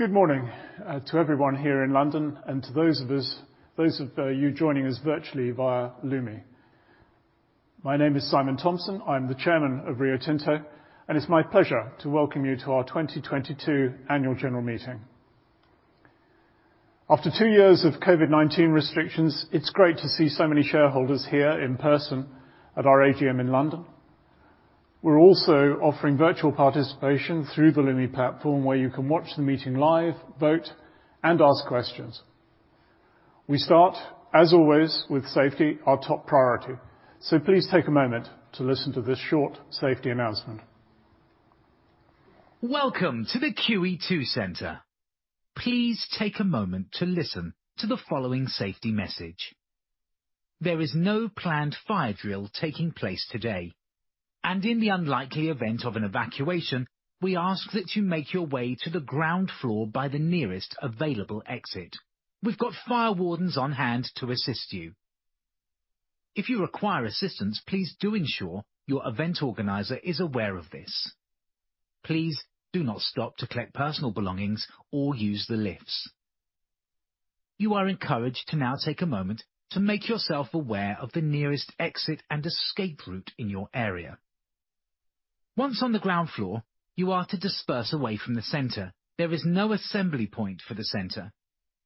Good morning to everyone here in London and to those of you joining us virtually via Lumi. My name is Simon Thompson. I'm the Chairman of Rio Tinto, and it's my pleasure to welcome you to our 2022 annual general meeting. After two years of COVID-19 restrictions, it's great to see so many shareholders here in person at our AGM in London. We're also offering virtual participation through the Lumi platform, where you can watch the meeting live, vote, and ask questions. We start, as always, with safety as our top priority. Please take a moment to listen to this short safety announcement. Welcome to the QEII Centre. Please take a moment to listen to the following safety message. There is no planned fire drill taking place today, and in the unlikely event of an evacuation, we ask that you make your way to the ground floor by the nearest available exit. We've got fire wardens on hand to assist you. If you require assistance, please do ensure your event organizer is aware of this. Please do not stop to collect personal belongings or use the lifts. You are encouraged to now take a moment to make yourself aware of the nearest exit and escape route in your area. Once on the ground floor, you are to disperse away from the centre. There is no assembly point for the centre.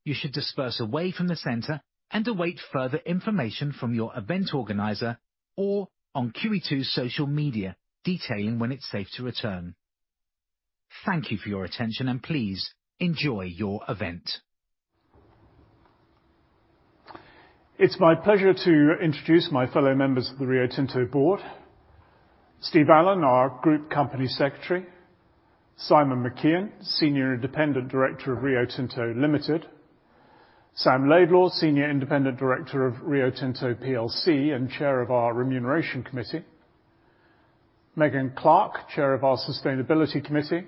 You should disperse away from the center and await further information from your event organizer or on QEII's social media detailing when it's safe to return. Thank you for your attention, and please enjoy your event. It's my pleasure to introduce my fellow members of the Rio Tinto board. Steve Allen, our Group Company Secretary. Simon McKeon, Senior Independent Director of Rio Tinto Limited. Sam Laidlaw, Senior Independent Director of Rio Tinto plc and Chair of our Remuneration Committee. Megan Clark, Chair of our Sustainability Committee.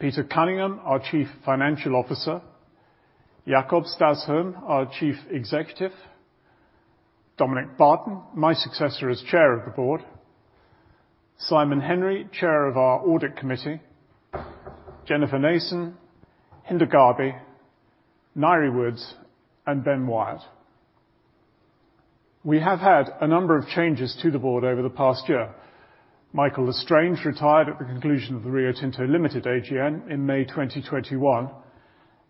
Peter Cunningham, our Chief Financial Officer. Jakob Stausholm, our Chief Executive. Dominic Barton, my successor as Chair of the board. Simon Henry, Chair of our Audit Committee. Jennifer Nason, Hinda Gharbi, Ngaire Woods, and Ben Wyatt. We have had a number of changes to the board over the past year. Michael L'Estrange retired at the conclusion of the Rio Tinto Limited AGM in May 2021.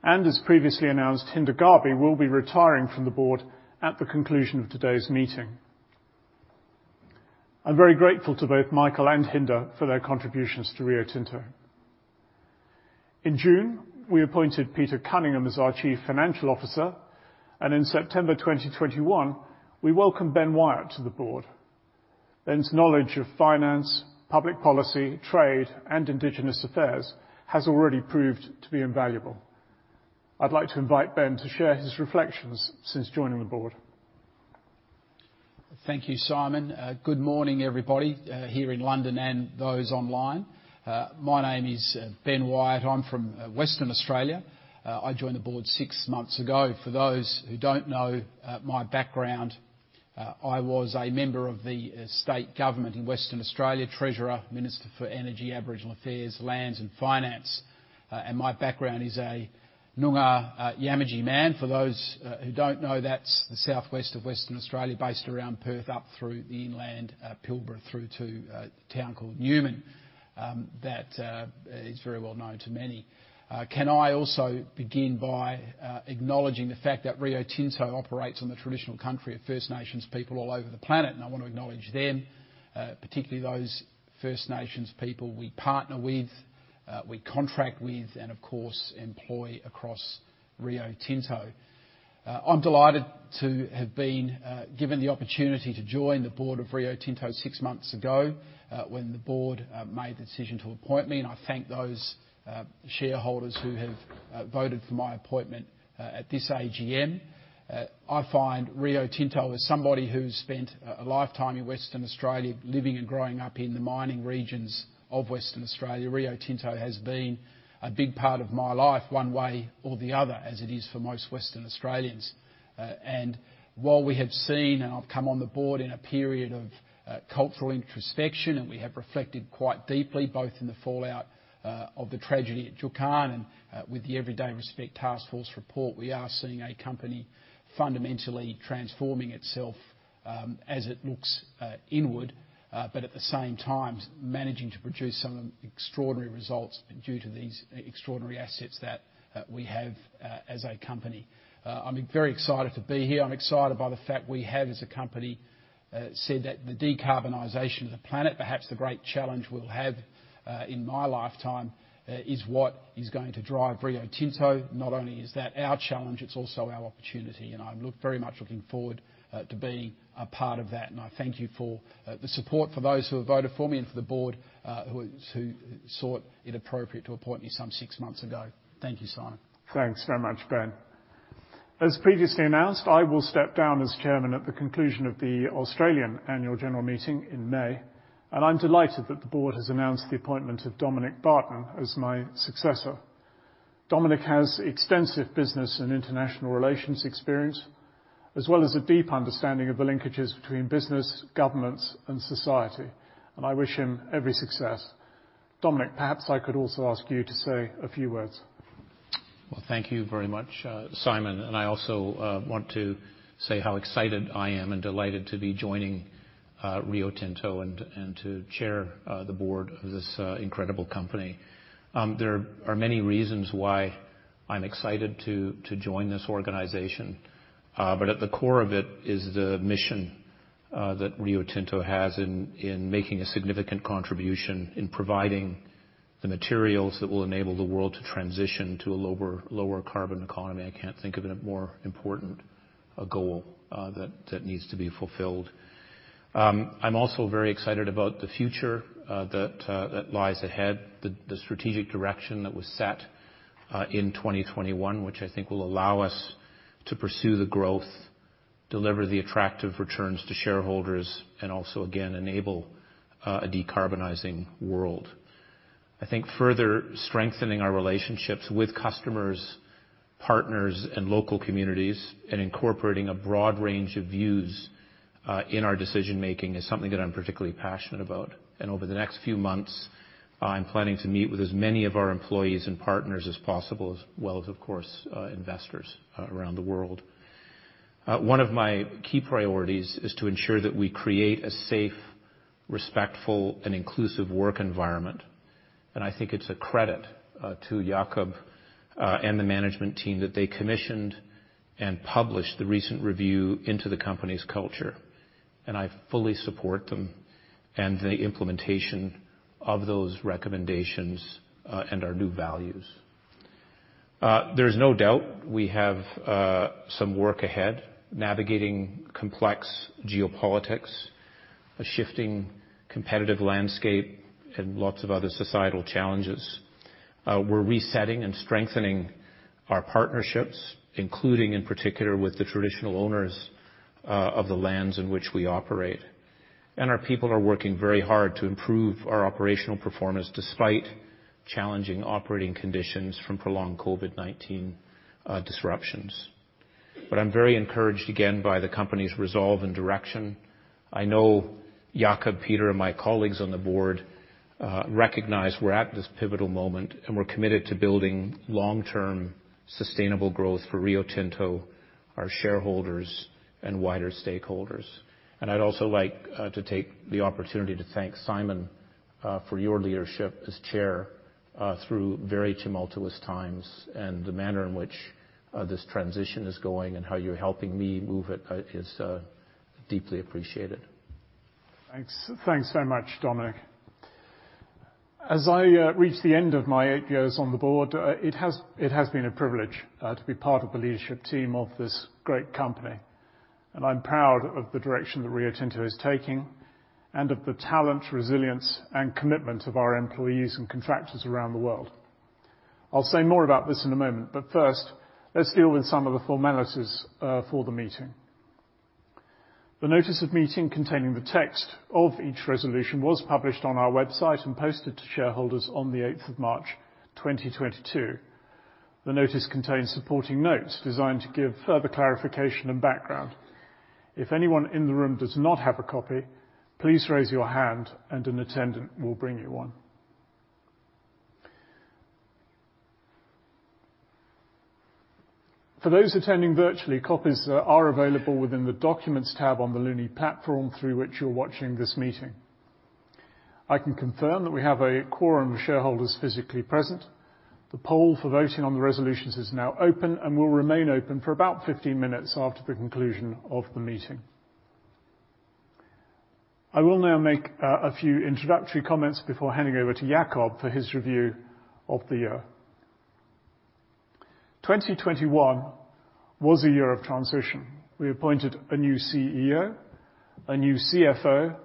As previously announced, Hinda Gharbi will be retiring from the board at the conclusion of today's meeting. I'm very grateful to both Michael and Hinda for their contributions to Rio Tinto. In June, we appointed Peter Cunningham as our Chief Financial Officer, and in September 2021, we welcomed Ben Wyatt to the board. Ben's knowledge of finance, public policy, trade, and Indigenous affairs has already proved to be invaluable. I'd like to invite Ben to share his reflections since joining the board. Thank you, Simon. Good morning, everybody, here in London and those online. My name is Ben Wyatt. I'm from Western Australia. I joined the board six months ago. For those who don't know my background, I was a member of the state government in Western Australia, Treasurer, Minister for Energy, Aboriginal Affairs, Lands, and Finance. My background is a Noongar Yamatji man. For those who don't know, that's the southwest of Western Australia, based around Perth, up through the inland, Pilbara, through to a town called Newman, that is very well known to many. Can I also begin by acknowledging the fact that Rio Tinto operates on the traditional country of First Nations people all over the planet, and I want to acknowledge them, particularly those First Nations people we partner with, we contract with, and of course, employ across Rio Tinto. I'm delighted to have been given the opportunity to join the board of Rio Tinto six months ago, when the board made the decision to appoint me, and I thank those shareholders who have voted for my appointment at this AGM. I find Rio Tinto, as somebody who's spent a lifetime in Western Australia, living and growing up in the mining regions of Western Australia, Rio Tinto has been a big part of my life one way or the other, as it is for most Western Australians. While we have seen, and I've come on the board in a period of cultural introspection, and we have reflected quite deeply both in the fallout of the tragedy at Juukan and with the Everyday Respect Taskforce report, we are seeing a company fundamentally transforming itself, as it looks inward, but at the same time, managing to produce some extraordinary results due to these extraordinary assets that we have as a company. I'm very excited to be here. I'm excited by the fact we have, as a company, said that the decarbonization of the planet, perhaps the great challenge we'll have in my lifetime, is what is going to drive Rio Tinto. Not only is that our challenge, it's also our opportunity, and I'm very much looking forward to being a part of that. I thank you for the support for those who have voted for me and for the board, who sought it appropriate to appoint me some six months ago. Thank you, Simon. Thanks very much, Ben. As previously announced, I will step down as chairman at the conclusion of the Australian annual general meeting in May, and I'm delighted that the board has announced the appointment of Dominic Barton as my successor. Dominic has extensive business and international relations experience, as well as a deep understanding of the linkages between business, governments, and society. I wish him every success. Dominic, perhaps I could also ask you to say a few words. Well, thank you very much, Simon. I also want to say how excited I am and delighted to be joining Rio Tinto and to chair the Board of this incredible company. There are many reasons why I'm excited to join this organization, but at the core of it is the mission that Rio Tinto has in making a significant contribution in providing the materials that will enable the world to transition to a lower carbon economy. I can't think of a more important goal that needs to be fulfilled. I'm also very excited about the future that lies ahead, the strategic direction that was set in 2021, which I think will allow us to pursue the growth, deliver the attractive returns to shareholders, and also, again, enable a decarbonizing world. I think further strengthening our relationships with customers, partners, and local communities, and incorporating a broad range of views in our decision-making is something that I'm particularly passionate about. Over the next few months, I'm planning to meet with as many of our employees and partners as possible as well as, of course, investors around the world. One of my key priorities is to ensure that we create a safe, respectful, and inclusive work environment. I think it's a credit to Jakob and the management team that they commissioned and published the recent review into the company's culture. I fully support them and the implementation of those recommendations and our new values. There's no doubt we have some work ahead, navigating complex geopolitics, a shifting competitive landscape, and lots of other societal challenges. We're resetting and strengthening our partnerships, including, in particular, with the traditional owners of the lands in which we operate. Our people are working very hard to improve our operational performance despite challenging operating conditions from prolonged COVID-19 disruptions. I'm very encouraged again by the company's resolve and direction. I know Jakob, Peter, and my colleagues on the board recognize we're at this pivotal moment, and we're committed to building long-term sustainable growth for Rio Tinto, our shareholders, and wider stakeholders. I'd also like to take the opportunity to thank Simon for your leadership as chair through very tumultuous times and the manner in which this transition is going and how you're helping me move it is deeply appreciated. Thanks. Thanks so much, Dominic. As I reach the end of my eight years on the board, it has been a privilege to be part of the leadership team of this great company, and I'm proud of the direction that Rio Tinto is taking and of the talent, resilience, and commitment of our employees and contractors around the world. I'll say more about this in a moment, but first, let's deal with some of the formalities for the meeting. The notice of meeting containing the text of each resolution was published on our website and posted to shareholders on the 8th of March 2022. The notice contains supporting notes designed to give further clarification and background. If anyone in the room does not have a copy, please raise your hand, and an attendant will bring you one. For those attending virtually, copies are available within the documents tab on the Lumi platform through which you're watching this meeting. I can confirm that we have a quorum of shareholders physically present. The poll for voting on the resolutions is now open and will remain open for about 15 minutes after the conclusion of the meeting. I will now make a few introductory comments before handing over to Jakob for his review of the year. 2021 was a year of transition. We appointed a new CEO, a new CFO,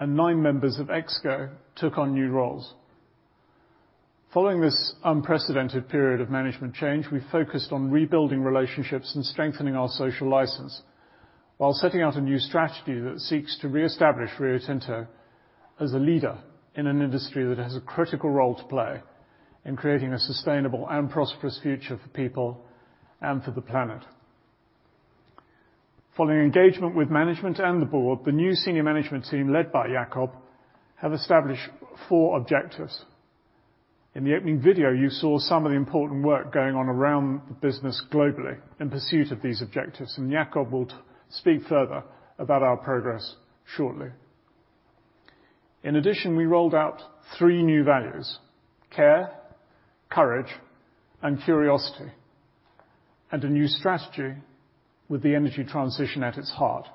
and nine members of ExCo took on new roles. Following this unprecedented period of management change, we focused on rebuilding relationships and strengthening our social license while setting out a new strategy that seeks to reestablish Rio Tinto as a leader in an industry that has a critical role to play in creating a sustainable and prosperous future for people and for the planet. Following engagement with management and the board, the new senior management team led by Jakob have established four objectives. In the opening video, you saw some of the important work going on around the business globally in pursuit of these objectives, and Jakob will speak further about our progress shortly. In addition, we rolled out three new values, care, courage, and curiosity, and a new strategy with the energy transition at its heart.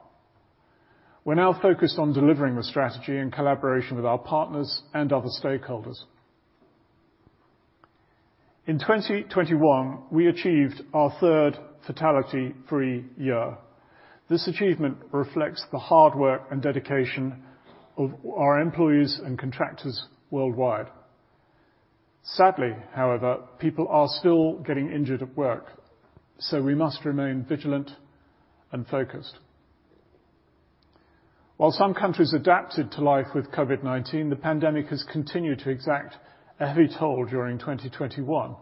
We're now focused on delivering the strategy in collaboration with our partners and other stakeholders. In 2021, we achieved our third fatality-free year. This achievement reflects the hard work and dedication of our employees and contractors worldwide. Sadly, however, people are still getting injured at work, so we must remain vigilant and focused. While some countries adapted to life with COVID-19, the pandemic has continued to exact a heavy toll during 2021,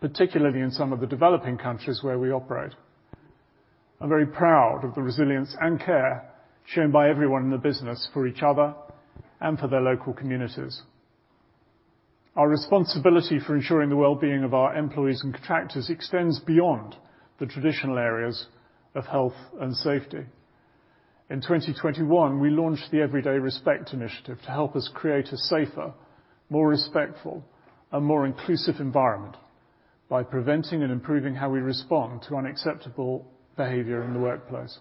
particularly in some of the developing countries where we operate. I'm very proud of the resilience and care shown by everyone in the business for each other and for their local communities. Our responsibility for ensuring the well-being of our employees and contractors extends beyond the traditional areas of health and safety. In 2021, we launched the Everyday Respect initiative to help us create a safer, more respectful, and more inclusive environment by preventing and improving how we respond to unacceptable behavior in the workplace.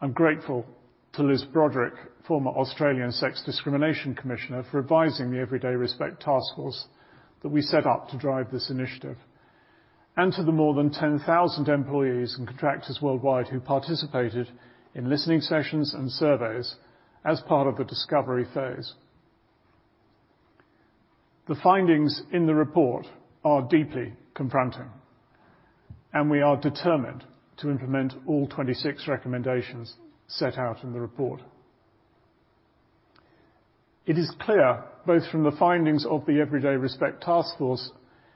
I'm grateful to Elizabeth Broderick, former Australian Sex Discrimination Commissioner, for advising the Everyday Respect Task Force that we set up to drive this initiative. To the more than 10,000 employees and contractors worldwide who participated in listening sessions and surveys as part of the discovery phase. The findings in the report are deeply confronting, and we are determined to implement all 26 recommendations set out in the report. It is clear, both from the findings of the Everyday Respect Task Force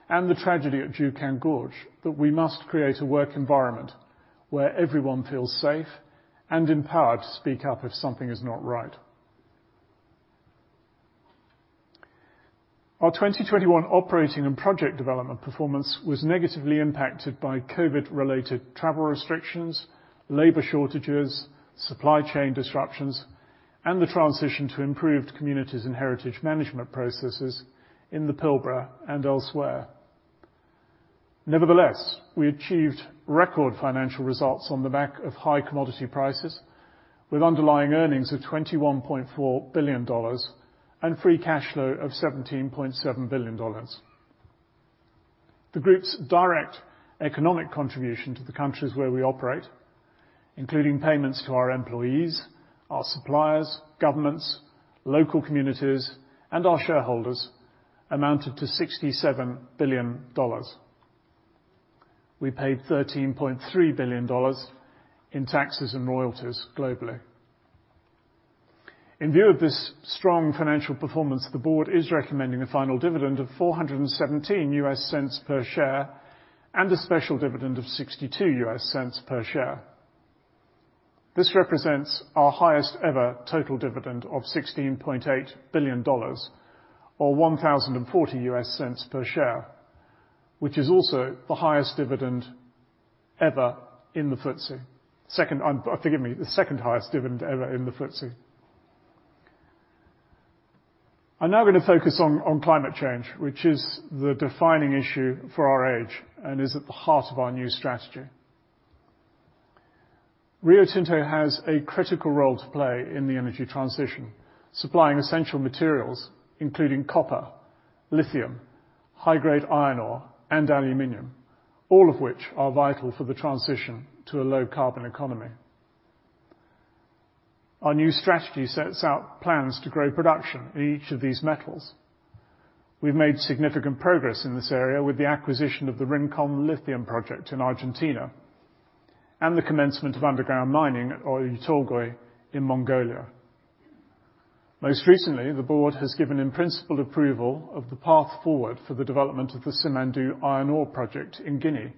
and the tragedy at Juukan Gorge, that we must create a work environment where everyone feels safe and empowered to speak up if something is not right. Our 2021 operating and project development performance was negatively impacted by COVID-related travel restrictions, labor shortages, supply chain disruptions, and the transition to improved communities and heritage management processes in the Pilbara and elsewhere. Nevertheless, we achieved record financial results on the back of high commodity prices with underlying earnings of $21.4 billion and free cash flow of $17.7 billion. The group's direct economic contribution to the countries where we operate, including payments to our employees, our suppliers, governments, local communities, and our shareholders, amounted to $67 billion. We paid $13.3 billion in taxes and royalties globally. In view of this strong financial performance, the board is recommending a final dividend of $4.17 per share and a special dividend of $0.62 per share. This represents our highest ever total dividend of $16.8 billion or $10.40 per share, which is also the highest dividend ever in the FTSE. Second, forgive me, the second-highest dividend ever in the FTSE. I'm now gonna focus on climate change, which is the defining issue for our age and is at the heart of our new strategy. Rio Tinto has a critical role to play in the energy transition, supplying essential materials, including copper, lithium, high-grade iron ore, and aluminum, all of which are vital for the transition to a low carbon economy. Our new strategy sets out plans to grow production in each of these metals. We've made significant progress in this area with the acquisition of the Rincon Lithium project in Argentina and the commencement of underground mining at Oyu Tolgoi in Mongolia. Most recently, the board has given in principle approval of the path forward for the development of the Simandou Iron Ore project in Guinea,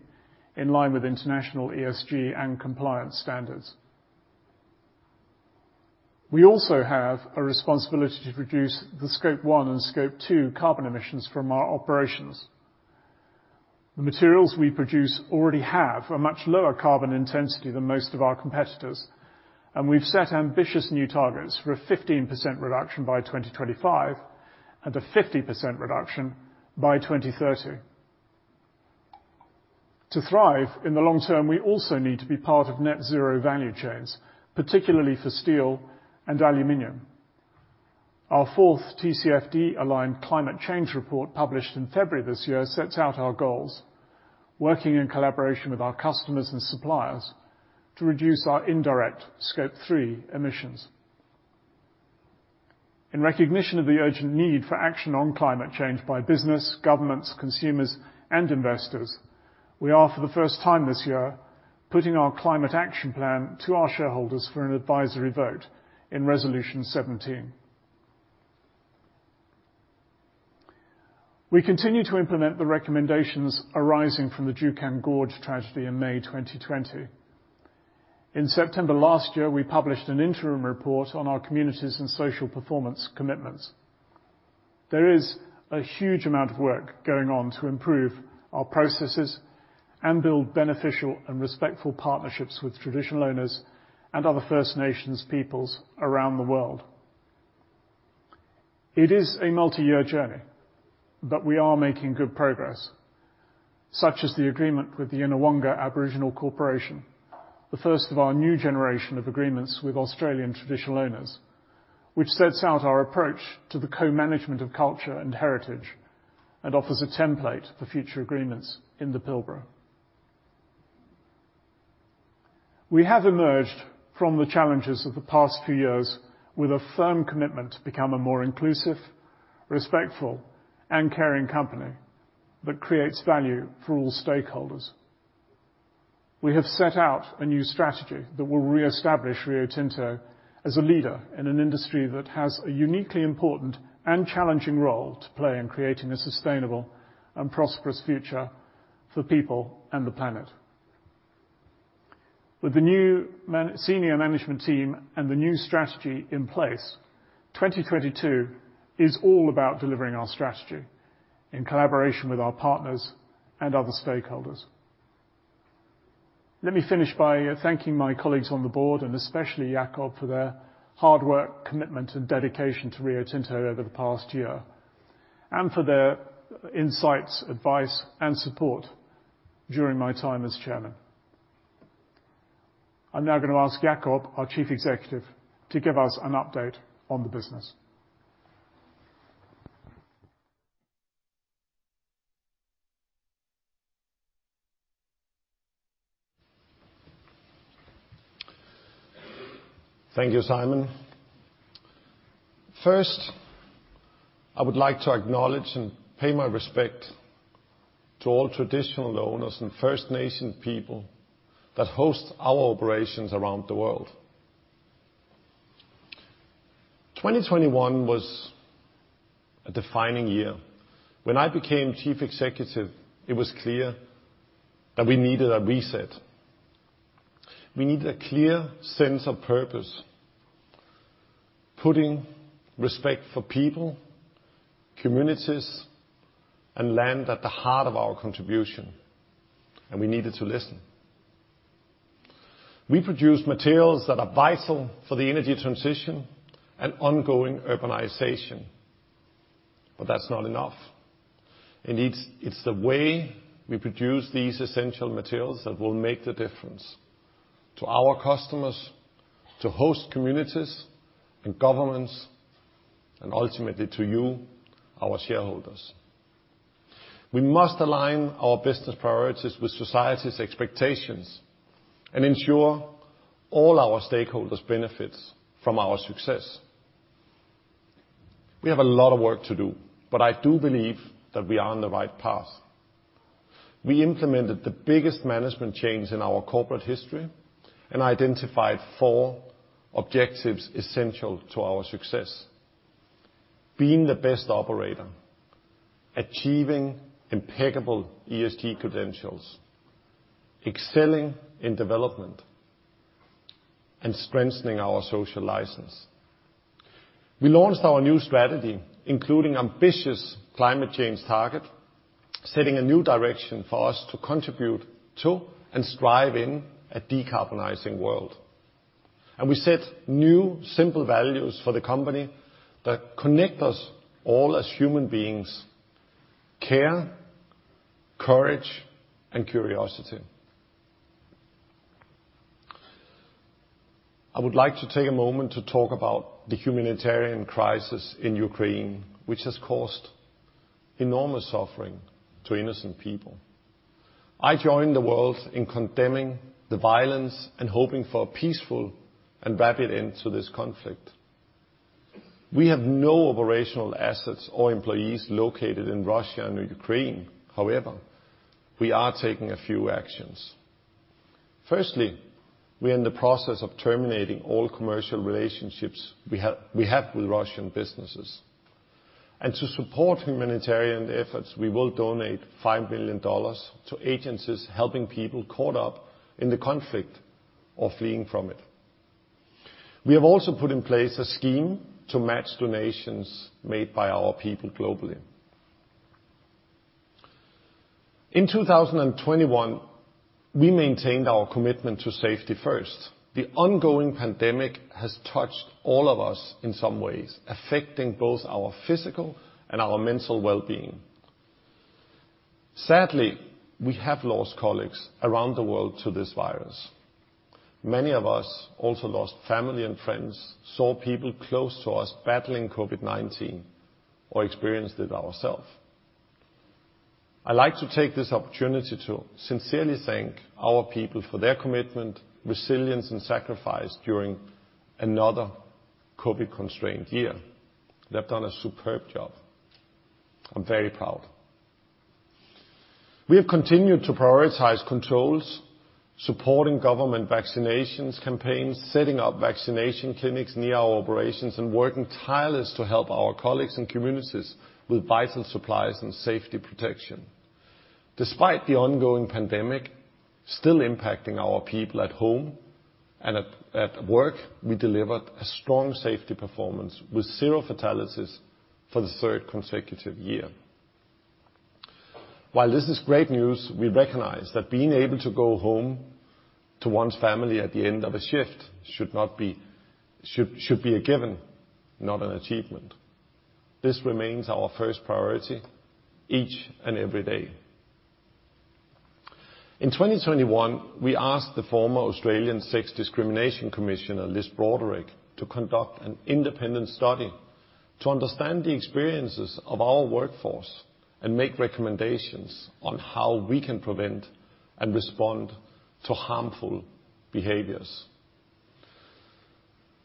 in line with international ESG and compliance standards. We have a responsibility to reduce the Scope 1 and Scope 2 carbon emissions from our operations. The materials we produce already have a much lower carbon intensity than most of our competitors, and we've set ambitious new targets for a 15% reduction by 2025 and a 50% reduction by 2030. To thrive in the long term, we also need to be part of net zero value chains, particularly for steel and aluminum. Our fourth TCFD-aligned climate change report, published in February this year, sets out our goals, working in collaboration with our customers and suppliers to reduce our indirect Scope 3 emissions. In recognition of the urgent need for action on climate change by business, governments, consumers, and investors, we are, for the first time this year, putting our climate action plan to our shareholders for an advisory vote in Resolution 17. We continue to implement the recommendations arising from the Juukan Gorge tragedy in May 2020. In September last year, we published an interim report on our communities and social performance commitments. There is a huge amount of work going on to improve our processes and build beneficial and respectful partnerships with traditional owners and other First Nations peoples around the world. It is a multi-year journey, but we are making good progress, such as the agreement with the Yinhawangka Aboriginal Corporation, the first of our new generation of agreements with Australian traditional owners, which sets out our approach to the co-management of culture and heritage and offers a template for future agreements in the Pilbara. We have emerged from the challenges of the past few years with a firm commitment to become a more inclusive, respectful, and caring company. That creates value for all stakeholders. We have set out a new strategy that will reestablish Rio Tinto as a leader in an industry that has a uniquely important and challenging role to play in creating a sustainable and prosperous future for people and the planet. With the new senior management team and the new strategy in place, 2022 is all about delivering our strategy in collaboration with our partners and other stakeholders. Let me finish by thanking my colleagues on the board, and especially Jakob, for their hard work, commitment, and dedication to Rio Tinto over the past year, and for their insights, advice, and support during my time as chairman. I'm now gonna ask Jakob, our Chief Executive, to give us an update on the business. Thank you, Simon. First, I would like to acknowledge and pay my respect to all traditional owners and First Nation people that host our operations around the world. 2021 was a defining year. When I became Chief Executive, it was clear that we needed a reset. We needed a clear sense of purpose, putting respect for people, communities, and land at the heart of our contribution, and we needed to listen. We produce materials that are vital for the energy transition and ongoing urbanization. That's not enough. Indeed, it's the way we produce these essential materials that will make the difference to our customers, to host communities and governments, and ultimately to you, our shareholders. We must align our business priorities with society's expectations and ensure all our stakeholders benefits from our success. We have a lot of work to do, but I do believe that we are on the right path. We implemented the biggest management change in our corporate history and identified four objectives essential to our success, being the best operator, achieving impeccable ESG credentials, excelling in development, and strengthening our social license. We launched our new strategy, including ambitious climate change target, setting a new direction for us to contribute to and strive in a decarbonizing world. We set new simple values for the company that connect us all as human beings: care, courage, and curiosity. I would like to take a moment to talk about the humanitarian crisis in Ukraine, which has caused enormous suffering to innocent people. I join the world in condemning the violence and hoping for a peaceful and rapid end to this conflict. We have no operational assets or employees located in Russia and Ukraine. However, we are taking a few actions. Firstly, we are in the process of terminating all commercial relationships we have with Russian businesses. To support humanitarian efforts, we will donate $5 billion to agencies helping people caught up in the conflict or fleeing from it. We have also put in place a scheme to match donations made by our people globally. In 2021, we maintained our commitment to safety first. The ongoing pandemic has touched all of us in some ways, affecting both our physical and our mental well-being. Sadly, we have lost colleagues around the world to this virus. Many of us also lost family and friends, saw people close to us battling COVID-19, or experienced it ourselves. I'd like to take this opportunity to sincerely thank our people for their commitment, resilience, and sacrifice during another COVID-constrained year. They've done a superb job. I'm very proud. We have continued to prioritize controls, supporting government vaccination campaigns, setting up vaccination clinics near our operations, and working tirelessly to help our colleagues and communities with vital supplies and safety protection. Despite the ongoing pandemic still impacting our people at home and at work, we delivered a strong safety performance with zero fatalities for the third consecutive year. While this is great news, we recognize that being able to go home to one's family at the end of a shift should be a given, not an achievement. This remains our first priority each and every day. In 2021, we asked the former Australian Sex Discrimination Commissioner, Elizabeth Broderick, to conduct an independent study to understand the experiences of our workforce and make recommendations on how we can prevent and respond to harmful behaviors.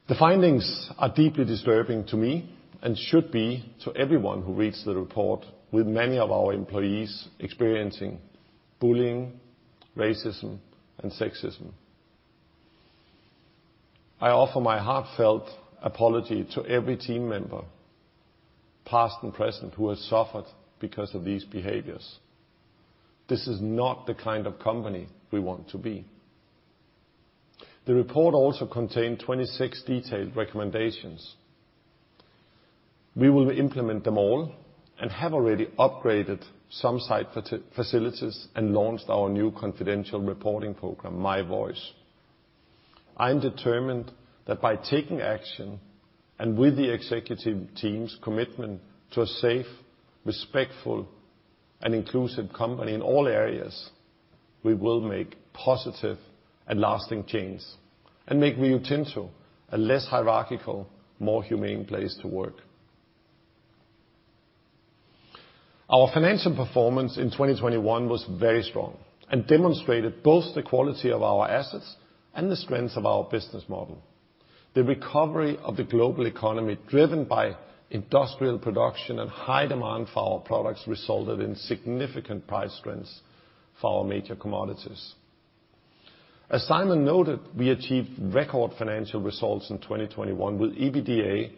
The findings are deeply disturbing to me and should be to everyone who reads the report, with many of our employees experiencing bullying, racism, and sexism. I offer my heartfelt apology to every team member, past and present, who has suffered because of these behaviors. This is not the kind of company we want to be. The report also contained 26 detailed recommendations. We will implement them all and have already upgraded some site facilities and launched our new confidential reporting program, My Voice. I am determined that by taking action, and with the executive team's commitment to a safe, respectful, and inclusive company in all areas, we will make positive and lasting change and make Rio Tinto a less hierarchical, more humane place to work. Our financial performance in 2021 was very strong and demonstrated both the quality of our assets and the strengths of our business model. The recovery of the global economy, driven by industrial production and high demand for our products, resulted in significant price strengths for our major commodities. As Simon noted, we achieved record financial results in 2021 with EBITDA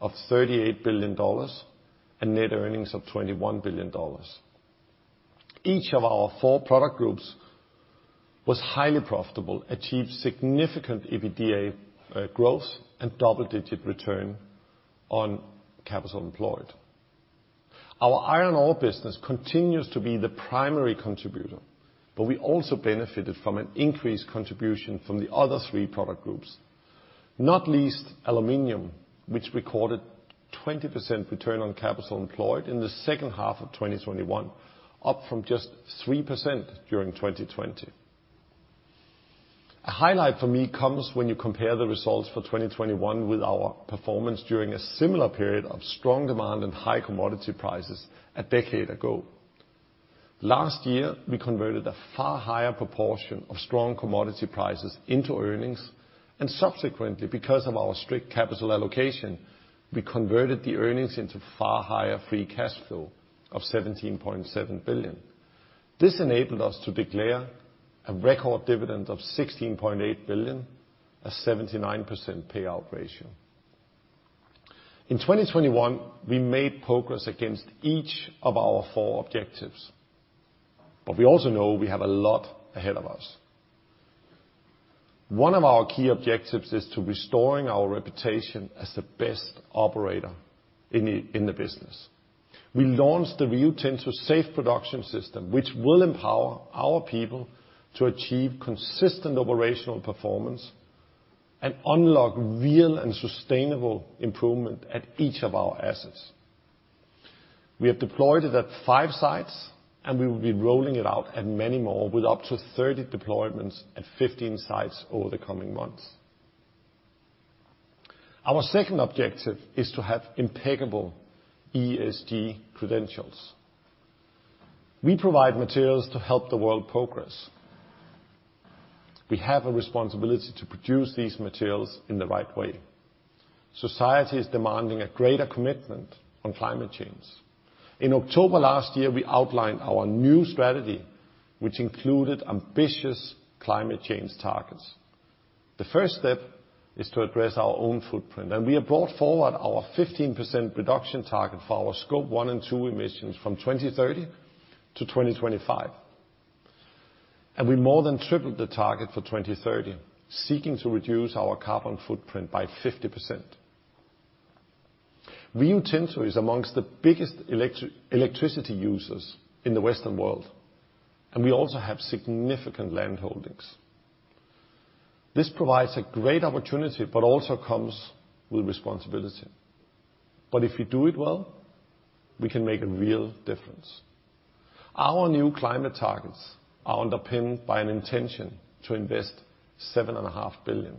of $38 billion and net earnings of $21 billion. Each of our four product groups was highly profitable, achieved significant EBITDA growth and double-digit return on capital employed. Our iron ore business continues to be the primary contributor, but we also benefited from an increased contribution from the other three product groups, not least aluminum, which recorded 20% return on capital employed in the second half of 2021, up from just 3% during 2020. A highlight for me comes when you compare the results for 2021 with our performance during a similar period of strong demand and high commodity prices a decade ago. Last year, we converted a far higher proportion of strong commodity prices into earnings, and subsequently, because of our strict capital allocation, we converted the earnings into far higher free cash flow of $17.7 billion. This enabled us to declare a record dividend of $16.8 billion, a 79% payout ratio. In 2021, we made progress against each of our four objectives, but we also know we have a lot ahead of us. One of our key objectives is to restore our reputation as the best operator in the business. We launched the Rio Tinto Safe Production System, which will empower our people to achieve consistent operational performance and unlock real and sustainable improvement at each of our assets. We have deployed it at five sites, and we will be rolling it out at many more with up to 30 deployments at 15 sites over the coming months. Our second objective is to have impeccable ESG credentials. We provide materials to help the world progress. We have a responsibility to produce these materials in the right way. Society is demanding a greater commitment on climate change. In October last year, we outlined our new strategy, which included ambitious climate change targets. The first step is to address our own footprint, and we have brought forward our 15% reduction target for our Scope 1 and 2 emissions from 2030 to 2025. We more than tripled the target for 2030, seeking to reduce our carbon footprint by 50%. Rio Tinto is among the biggest electricity users in the Western world, and we also have significant landholdings. This provides a great opportunity, but also comes with responsibility. If we do it well, we can make a real difference. Our new climate targets are underpinned by an intention to invest $7.5 billion.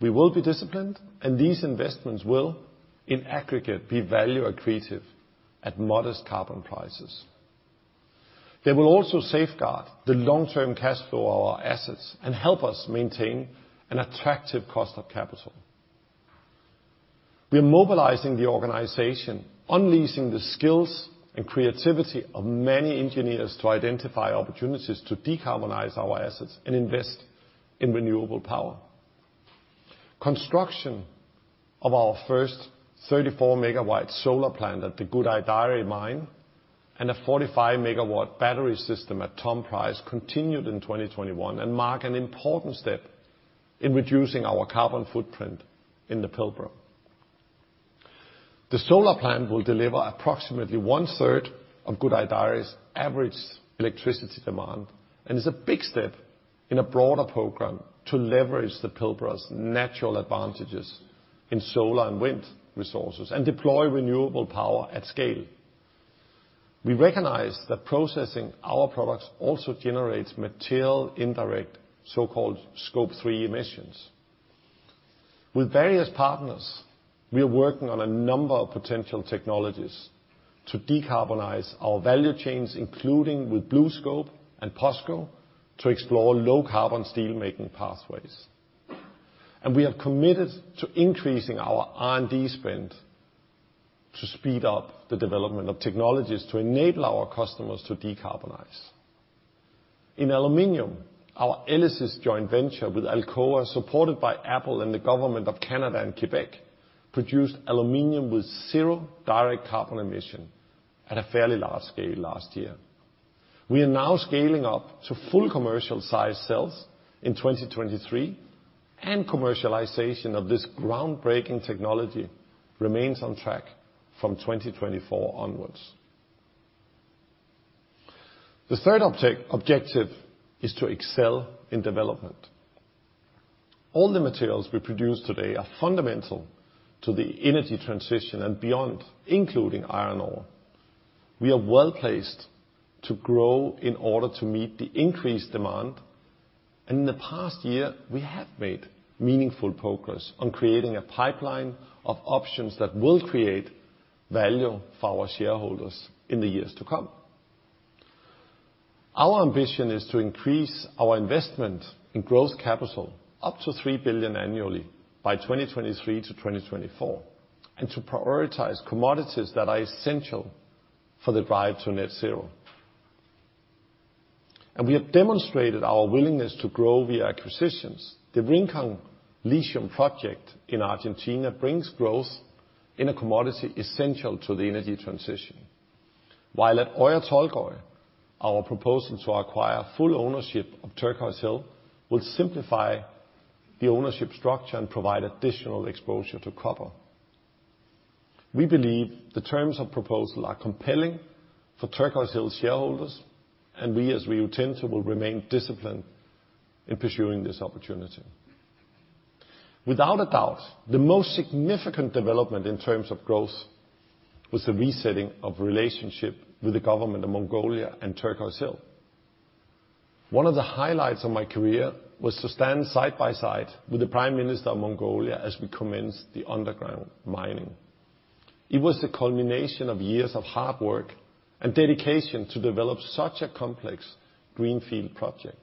We will be disciplined, and these investments will, in aggregate, be value accretive at modest carbon prices. They will also safeguard the long-term cash flow of our assets and help us maintain an attractive cost of capital. We are mobilizing the organization, unleashing the skills and creativity of many engineers to identify opportunities to decarbonize our assets and invest in renewable power. Construction of our first 34 MW solar plant at the Gudai-Darri mine and a 45 MW battery system at Tom Price continued in 2021 and mark an important step in reducing our carbon footprint in the Pilbara. The solar plant will deliver approximately one-third of Gudai-Darri's average electricity demand, and is a big step in a broader program to leverage the Pilbara's natural advantages in solar and wind resources and deploy renewable power at scale. We recognize that processing our products also generates material indirect, so-called Scope 3 emissions. With various partners, we are working on a number of potential technologies to decarbonize our value chains, including with BlueScope and POSCO, to explore low carbon steelmaking pathways. We have committed to increasing our R&D spend to speed up the development of technologies to enable our customers to decarbonize. In aluminum, our ELYSIS joint venture with Alcoa, supported by Apple and the government of Canada and Quebec, produced aluminum with zero direct carbon emission at a fairly large scale last year. We are now scaling up to full commercial size cells in 2023, and commercialization of this groundbreaking technology remains on track from 2024 onwards. The third objective is to excel in development. All the materials we produce today are fundamental to the energy transition and beyond, including iron ore. We are well-placed to grow in order to meet the increased demand, and in the past year, we have made meaningful progress on creating a pipeline of options that will create value for our shareholders in the years to come. Our ambition is to increase our investment in growth capital up to $3 billion annually by 2023-2024, and to prioritize commodities that are essential for the drive to net zero. We have demonstrated our willingness to grow via acquisitions. The Rincon Lithium project in Argentina brings growth in a commodity essential to the energy transition. While at Oyu Tolgoi, our proposal to acquire full ownership of Turquoise Hill will simplify the ownership structure and provide additional exposure to copper. We believe the terms of proposal are compelling for Turquoise Hill shareholders, and we as Rio Tinto will remain disciplined in pursuing this opportunity. Without a doubt, the most significant development in terms of growth was the resetting of relationship with the government of Mongolia and Turquoise Hill. One of the highlights of my career was to stand side by side with the Prime Minister of Mongolia as we commenced the underground mining. It was the culmination of years of hard work and dedication to develop such a complex greenfield project.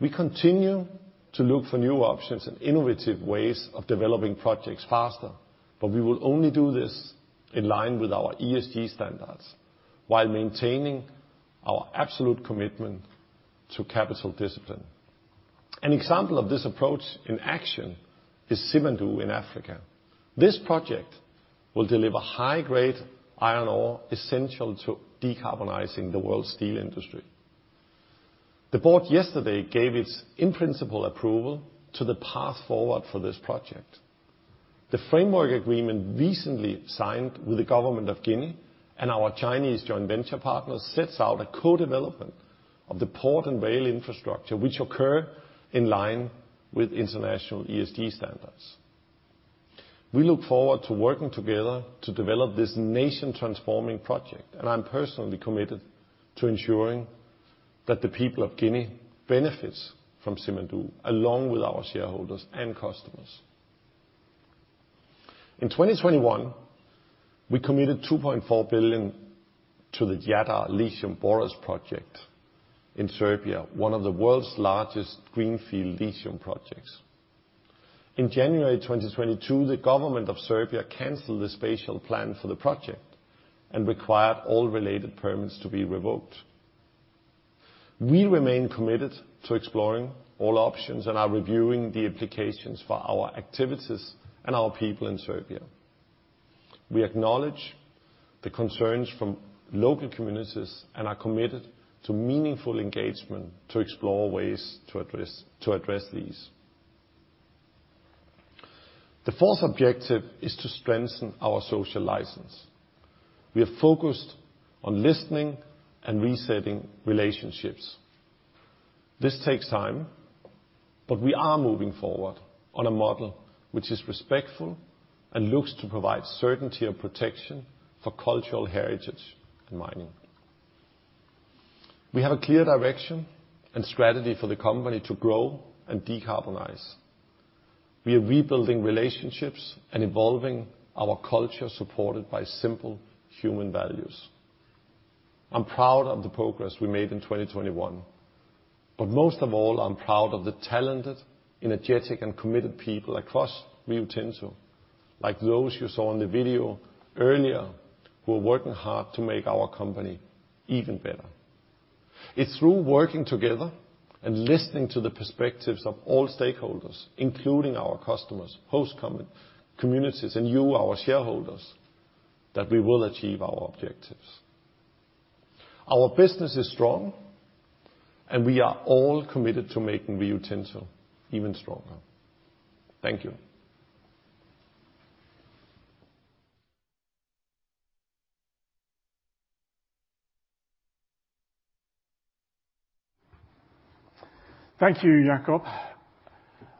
We continue to look for new options and innovative ways of developing projects faster, but we will only do this in line with our ESG standards, while maintaining our absolute commitment to capital discipline. An example of this approach in action is Simandou in Africa. This project will deliver high-grade iron ore essential to decarbonizing the world's steel industry. The board yesterday gave its in-principle approval to the path forward for this project. The framework agreement recently signed with the government of Guinea and our Chinese joint venture partner sets out a co-development of the port and rail infrastructure which occur in line with international ESG standards. We look forward to working together to develop this nation-transforming project, and I'm personally committed to ensuring that the people of Guinea benefits from Simandou along with our shareholders and customers. In 2021, we committed $2.4 billion to the Jadar lithium borates project in Serbia, one of the world's largest greenfield lithium projects. In January 2022, the government of Serbia canceled the spatial plan for the project and required all related permits to be revoked. We remain committed to exploring all options and are reviewing the implications for our activities and our people in Serbia. We acknowledge the concerns from local communities and are committed to meaningful engagement to explore ways to address these. The fourth objective is to strengthen our social license. We are focused on listening and resetting relationships. This takes time, but we are moving forward on a model which is respectful and looks to provide certainty and protection for cultural heritage and mining. We have a clear direction and strategy for the company to grow and decarbonize. We are rebuilding relationships and evolving our culture supported by simple human values. I'm proud of the progress we made in 2021, but most of all, I'm proud of the talented, energetic, and committed people across Rio Tinto, like those you saw in the video earlier, who are working hard to make our company even better. It's through working together and listening to the perspectives of all stakeholders, including our customers, host communities, and you, our shareholders, that we will achieve our objectives. Our business is strong, and we are all committed to making Rio Tinto even stronger. Thank you. Thank you, Jakob.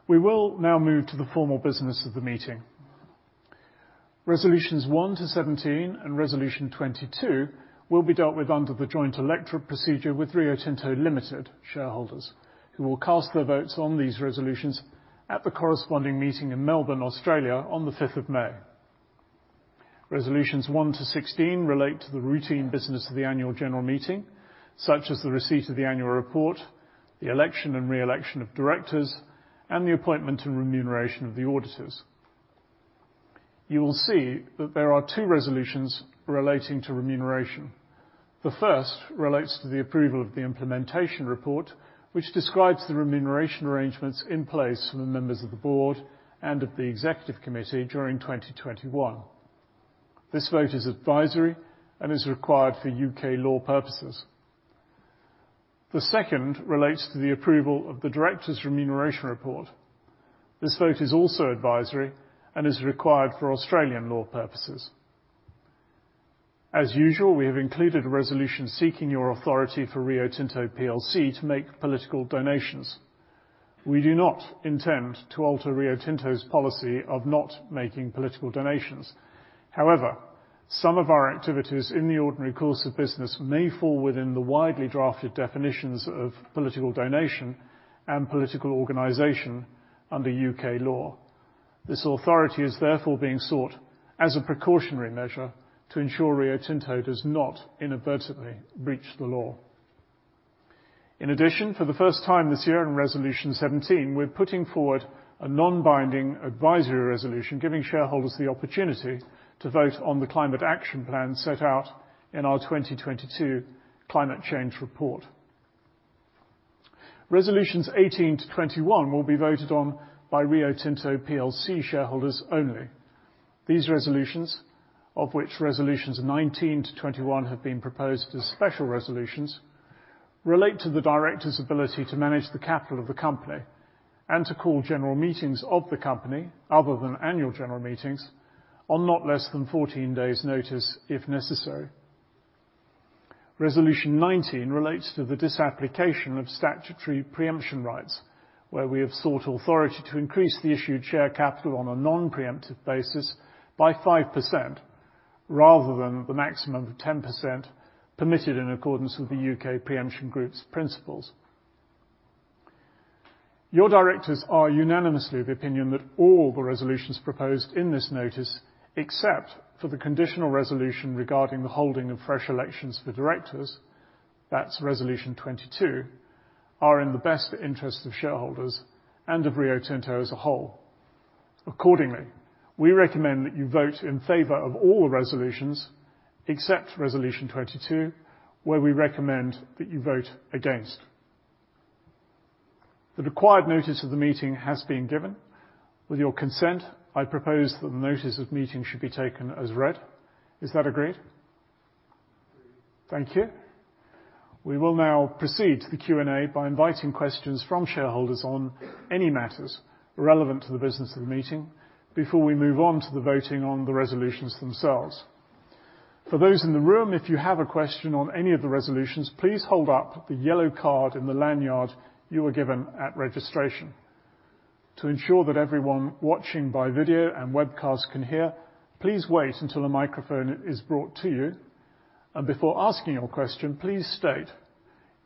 We will now move to the formal business of the meeting. Resolutions 1 to 17 and Resolution 22 will be dealt with under the joint electorate procedure with Rio Tinto Limited shareholders, who will cast their votes on these resolutions at the corresponding meeting in Melbourne, Australia on the 5th of May. Resolutions 1 to 16 relate to the routine business of the annual general meeting, such as the receipt of the annual report, the election and reelection of directors, and the appointment and remuneration of the auditors. You will see that there are two resolutions relating to remuneration. The first relates to the approval of the implementation report, which describes the remuneration arrangements in place for the members of the Board and of the Executive Committee during 2021. This vote is advisory and is required for U.K. law purposes. The second relates to the approval of the directors' remuneration report. This vote is also advisory and is required for Australian law purposes. As usual, we have included a resolution seeking your authority for Rio Tinto plc to make political donations. We do not intend to alter Rio Tinto's policy of not making political donations. However, some of our activities in the ordinary course of business may fall within the widely drafted definitions of political donation and political organization under U.K. law. This authority is therefore being sought as a precautionary measure to ensure Rio Tinto does not inadvertently breach the law. In addition, for the first time this year in Resolution 17, we're putting forward a non-binding advisory resolution, giving shareholders the opportunity to vote on the climate action plan set out in our 2022 climate change report. Resolutions 18 to 21 will be voted on by Rio Tinto plc shareholders only. These resolutions, of which Resolutions 19 to 21 have been proposed as special resolutions, relate to the directors' ability to manage the capital of the company and to call general meetings of the company, other than annual general meetings, on not less than 14 days' notice if necessary. Resolution 19 relates to the disapplication of statutory preemption rights, where we have sought authority to increase the issued share capital on a non-preemptive basis by 5% rather than the maximum of 10% permitted in accordance with the U.K. preemption group's principles. Your directors are unanimously of the opinion that all the resolutions proposed in this notice, except for the conditional resolution regarding the holding of fresh elections for directors, that's Resolution 22, are in the best interests of shareholders and of Rio Tinto as a whole. Accordingly, we recommend that you vote in favor of all the resolutions except Resolution 22, where we recommend that you vote against. The required notice of the meeting has been given. With your consent, I propose that the notice of meeting should be taken as read. Is that agreed? Agreed. Thank you. We will now proceed to the Q&A by inviting questions from shareholders on any matters relevant to the business of the meeting before we move on to the voting on the resolutions themselves. For those in the room, if you have a question on any of the resolutions, please hold up the yellow card in the lanyard you were given at registration. To ensure that everyone watching by video and webcast can hear, please wait until a microphone is brought to you, and before asking your question, please state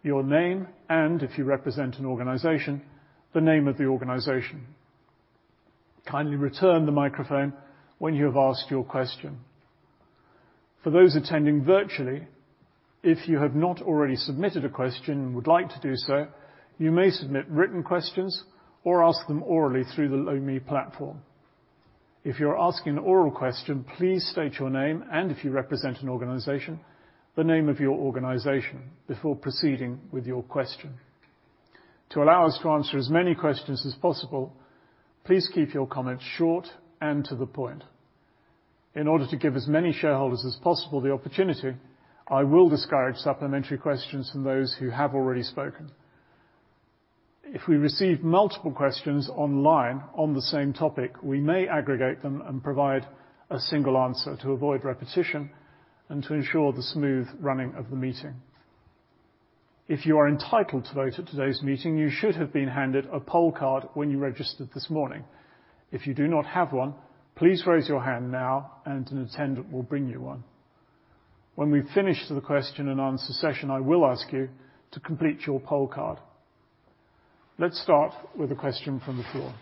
your name and, if you represent an organization, the name of the organization. Kindly return the microphone when you have asked your question. For those attending virtually, if you have not already submitted a question and would like to do so, you may submit written questions or ask them orally through the Lumi platform. If you're asking an oral question, please state your name and, if you represent an organization, the name of your organization before proceeding with your question. To allow us to answer as many questions as possible, please keep your comments short and to the point. In order to give as many shareholders as possible the opportunity, I will discourage supplementary questions from those who have already spoken. If we receive multiple questions online on the same topic, we may aggregate them and provide a single answer to avoid repetition and to ensure the smooth running of the meeting. If you are entitled to vote at today's meeting, you should have been handed a poll card when you registered this morning. If you do not have one, please raise your hand now and an attendant will bring you one. When we finish the question-and-answer session, I will ask you to complete your poll card. Let's start with a question from the floor.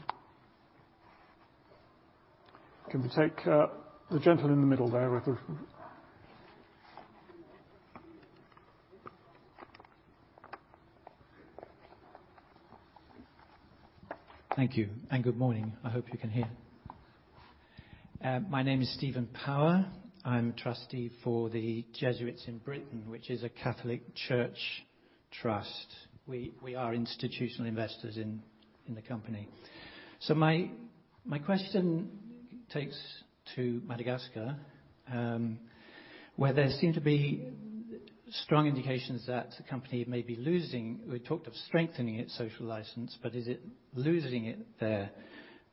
Can we take the gentleman in the middle there with the? Thank you, and good morning. I hope you can hear. My name is Stephen Power. I'm trustee for the Jesuits in Britain, which is a Catholic Church trust. We are institutional investors in the company. My question takes to Madagascar, where there seem to be strong indications that the company may be losing. We talked of strengthening its social license, but is it losing it there?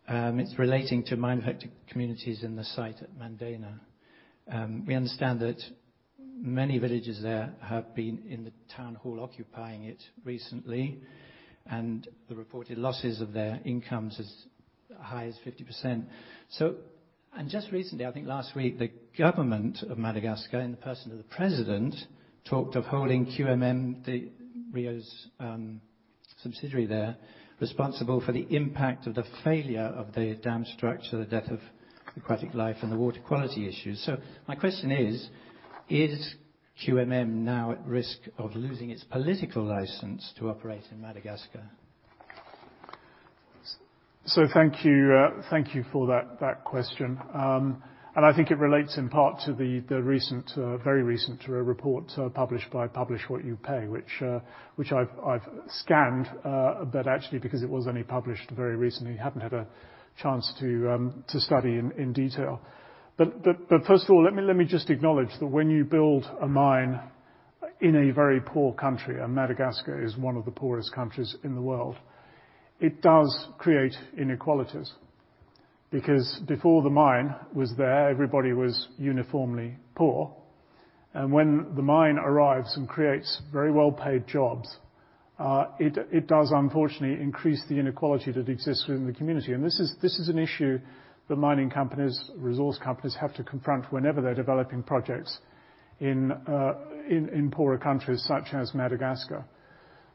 It's relating to mine-affected communities in the site at Mandena. We understand that many villagers there have been in the town hall occupying it recently, and the reported losses of their incomes as high as 50%. Just recently, I think last week, the government of Madagascar, in the person of the president, talked of holding QMM, the Rio Tinto's subsidiary there responsible for the impact of the failure of the dam structure, the death of aquatic life and the water quality issues. My question is: Is QMM now at risk of losing its political license to operate in Madagascar? Thank you for that question. I think it relates in part to the recent very recent report published by Publish What You Pay, which I've scanned, but actually, because it was only published very recently, I hadn't had a chance to study in detail. First of all, let me just acknowledge that when you build a mine in a very poor country, and Madagascar is one of the poorest countries in the world, it does create inequalities. Because before the mine was there, everybody was uniformly poor. When the mine arrives and creates very well-paid jobs, it does unfortunately increase the inequality that exists within the community. This is an issue that mining companies, resource companies have to confront whenever they're developing projects in poorer countries such as Madagascar.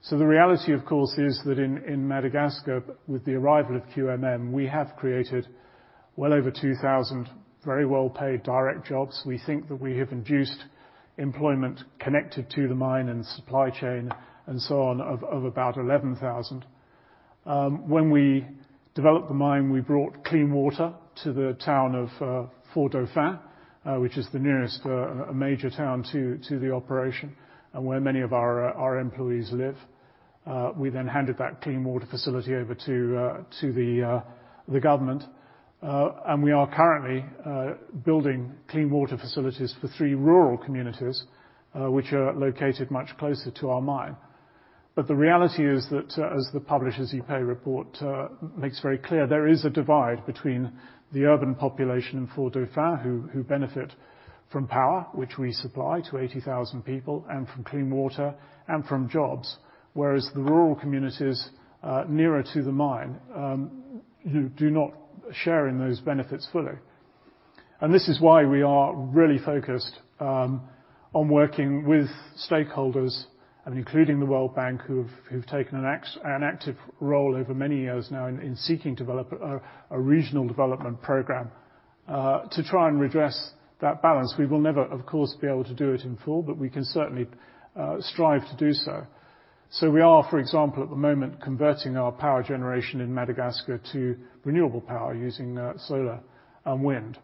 The reality, of course, is that in Madagascar, with the arrival of QMM, we have created well over 2,000 very well-paid direct jobs. We think that we have induced employment connected to the mine and supply chain and so on of about 11,000. When we developed the mine, we brought clean water to the town of Fort Dauphin, which is the nearest major town to the operation and where many of our employees live. We then handed that clean water facility over to the government. We are currently building clean water facilities for three rural communities, which are located much closer to our mine. But the reality is that as the Publish What You Pay report makes very clear, there is a divide between the urban population in Fort Dauphin who benefit from power, which we supply to 80,000 people, and from clean water and from jobs, whereas the rural communities nearer to the mine do not share in those benefits fully. This is why we are really focused on working with stakeholders and including the World Bank, who've taken an active role over many years now in seeking a regional development program to try and redress that balance. We will never, of course, be able to do it in full, but we can certainly strive to do so. We are, for example, at the moment, converting our power generation in Madagascar to renewable power using solar and wind.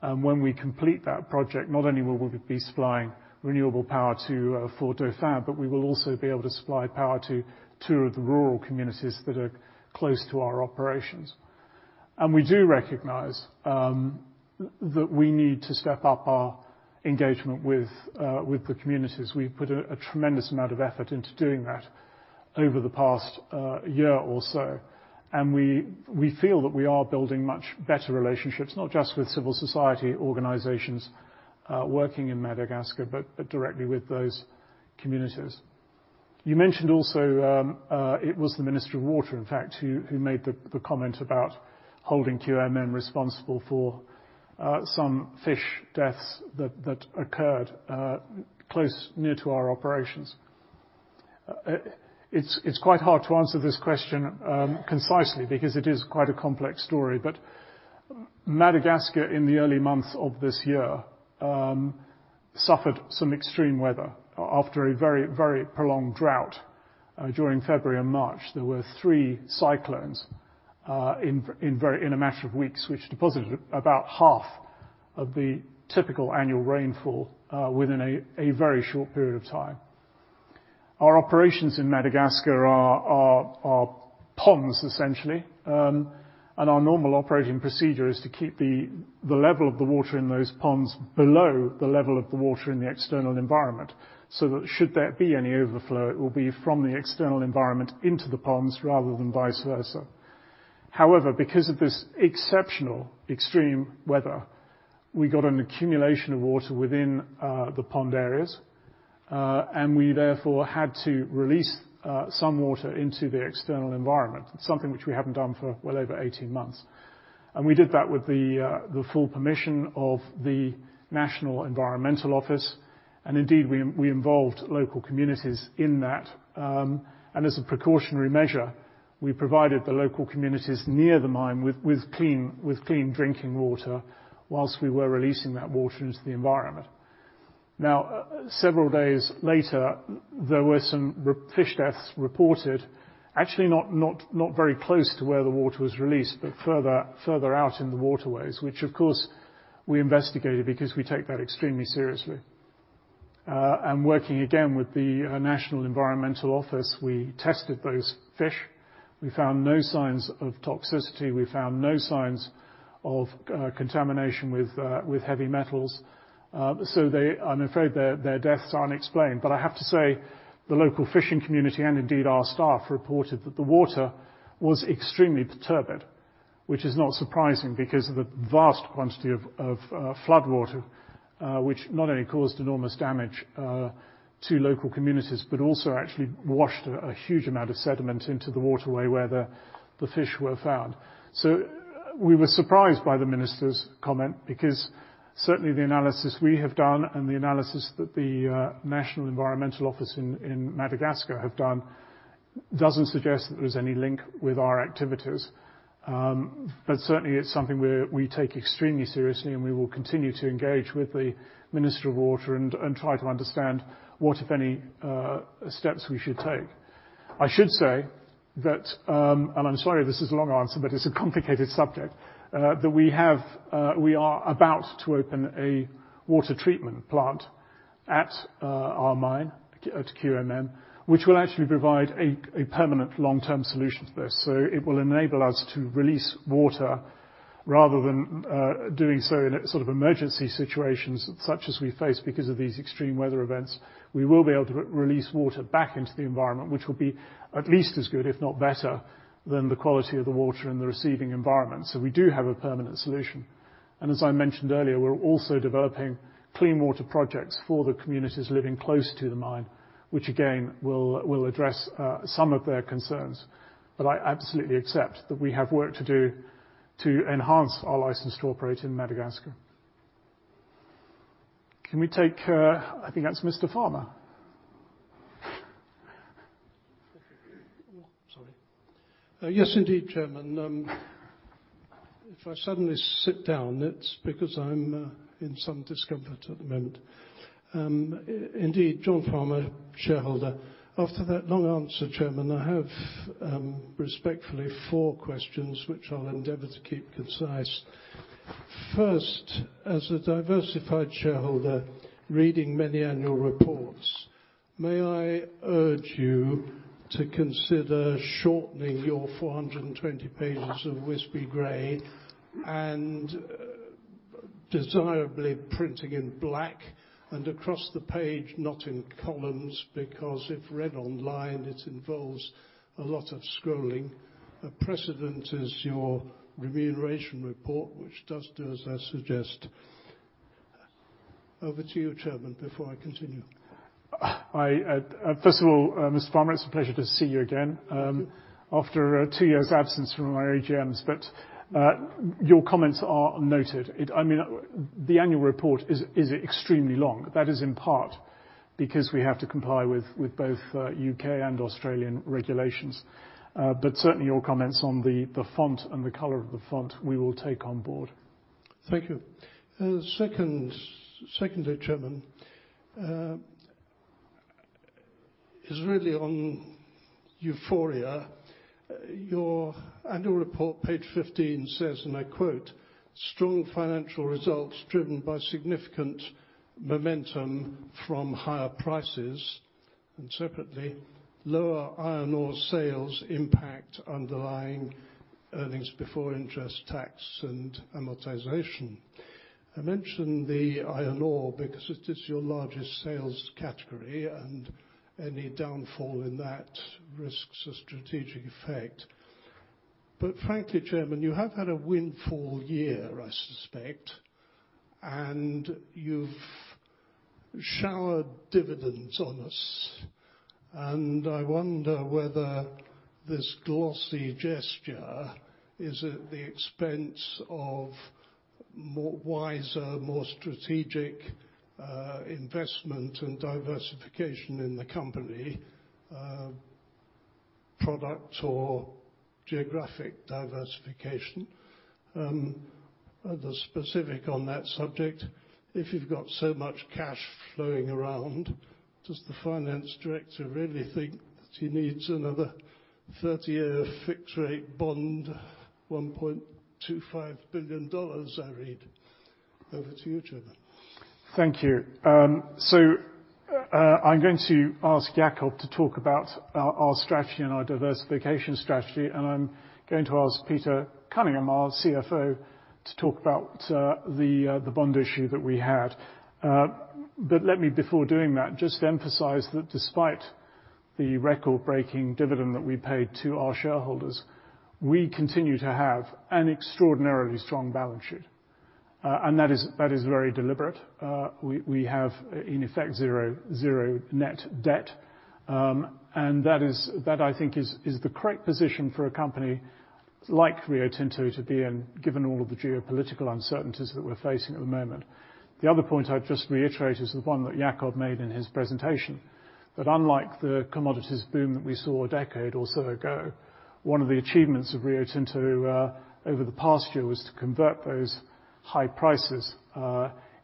When we complete that project, not only will we be supplying renewable power to Fort Dauphin, but we will also be able to supply power to two of the rural communities that are close to our operations. We do recognize that we need to step up our engagement with the communities. We've put a tremendous amount of effort into doing that over the past year or so. We feel that we are building much better relationships, not just with civil society organizations working in Madagascar, but directly with those communities. You mentioned also, it was the Minister of Water, in fact, who made the comment about holding QMM responsible for some fish deaths that occurred close near to our operations. It's quite hard to answer this question concisely because it is quite a complex story. Madagascar, in the early months of this year, suffered some extreme weather after a very prolonged drought. During February and March, there were three cyclones in a matter of weeks, which deposited about half of the typical annual rainfall within a very short period of time. Our operations in Madagascar are ponds, essentially, and our normal operating procedure is to keep the level of the water in those ponds below the level of the water in the external environment, so that should there be any overflow, it will be from the external environment into the ponds rather than vice versa. However, because of this exceptional extreme weather, we got an accumulation of water within the pond areas, and we therefore had to release some water into the external environment, something which we haven't done for well over 18 months. We did that with the full permission of the National Environmental Office. Indeed, we involved local communities in that. As a precautionary measure, we provided the local communities near the mine with clean drinking water while we were releasing that water into the environment. Several days later, there were some fish deaths reported, actually not very close to where the water was released, but further out in the waterways, which of course we investigated because we take that extremely seriously. Working again with the National Environmental Office, we tested those fish. We found no signs of toxicity. We found no signs of contamination with heavy metals. I'm afraid their deaths are unexplained. I have to say, the local fishing community and indeed our staff reported that the water was extremely perturbed, which is not surprising because of the vast quantity of floodwater, which not only caused enormous damage to local communities, but also actually washed a huge amount of sediment into the waterway where the fish were found. We were surprised by the Minister's comment because certainly the analysis we have done and the analysis that the National Environmental Office in Madagascar have done doesn't suggest that there's any link with our activities. But certainly it's something we take extremely seriously, and we will continue to engage with the Minister of Water and try to understand what, if any, steps we should take. I should say that I'm sorry this is a long answer, but it's a complicated subject. We are about to open a water treatment plant at our mine, at QMM, which will actually provide a permanent long-term solution for this. It will enable us to release water rather than doing so in a sort of emergency situations such as we face because of these extreme weather events. We will be able to release water back into the environment, which will be at least as good, if not better, than the quality of the water in the receiving environment. We do have a permanent solution. As I mentioned earlier, we're also developing clean water projects for the communities living close to the mine, which again will address some of their concerns. I absolutely accept that we have work to do to enhance our license to operate in Madagascar. Can we take, I think that's Mr. Farmer. Sorry. Yes, indeed, Chairman. If I suddenly sit down, it's because I'm in some discomfort at the moment. Indeed, John Farmer, shareholder. After that long answer, Chairman, I have respectfully four questions which I'll endeavor to keep concise. First, as a diversified shareholder reading many annual reports, may I urge you to consider shortening your 420 pages of wispy gray, and desirably printing in black and across the page, not in columns, because if read online, it involves a lot of scrolling. A precedent is your Remuneration Report, which does as I suggest. Over to you, Chairman, before I continue. I first of all, Mr. Farmer, it's a pleasure to see you again. Thank you. After two years' absence from our AGMs. Your comments are noted. I mean, the annual report is extremely long. That is in part because we have to comply with both U.K. and Australian regulations. Certainly your comments on the font and the color of the font we will take on board. Thank you. Secondly, Chairman, this really is euphoria. Your annual report, page 15, says, and I quote, "Strong financial results driven by significant momentum from higher prices," and separately, "Lower iron ore sales impact underlying earnings before interest, tax, and amortization." I mention the iron ore because it is your largest sales category and any downfall in that risks a strategic effect. Frankly, Chairman, you have had a windfall year, I suspect, and you've showered dividends on us. I wonder whether this glossy gesture is at the expense of more wiser, more strategic, investment and diversification in the company, product or geographic diversification. The specific on that subject, if you've got so much cash flowing around, does the finance director really think that he needs another 30-year fixed rate bond, $1.25 billion, I read? Over to you, Chairman. Thank you. I'm going to ask Jakob to talk about our strategy and our diversification strategy, and I'm going to ask Peter Cunningham, our CFO, to talk about the bond issue that we had. Let me, before doing that, just emphasize that despite the record-breaking dividend that we paid to our shareholders, we continue to have an extraordinarily strong balance sheet. That is very deliberate. We have in effect zero net debt. That is, I think, the correct position for a company like Rio Tinto to be in given all of the geopolitical uncertainties that we're facing at the moment. The other point I'd just reiterate is the one that Jakob made in his presentation, that unlike the commodities boom that we saw a decade or so ago, one of the achievements of Rio Tinto over the past year was to convert those high prices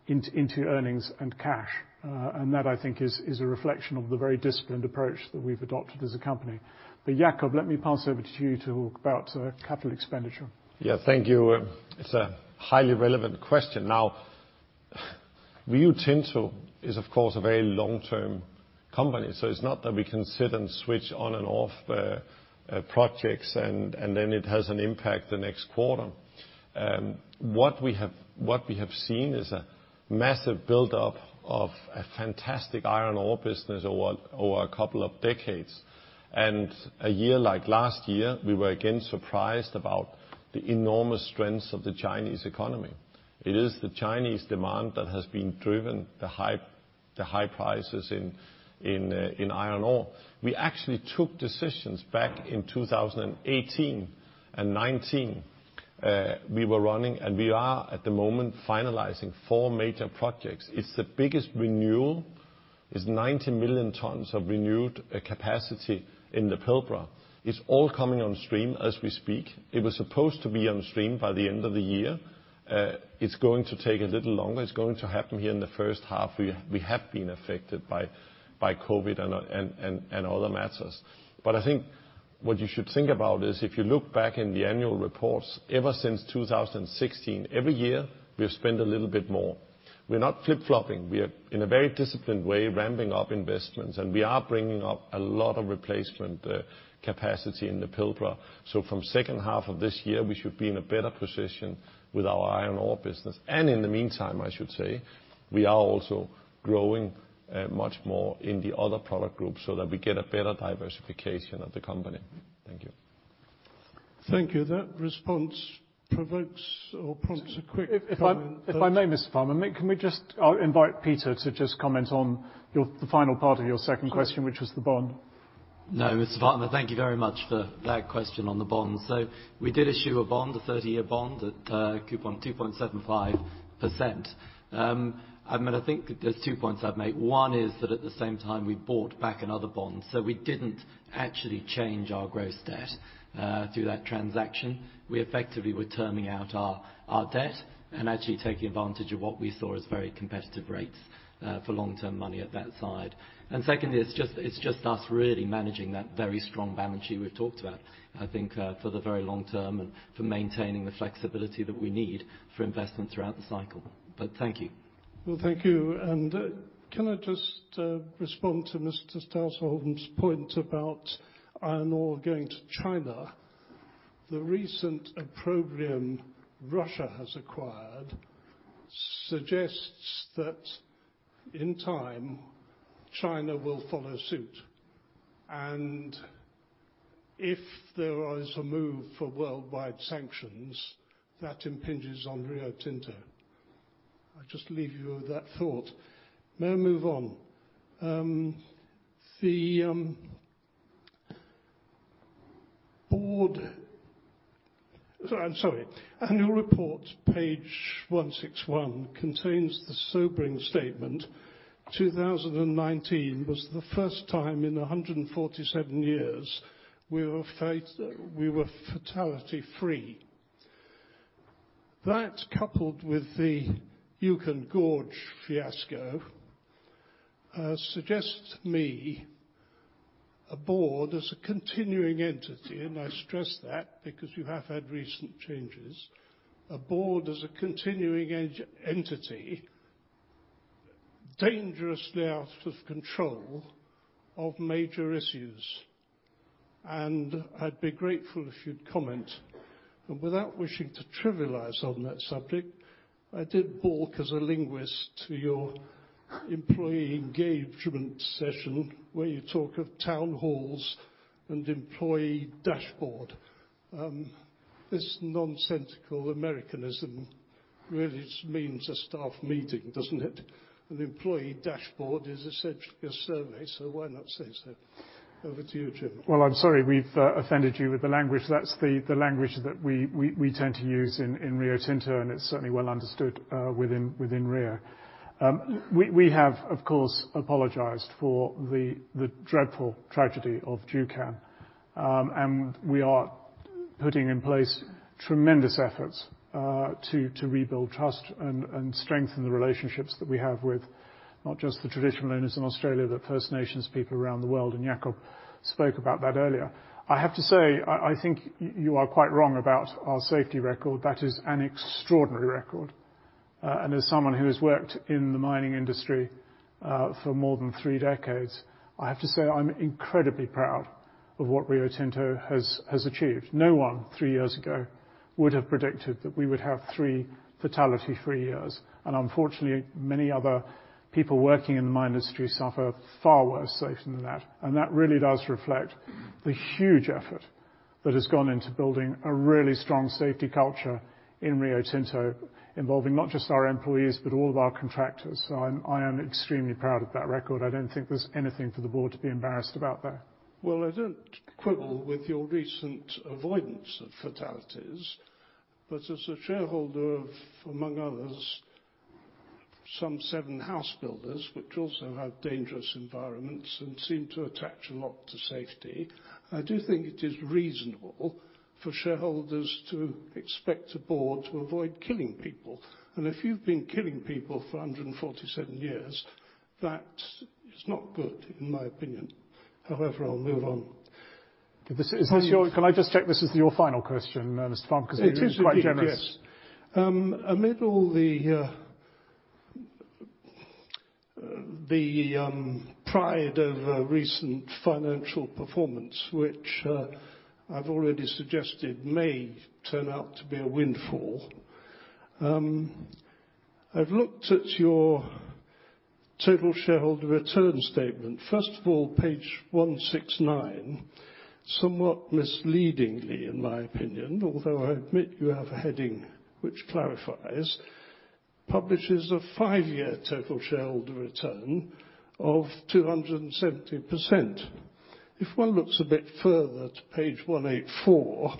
into earnings and cash. That I think is a reflection of the very disciplined approach that we've adopted as a company. Jakob, let me pass over to you to talk about capital expenditure. Yeah. Thank you. It's a highly relevant question. Now, Rio Tinto is, of course, a very long-term company, so it's not that we can sit and switch on and off, projects and then it has an impact the next quarter. What we have seen is a massive build-up of a fantastic iron ore business over a couple of decades. A year like last year, we were again surprised about the enormous strengths of the Chinese economy. It is the Chinese demand that has been driven the high prices in iron ore. We actually took decisions back in 2018 and 2019. We were running, and we are at the moment finalizing four major projects. It's the biggest renewal. It's 90 million tons of renewed capacity in the Pilbara. It's all coming on stream as we speak. It was supposed to be on stream by the end of the year. It's going to take a little longer. It's going to happen here in the first half. We have been affected by COVID and other matters. I think what you should think about is if you look back in the annual reports, ever since 2016, every year we've spent a little bit more. We're not flip-flopping. We are in a very disciplined way, ramping up investments, and we are bringing up a lot of replacement capacity in the Pilbara. From second half of this year, we should be in a better position with our iron ore business. In the meantime, I should say, we are also growing much more in the other product groups so that we get a better diversification of the company. Thank you. Thank you. That response provokes or prompts a quick- If I may, Mr. Farmer, can we just. I'll invite Peter to just comment on the final part of your second question. Sure Which was the bond. No, Mr. Farmer, thank you very much for that question on the bonds. We did issue a bond, a 30-year bond at coupon 2.75%. I mean, I think there's two points I'd make. One is that at the same time, we bought back another bond, so we didn't actually change our gross debt through that transaction. We effectively were terming out our debt and actually taking advantage of what we saw as very competitive rates for long-term money at that side. Secondly, it's just us really managing that very strong balance sheet we've talked about, I think, for the very long term and for maintaining the flexibility that we need for investment throughout the cycle. Thank you. Well, thank you. Can I just respond to Mr. Stausholm's point about iron ore going to China? The recent opprobrium Russia has acquired suggests that in time, China will follow suit. If there is a move for worldwide sanctions, that impinges on Rio Tinto. I'll just leave you with that thought. May I move on? Annual report, page 161, contains the sobering statement, "2019 was the first time in 147 years we were fatality-free." That, coupled with the Juukan Gorge fiasco, suggests to me a board as a continuing entity, and I stress that because you have had recent changes, a board as a continuing entity dangerously out of control of major issues. I'd be grateful if you'd comment. Without wishing to trivialize on that subject, I did balk as a linguist to your employee engagement session where you talk of town halls and employee dashboard. This nonsensical Americanism really just means a staff meeting, doesn't it? An employee dashboard is essentially a survey, so why not say so? Over to you, Jim. Well, I'm sorry we've offended you with the language. That's the language that we tend to use in Rio Tinto, and it's certainly well understood within Rio. We have, of course, apologized for the dreadful tragedy of Juukan. We are putting in place tremendous efforts to rebuild trust and strengthen the relationships that we have with not just the traditional owners in Australia, but First Nations people around the world, and Jakob spoke about that earlier. I have to say, I think you are quite wrong about our safety record. That is an extraordinary record. As someone who has worked in the mining industry for more than three decades, I have to say I'm incredibly proud of what Rio Tinto has achieved. No one three years ago would have predicted that we would have three fatality-free years. Unfortunately, many other people working in the mining industry suffer far worse safety than that. That really does reflect the huge effort that has gone into building a really strong safety culture in Rio Tinto, involving not just our employees, but all of our contractors. I am extremely proud of that record. I don't think there's anything for the board to be embarrassed about there. Well, I don't quibble with your recent avoidance of fatalities, but as a shareholder of, among others, some seven house builders, which also have dangerous environments and seem to attach a lot to safety, I do think it is reasonable for shareholders to expect a board to avoid killing people. If you've been killing people for 147 years, that is not good, in my opinion. However, I'll move on. Can I just check this is your final question, Mr. Farmer? It is indeed. 'Cause you're quite generous. Yes. Amid all the pride of recent financial performance, which I've already suggested may turn out to be a windfall, I've looked at your total shareholder return statement. First of all, page 169, somewhat misleadingly, in my opinion, although I admit you have a heading which clarifies. Publishes a five-year total shareholder return of 270%. If one looks a bit further to page 184,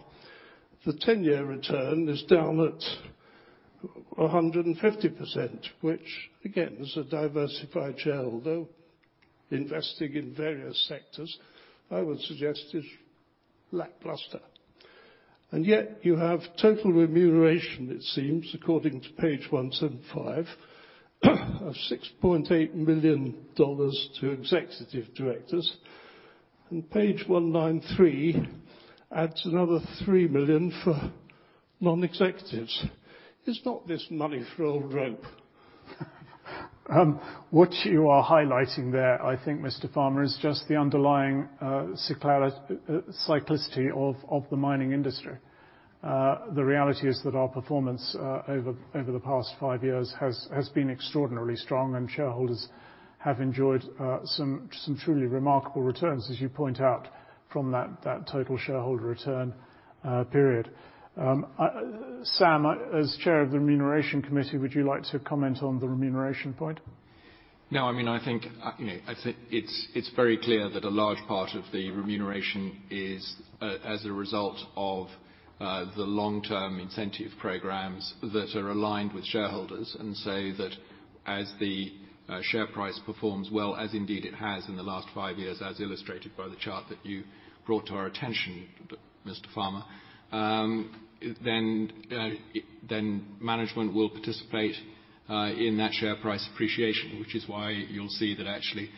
the 10-year return is down at 150%, which again, as a diversified shareholder investing in various sectors, I would suggest is lackluster. Yet you have total remuneration, it seems, according to page 175, of $6.8 million to executive directors. Page 193 adds another $3 million for non-executives. Is not this money for old rope? What you are highlighting there, I think Mr. Farmer, is just the underlying cyclicity of the mining industry. The reality is that our performance over the past five years has been extraordinarily strong and shareholders have enjoyed some truly remarkable returns, as you point out from that total shareholder return period. Sam, as Chair of the Remuneration Committee, would you like to comment on the remuneration point? No, I mean, I think, you know, I think it's very clear that a large part of the remuneration is as a result of the long-term incentive programs that are aligned with shareholders and say that as the share price performs well, as indeed it has in the last five years as illustrated by the chart that you brought to our attention, Mr. Farmer, then management will participate in that share price appreciation, which is why you'll see that actually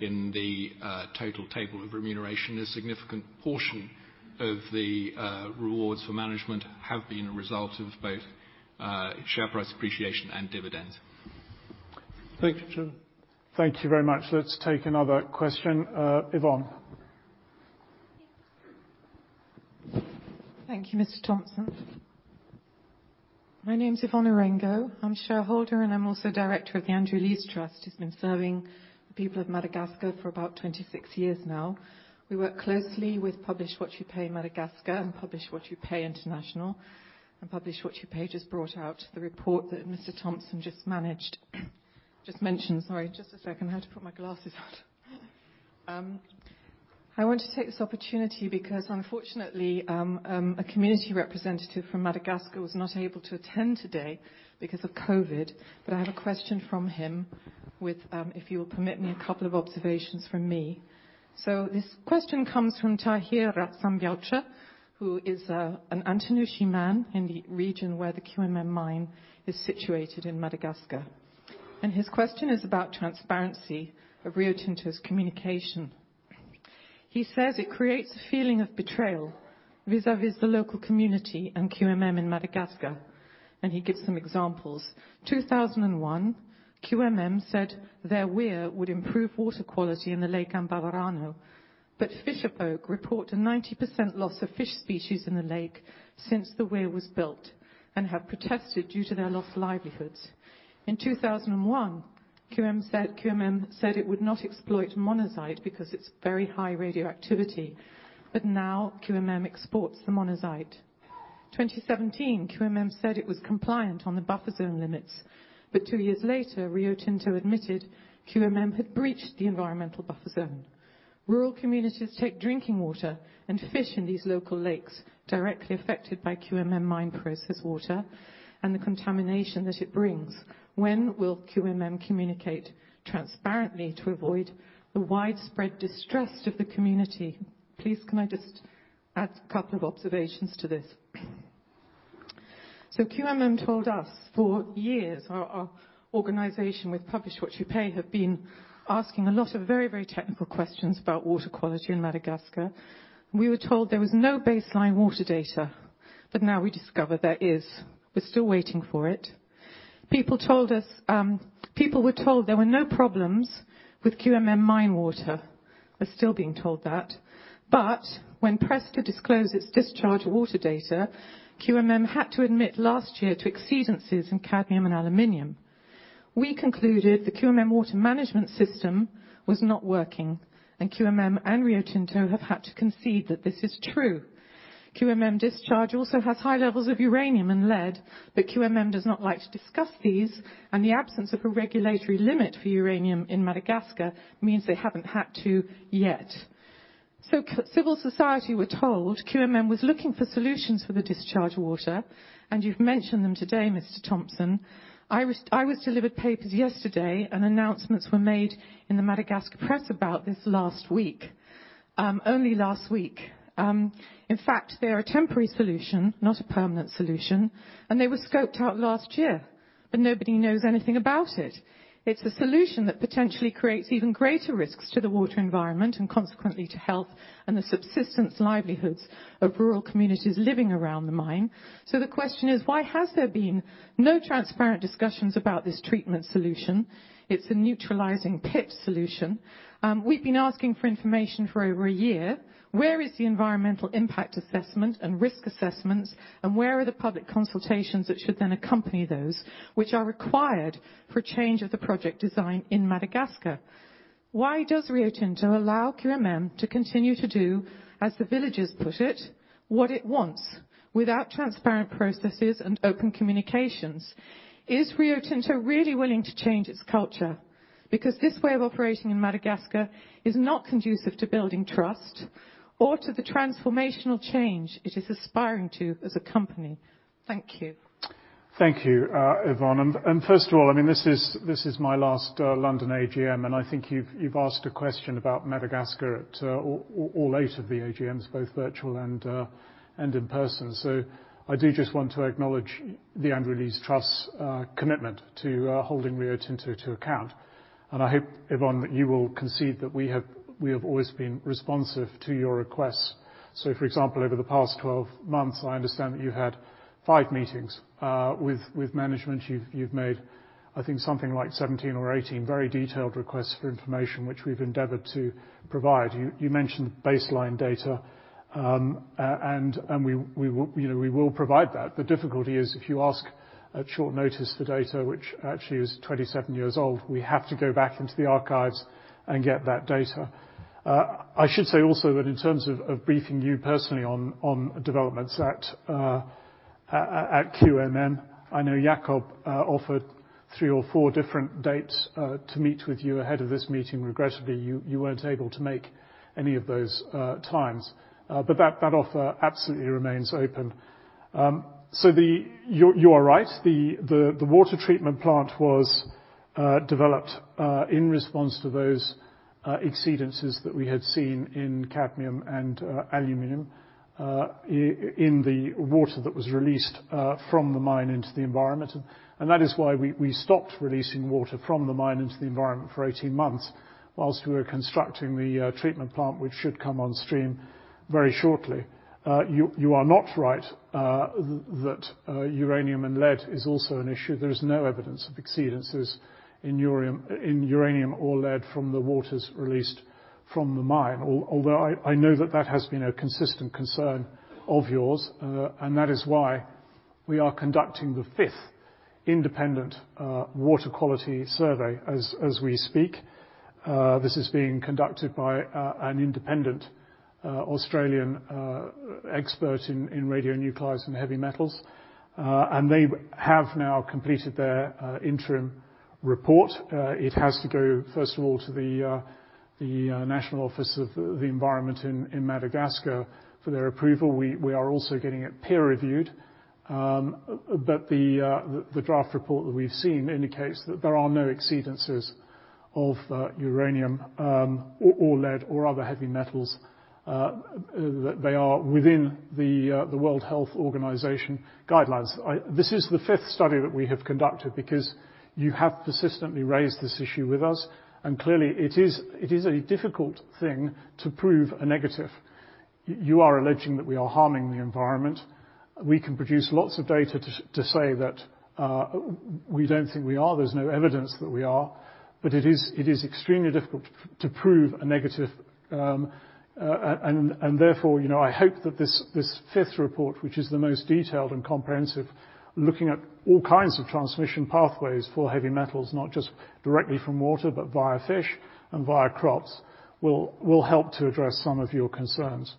in the total table of remuneration, a significant portion of the rewards for management have been a result of both share price appreciation and dividends. Thank you. Thank you very much. Let's take another question. Yvonne. Thank you, Mr. Thompson. My name's Yvonne Orengo. I'm shareholder and I'm also director of The Andrew Lees Trust, who's been serving the people of Madagascar for about 26 years now. We work closely with Publish What You Pay Madagascar and Publish What You Pay International. Publish What You Pay just brought out the report that Mr. Thompson just mentioned. Sorry, just a second. I have to put my glasses on. I want to take this opportunity because unfortunately, a community representative from Madagascar was not able to attend today because of COVID. I have a question from him with, if you'll permit me, a couple of observations from me. This question comes from Tahiry Ratsimbarison, who is an Antanosy man in the region where the QMM mine is situated in Madagascar. His question is about transparency of Rio Tinto's communication. He says it creates a feeling of betrayal vis-à-vis the local community and QMM in Madagascar, and he gives some examples. 2001, QMM said their weir would improve water quality in the Lake Ambavarano. Fisherfolk report a 90% loss of fish species in the lake since the weir was built and have protested due to their lost livelihoods. In 2001, QMM said it would not exploit monazite because it's very high radioactivity, but now QMM exports the monazite. 2017, QMM said it was compliant on the buffer zone limits, but two years later, Rio Tinto admitted QMM had breached the environmental buffer zone. Rural communities take drinking water and fish in these local lakes directly affected by QMM mine process water and the contamination that it brings. When will QMM communicate transparently to avoid the widespread distrust of the community? Please can I just add a couple of observations to this. QMM told us for years, our organization with Publish What You Pay have been asking a lot of very technical questions about water quality in Madagascar. We were told there was no baseline water data. Now we discover there is. We're still waiting for it. People were told there were no problems with QMM mine water. We're still being told that. When pressed to disclose its discharge water data, QMM had to admit last year to exceedances in cadmium and aluminum. We concluded the QMM water management system was not working, and QMM and Rio Tinto have had to concede that this is true. QMM discharge also has high levels of uranium and lead, but QMM does not like to discuss these, and the absence of a regulatory limit for uranium in Madagascar means they haven't had to yet. Civil society we're told QMM was looking for solutions for the discharge water, and you've mentioned them today, Mr. Thompson. I was delivered papers yesterday and announcements were made in the Madagascar press about this last week, only last week. In fact, they're a temporary solution, not a permanent solution, and they were scoped out last year, but nobody knows anything about it. It's a solution that potentially creates even greater risks to the water environment and consequently to health and the subsistence livelihoods of rural communities living around the mine. The question is, why has there been no transparent discussions about this treatment solution? It's a neutralizing pit solution. We've been asking for information for over a year. Where is the environmental impact assessment and risk assessments, and where are the public consultations that should then accompany those which are required for change of the project design in Madagascar? Why does Rio Tinto allow QMM to continue to do, as the villagers put it, what it wants without transparent processes and open communications? Is Rio Tinto really willing to change its culture? Because this way of operating in Madagascar is not conducive to building trust or to the transformational change it is aspiring to as a company. Thank you. Thank you, Yvonne. First of all, I mean, this is my last London AGM, and I think you've asked a question about Madagascar at all eight of the AGMs, both virtual and in person. I do just want to acknowledge the Andrew Lees Trust's commitment to holding Rio Tinto to account. I hope, Yvonne, that you will concede that we have always been responsive to your requests. For example, over the past 12 months, I understand that you had five meetings with management. You've made, I think, something like 17 or 18 very detailed requests for information, which we've endeavored to provide. You mentioned baseline data, and we will, you know, we will provide that. The difficulty is if you ask at short notice for data, which actually is 27 years old, we have to go back into the archives and get that data. I should say also that in terms of briefing you personally on developments at QMM, I know Jakob offered three or four different dates to meet with you ahead of this meeting. Regrettably, you weren't able to make any of those times. That offer absolutely remains open. You are right. The water treatment plant was developed in response to those exceedances that we had seen in cadmium and aluminum in the water that was released from the mine into the environment, and that is why we stopped releasing water from the mine into the environment for 18 months while we were constructing the treatment plant, which should come on stream very shortly. You are not right, that uranium and lead is also an issue. There is no evidence of exceedances in uranium or lead from the waters released from the mine. Although I know that that has been a consistent concern of yours, and that is why we are conducting the fifth independent water quality survey as we speak. This is being conducted by an independent Australian expert in radionuclides and heavy metals. They have now completed their interim report. It has to go, first of all, to the National Environmental Office in Madagascar for their approval. We are also getting it peer-reviewed. The draft report that we've seen indicates that there are no exceedances of uranium or lead or other heavy metals. They are within the World Health Organization guidelines. This is the fifth study that we have conducted because you have persistently raised this issue with us, and clearly it is a difficult thing to prove a negative. You are alleging that we are harming the environment. We can produce lots of data to say that we don't think we are. There's no evidence that we are. It is extremely difficult to prove a negative. Therefore, you know, I hope that this fifth report, which is the most detailed and comprehensive, looking at all kinds of transmission pathways for heavy metals, not just directly from water, but via fish and via crops, will help to address some of your concerns.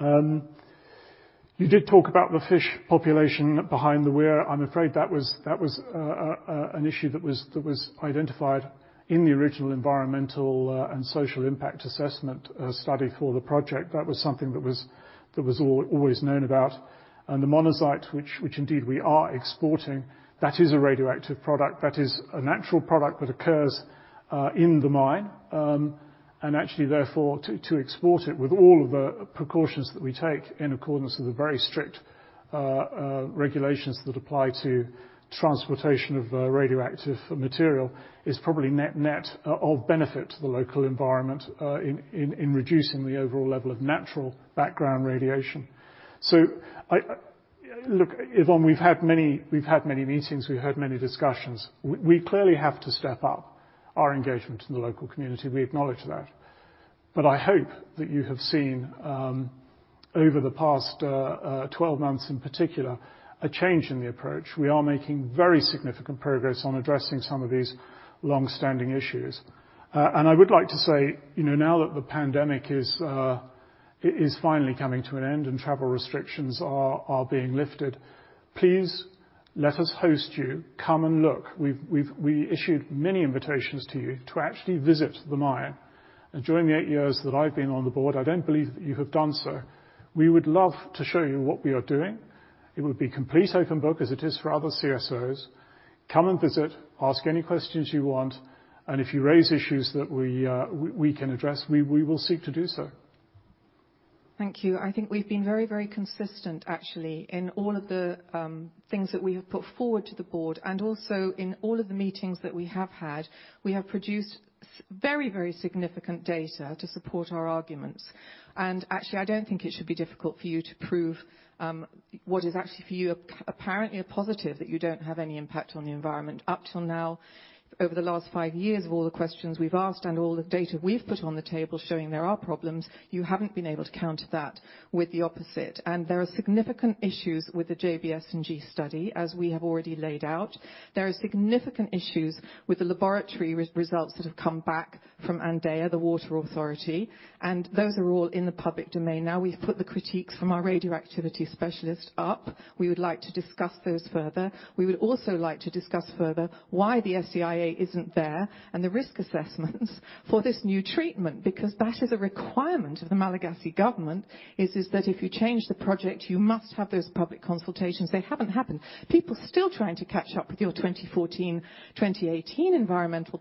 You did talk about the fish population behind the weir. I'm afraid that was an issue that was identified in the original Environmental and Social Impact Assessment study for the project. That was something that was always known about. The monazite, which indeed we are exporting, that is a radioactive product. That is a natural product that occurs in the mine. Actually therefore to export it with all of the precautions that we take in accordance with the very strict regulations that apply to transportation of radioactive material is probably net of benefit to the local environment in reducing the overall level of natural background radiation. I look, Yvonne, we've had many meetings. We've had many discussions. We clearly have to step up our engagement in the local community. We acknowledge that. I hope that you have seen over the past 12 months in particular, a change in the approach. We are making very significant progress on addressing some of these long-standing issues. I would like to say, you know, now that the pandemic is finally coming to an end and travel restrictions are being lifted, please let us host you. Come and look. We issued many invitations to you to actually visit the mine. During the eight years that I've been on the board, I don't believe that you have done so. We would love to show you what we are doing. It would be complete open book as it is for other CSOs. Come and visit, ask any questions you want, and if you raise issues that we can address, we will seek to do so. Thank you. I think we've been very, very consistent actually in all of the things that we have put forward to the board and also in all of the meetings that we have had. We have produced very, very significant data to support our arguments. Actually, I don't think it should be difficult for you to prove what is actually for you apparently a positive, that you don't have any impact on the environment. Up till now, over the last five years of all the questions we've asked and all the data we've put on the table showing there are problems, you haven't been able to counter that with the opposite. There are significant issues with the JBS&G study, as we have already laid out. There are significant issues with the laboratory results that have come back from ANDEA, the Water Authority, and those are all in the public domain now. We've put the critiques from our radioactivity specialist up. We would like to discuss those further. We would also like to discuss further why the ESIA isn't there and the risk assessments for this new treatment, because that is a requirement of the Malagasy government, that if you change the project, you must have those public consultations. They haven't happened. People are still trying to catch up with your 2014, 2018 environmental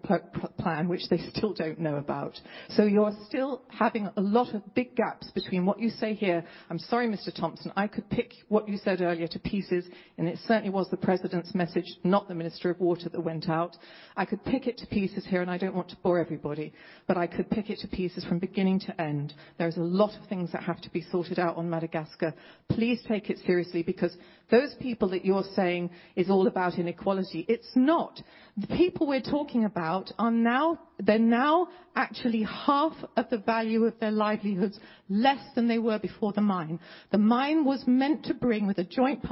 plan, which they still don't know about. You're still having a lot of big gaps between what you say here. I'm sorry, Mr. Thompson, I could pick what you said earlier to pieces, and it certainly was the president's message, not the Minister of Water that went out. I could pick it to pieces here, and I don't want to bore everybody, but I could pick it to pieces from beginning to end. There's a lot of things that have to be sorted out on Madagascar. Please take it seriously, because those people that you're saying is all about inequality, it's not. The people we're talking about are now actually half of the value of their livelihoods less than they were before the mine. The mine was meant to bring, with a joint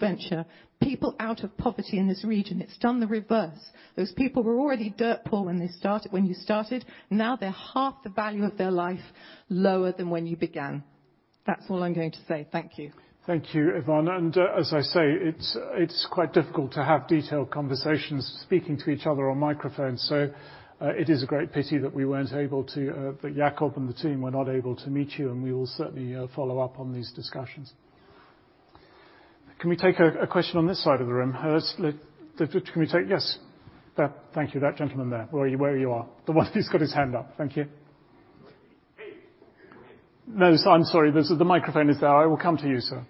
venture, people out of poverty in this region. It's done the reverse. Those people were already dirt poor when they started, when you started. Now they're half the value of their life lower than when you began. That's all I'm going to say. Thank you. Thank you, Yvonne. As I say, it's quite difficult to have detailed conversations speaking to each other on microphones. It is a great pity that Jakob and the team were not able to meet you, and we will certainly follow up on these discussions. Can we take a question on this side of the room? Can we take. Yes. There. Thank you. That gentleman there. Where you are. The one who's got his hand up. Thank you. Hey, come here. No, I'm sorry. The microphone is there. I will come to you, sir.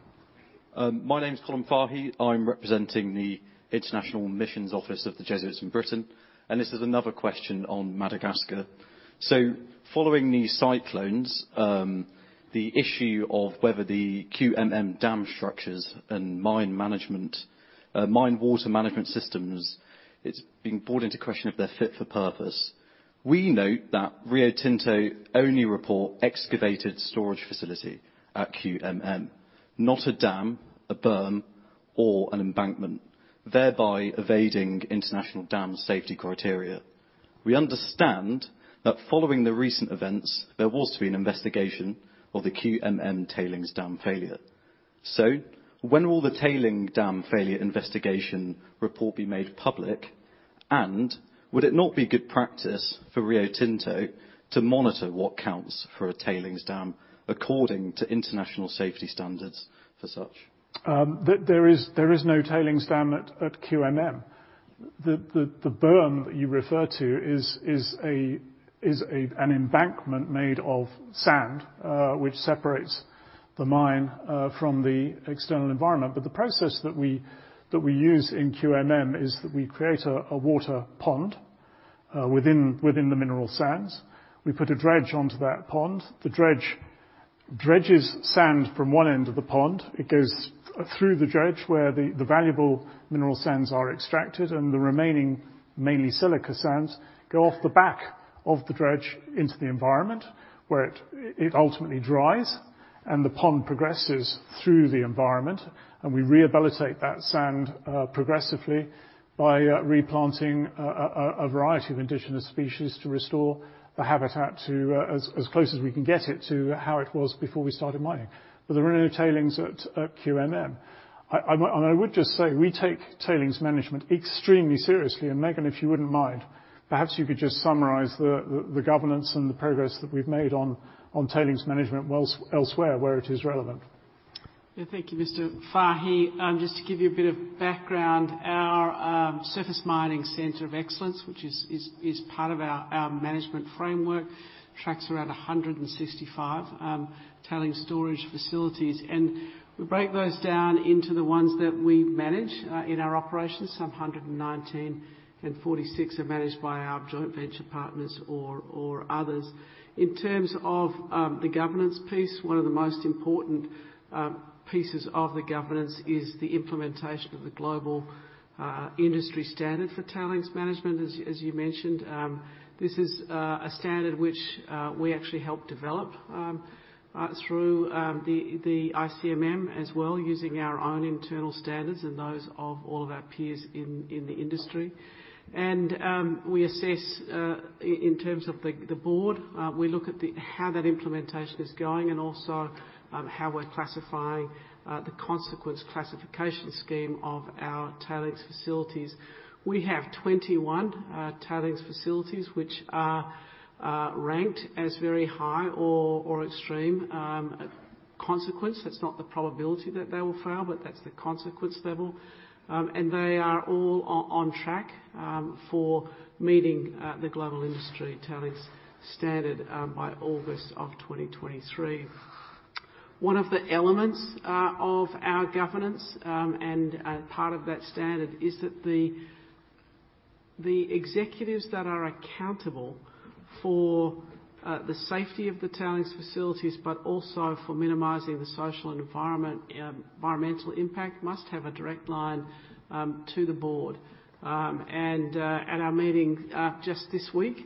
My name is Colin Fahey. I'm representing the International Missions Office of the Jesuits in Britain, and this is another question on Madagascar. Following the cyclones, the issue of whether the QMM dam structures and mine management, mine water management systems, it's being called into question if they're fit for purpose. We note that Rio Tinto only report excavated storage facility at QMM, not a dam, a berm, or an embankment, thereby evading international dam safety criteria. We understand that following the recent events, there was to be an investigation of the QMM tailings dam failure. When will the tailings dam failure investigation report be made public? And would it not be good practice for Rio Tinto to monitor what counts for a tailings dam according to international safety standards for such? There is no tailings dam at QMM. The berm that you refer to is an embankment made of sand which separates the mine from the external environment. The process that we use in QMM is that we create a water pond within the mineral sands. We put a dredge onto that pond. The dredge dredges sand from one end of the pond. It goes through the dredge where the valuable mineral sands are extracted and the remaining, mainly silica sands, go off the back of the dredge into the environment where it ultimately dries and the pond progresses through the environment, and we rehabilitate that sand progressively by replanting a variety of indigenous species to restore the habitat to as close as we can get it to how it was before we started mining. There are no tailings at QMM. I would just say, we take tailings management extremely seriously. Megan, if you wouldn't mind, perhaps you could just summarize the governance and the progress that we've made on tailings management elsewhere, where it is relevant. Yeah. Thank you, Mr. Fahey. Just to give you a bit of background, our Surface Mining Centre of Excellence, which is part of our management framework, tracks around 165 tailings storage facilities. We break those down into the ones that we manage in our operations, 119, and 46 are managed by our joint venture partners or others. In terms of the governance piece, one of the most important pieces of the governance is the implementation of the global industry standard for tailings management, as you mentioned. This is a standard which we actually helped develop through the ICMM as well, using our own internal standards and those of all of our peers in the industry. We assess in terms of the board we look at how that implementation is going and also how we're classifying the consequence classification scheme of our tailings facilities. We have 21 tailings facilities which are ranked as very high or extreme consequence. That's not the probability that they will fail, but that's the consequence level. They are all on track for meeting the global industry tailings standard by August of 2023. One of the elements of our governance and part of that standard is that the executives that are accountable for the safety of the tailings facilities, but also for minimizing the social and environmental impact, must have a direct line to the board. At our meeting just this week,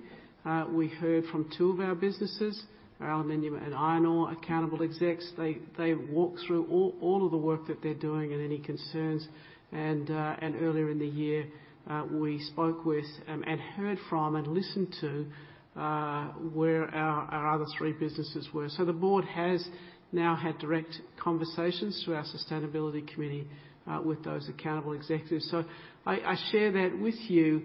we heard from two of our businesses, our aluminum and iron ore accountable execs. They walked through all of the work that they're doing and any concerns. Earlier in the year, we spoke with and heard from and listened to where our other three businesses were. The board has now had direct conversations through our Sustainability Committee with those accountable executives. I share that with you,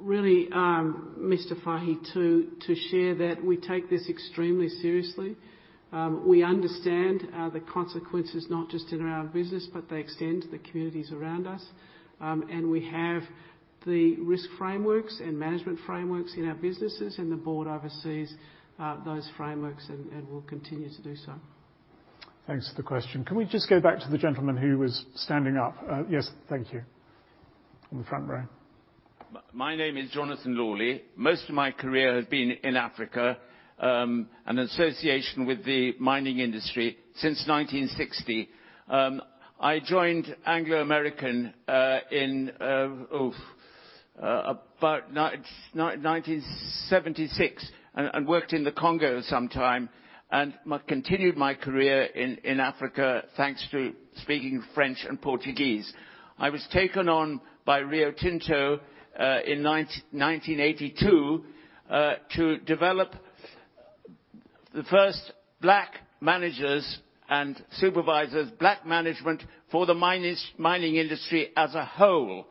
really, Mr. Fahey, to share that we take this extremely seriously. We understand the consequences, not just in our business, but they extend to the communities around us. We have the risk frameworks and management frameworks in our businesses, and the board oversees those frameworks and will continue to do so. Thanks for the question. Can we just go back to the gentleman who was standing up? Yes. Thank you. In the front row. My name is Jonathan Lawley. Most of my career has been in Africa and association with the mining industry since 1960. I joined Anglo American in about 1976 and worked in the Congo some time, and continued my career in Africa, thanks to speaking French and Portuguese. I was taken on by Rio Tinto in 1982 to develop the first black managers and supervisors, black management for the mining industry as a whole,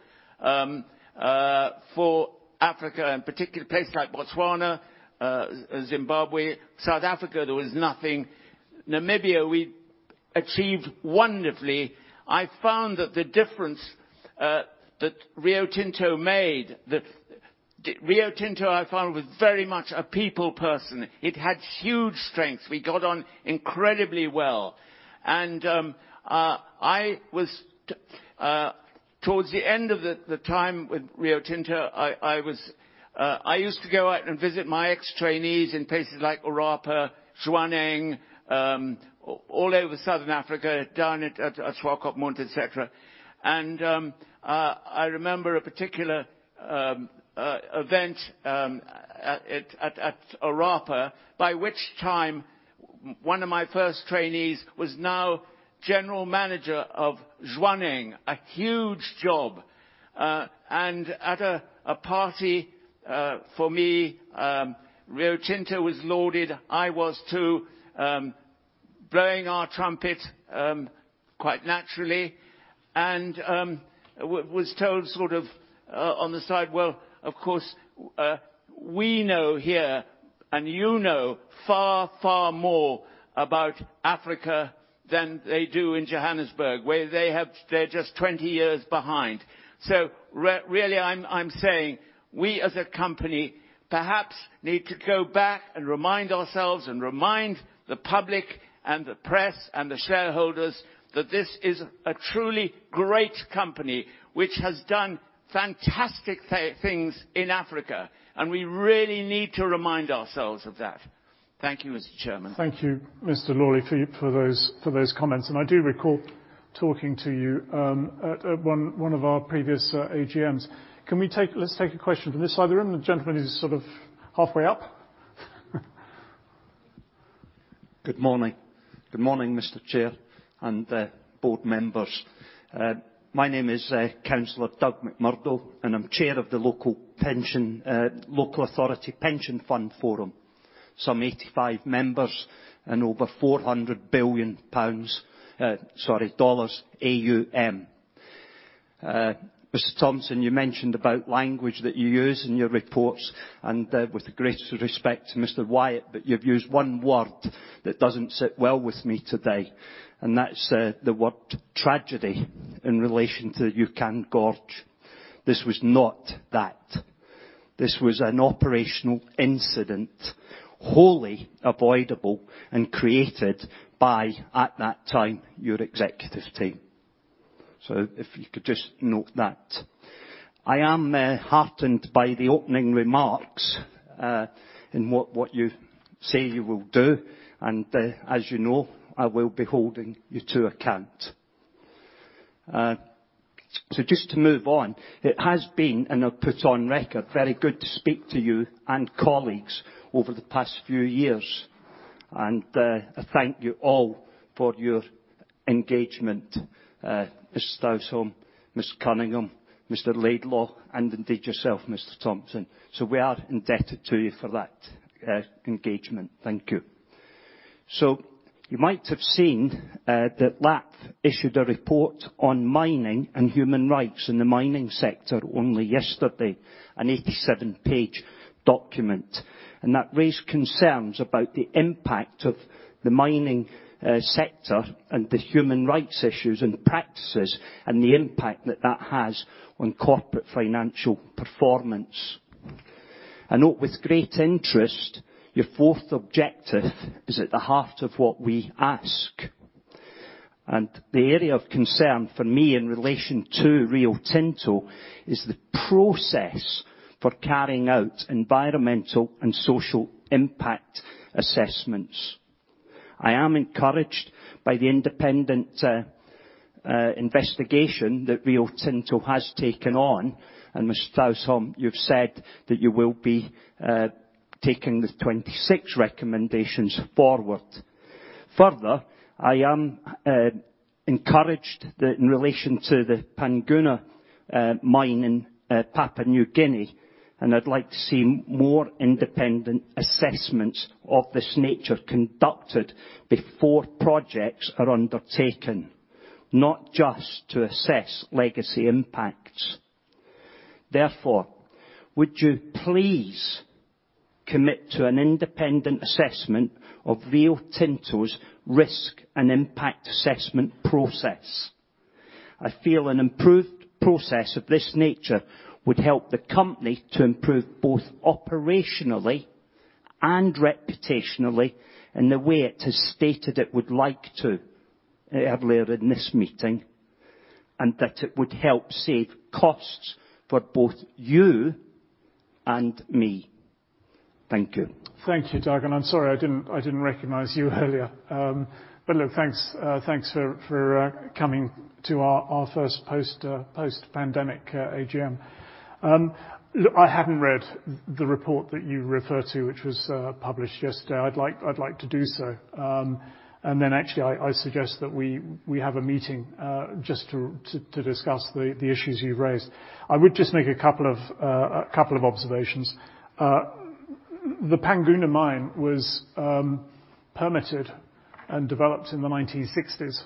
for Africa, in particular places like Botswana, Zimbabwe. South Africa, there was nothing. Namibia, we achieved wonderfully. I found that the difference that Rio Tinto made, that Rio Tinto I found was very much a people person. It had huge strengths. We got on incredibly well. I was towards the end of the time with Rio Tinto. I used to go out and visit my ex-trainees in places like Orapa, Jwaneng, all over southern Africa, down at Swakopmund, et cetera. I remember a particular event at Orapa, by which time one of my first trainees was now general manager of Jwaneng, a huge job. At a party for me, Rio Tinto was lauded. I was too, blowing our trumpet quite naturally. Was told sort of, on the side, "Well, of course, we know here and you know far, far more about Africa than they do in Johannesburg, where they have, they're just 20 years behind." Really I'm saying we as a company perhaps need to go back and remind ourselves and remind the public and the press and the shareholders that this is a truly great company which has done fantastic things in Africa, and we really need to remind ourselves of that. Thank you, Mr. Chairman. Thank you, Mr. Lawley, for those comments. I do recall talking to you at one of our previous AGMs. Let's take a question from this side of the room. The gentleman who's sort of halfway up. Good morning. Good morning, Mr. Chair and board members. My name is Councillor Doug McMurdo, and I'm Chair of the Local Authority Pension Fund Forum, some 85 members and over 400 billion pounds AUM. Mr. Thompson, you mentioned about language that you use in your reports, and with the greatest respect to Mr. Wyatt, but you've used one word that doesn't sit well with me today, and that's the word tragedy in relation to the Juukan Gorge. This was not that. This was an operational incident, wholly avoidable and created by, at that time, your executive team. If you could just note that. I am heartened by the opening remarks in what you say you will do, and as you know, I will be holding you to account. Just to move on, it has been, and I'll put on record, very good to speak to you and colleagues over the past few years. I thank you all for your engagement, Mr. Stausholm, Mr. Cunningham, Mr. Laidlaw, and indeed yourself, Mr. Thompson. We are indebted to you for that engagement. Thank you. You might have seen that LAPFF issued a report on mining and human rights in the mining sector only yesterday, an 87-page document. That raised concerns about the impact of the mining sector and the human rights issues and the practices and the impact that that has on corporate financial performance. I note with great interest your fourth objective is at the heart of what we ask. The area of concern for me in relation to Rio Tinto is the process for carrying out environmental and social impact assessments. I am encouraged by the independent investigation that Rio Tinto has taken on. Mr. Stausholm, you've said that you will be taking the 26 recommendations forward. Further, I am encouraged that in relation to the Panguna mine in Papua New Guinea, and I'd like to see more independent assessments of this nature conducted before projects are undertaken, not just to assess legacy impacts. Therefore, would you please commit to an independent assessment of Rio Tinto's risk and impact assessment process? I feel an improved process of this nature would help the company to improve both operationally and reputationally in the way it has stated it would like to earlier in this meeting, and that it would help save costs for both you and me. Thank you. Thank you, Doug, and I'm sorry I didn't recognize you earlier. Look, thanks for coming to our first post-pandemic AGM. Look, I haven't read the report that you refer to, which was published yesterday. I'd like to do so. Actually, I suggest that we have a meeting just to discuss the issues you've raised. I would just make a couple of observations. The Panguna mine was permitted and developed in the 1960s.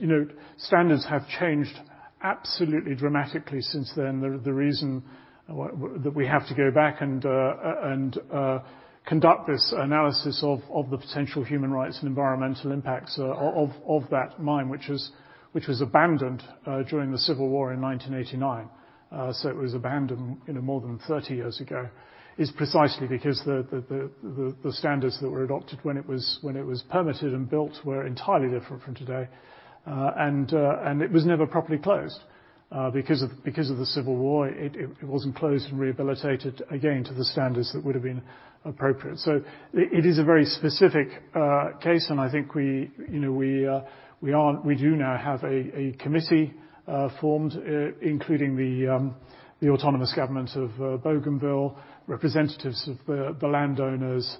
You know, standards have changed absolutely dramatically since then. The reason that we have to go back and conduct this analysis of the potential human rights and environmental impacts of that mine, which was abandoned during the civil war in 1989, it was abandoned, you know, more than 30 years ago, is precisely because the standards that were adopted when it was permitted and built were entirely different from today. It was never properly closed because of the civil war. It wasn't closed and rehabilitated again to the standards that would have been appropriate. It is a very specific case, and I think we, you know, we do now have a committee formed, including the autonomous government of Bougainville, representatives of the landowners,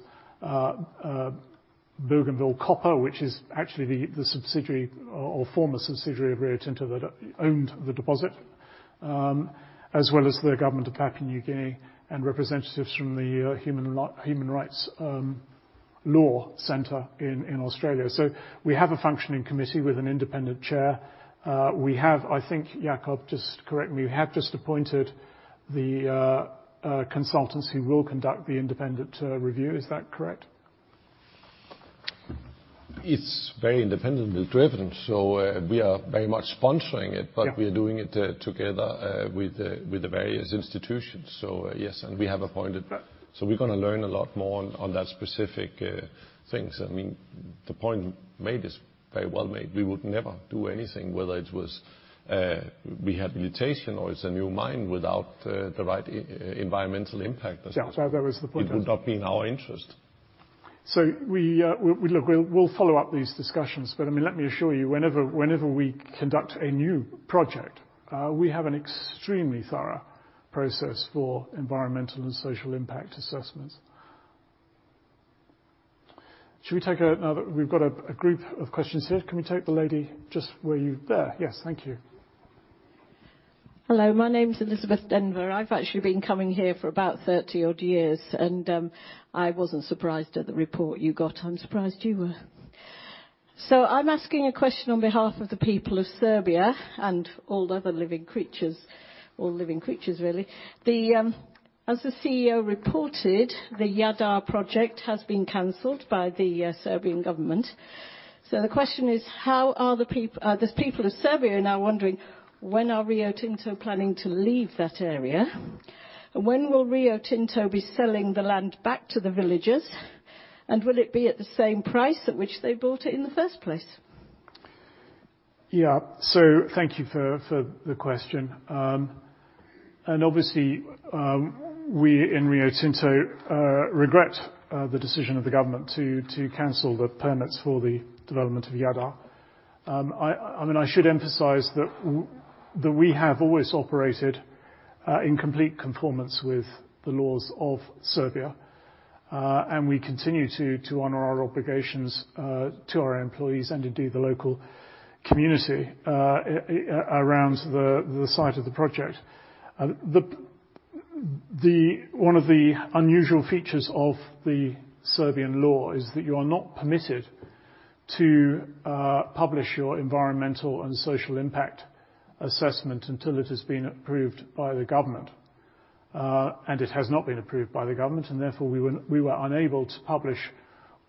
Bougainville Copper, which is actually the subsidiary or former subsidiary of Rio Tinto that owned the deposit, as well as the government of Papua New Guinea and representatives from the human rights law center in Australia. We have a functioning committee with an independent chair. We have, I think, Jakob, just correct me, we have just appointed the consultants who will conduct the independent review. Is that correct? It's very independently driven, so we are very much sponsoring it. Yeah. We are doing it together with the various institutions. Yes, and we have appointed. Right. We're gonna learn a lot more on that specific things. I mean, the point made is very well made. We would never do anything, whether it was rehabilitation or it's a new mine without the right environmental impact assessment. Yeah, that was the point I was. It would not be in our interest. We'll follow up these discussions. I mean, let me assure you, whenever we conduct a new project, we have an extremely thorough process for environmental and social impact assessments. Now that we've got a group of questions here, can we take the lady just where you... There. Yes. Thank you. Hello. My name's Elizabeth Denver. I've actually been coming here for about 30-odd years, and I wasn't surprised at the report you got. I'm surprised you were. I'm asking a question on behalf of the people of Serbia and all the other living creatures, really. As the CEO reported, the Jadar project has been canceled by the Serbian government. The question is, the people of Serbia are now wondering, when are Rio Tinto planning to leave that area? When will Rio Tinto be selling the land back to the villagers? And will it be at the same price at which they bought it in the first place? Thank you for the question. Obviously, we in Rio Tinto regret the decision of the government to cancel the permits for the development of Jadar. I mean, I should emphasize that we have always operated in complete conformance with the laws of Serbia and we continue to honor our obligations to our employees and indeed the local community around the site of the project. One of the unusual features of the Serbian law is that you are not permitted to publish your environmental and social impact assessment until it has been approved by the government. It has not been approved by the government, and therefore, we were unable to publish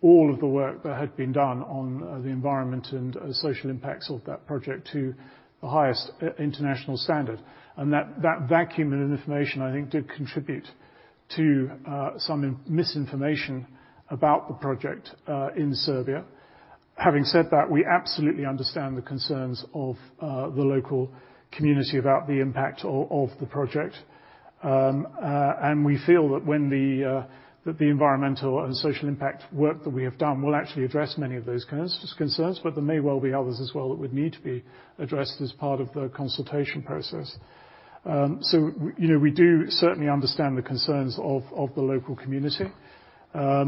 all of the work that had been done on the environment and social impacts of that project to the highest international standard. That vacuum of information, I think, did contribute to some misinformation about the project in Serbia. Having said that, we absolutely understand the concerns of the local community about the impact of the project. We feel that the environmental and social impact work that we have done will actually address many of those concerns, but there may well be others as well that would need to be addressed as part of the consultation process. You know, we do certainly understand the concerns of the local community. I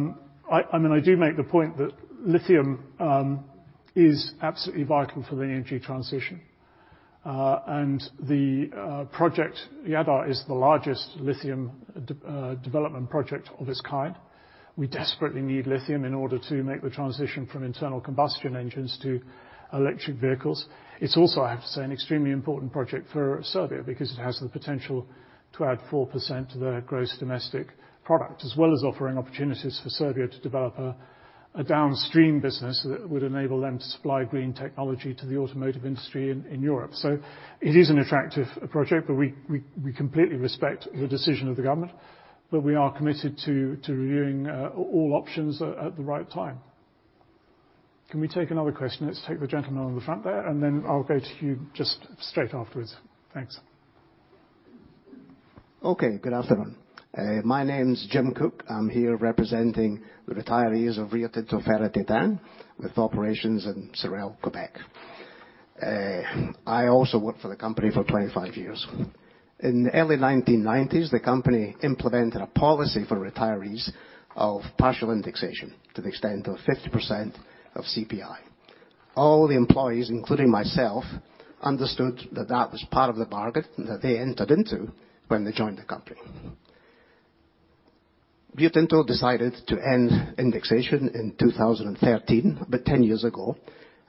mean, I do make the point that lithium is absolutely vital for the energy transition. The project, Jadar, is the largest lithium development project of its kind. We desperately need lithium in order to make the transition from internal combustion engines to electric vehicles. It's also, I have to say, an extremely important project for Serbia because it has the potential to add 4% to their gross domestic product, as well as offering opportunities for Serbia to develop a downstream business that would enable them to supply green technology to the automotive industry in Europe. It is an attractive project, but we completely respect the decision of the government, but we are committed to reviewing all options at the right time. Can we take another question? Let's take the gentleman on the front there, and then I'll go to you just straight afterwards. Thanks. Okay. Good afternoon. My name's Jim Cook. I'm here representing the retirees of Rio Tinto Fer et Titane with operations in Sorel, Quebec. I also worked for the company for 25 years. In the early 1990s, the company implemented a policy for retirees of partial indexation to the extent of 50% of CPI. All the employees, including myself, understood that that was part of the bargain that they entered into when they joined the company. Rio Tinto decided to end indexation in 2013, about ten years ago,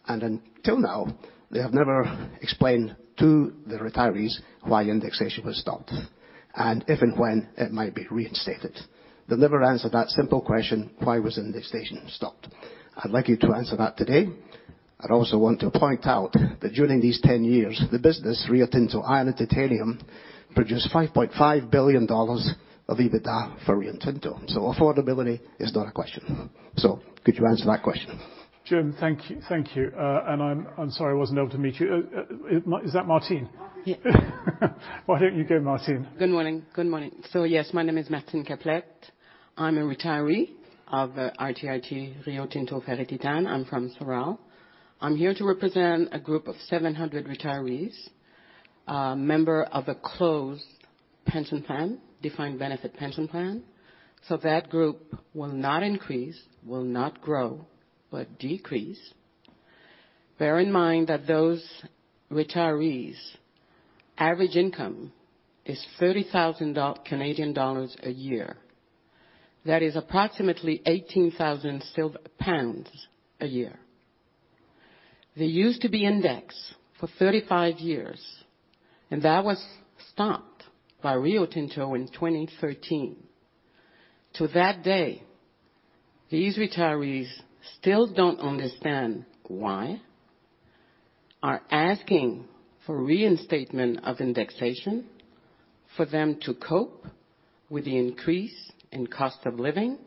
and until now, they have never explained to the retirees why indexation was stopped, and if and when it might be reinstated. They never answered that simple question, why was indexation stopped? I'd like you to answer that today. I'd also want to point out that during these 10 years, the business, Rio Tinto Iron and Titanium, produced $5.5 billion of EBITDA for Rio Tinto, so affordability is not a question. Could you answer that question? Jim, thank you. I'm sorry I wasn't able to meet you. Is that Martine? Yeah. Why don't you go, Martine? Good morning. My name is Martine Caplette. I'm a retiree of RTIT, Rio Tinto Fer et Titane. I'm from Sorel. I'm here to represent a group of 700 retirees, member of a closed pension plan, defined benefit pension plan, that group will not increase, will not grow, but decrease. Bear in mind that those retirees' average income is 30,000 Canadian dollars a year. That is approximately 18,000 pounds a year. They used to be indexed for 35 years, and that was stopped by Rio Tinto in 2013. To this day, these retirees still don't understand why, are asking for reinstatement of indexation for them to cope with the increase in cost of living.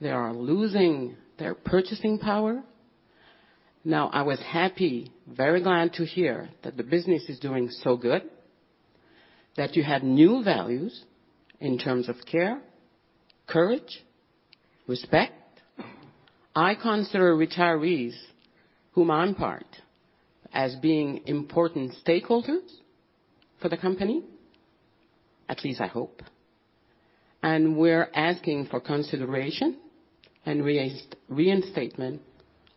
They are losing their purchasing power. I was happy, very glad to hear that the business is doing so good, that you have new values in terms of care, courage, respect. I consider retirees, whom I'm part, as being important stakeholders for the company, at least I hope. We're asking for consideration and reinstatement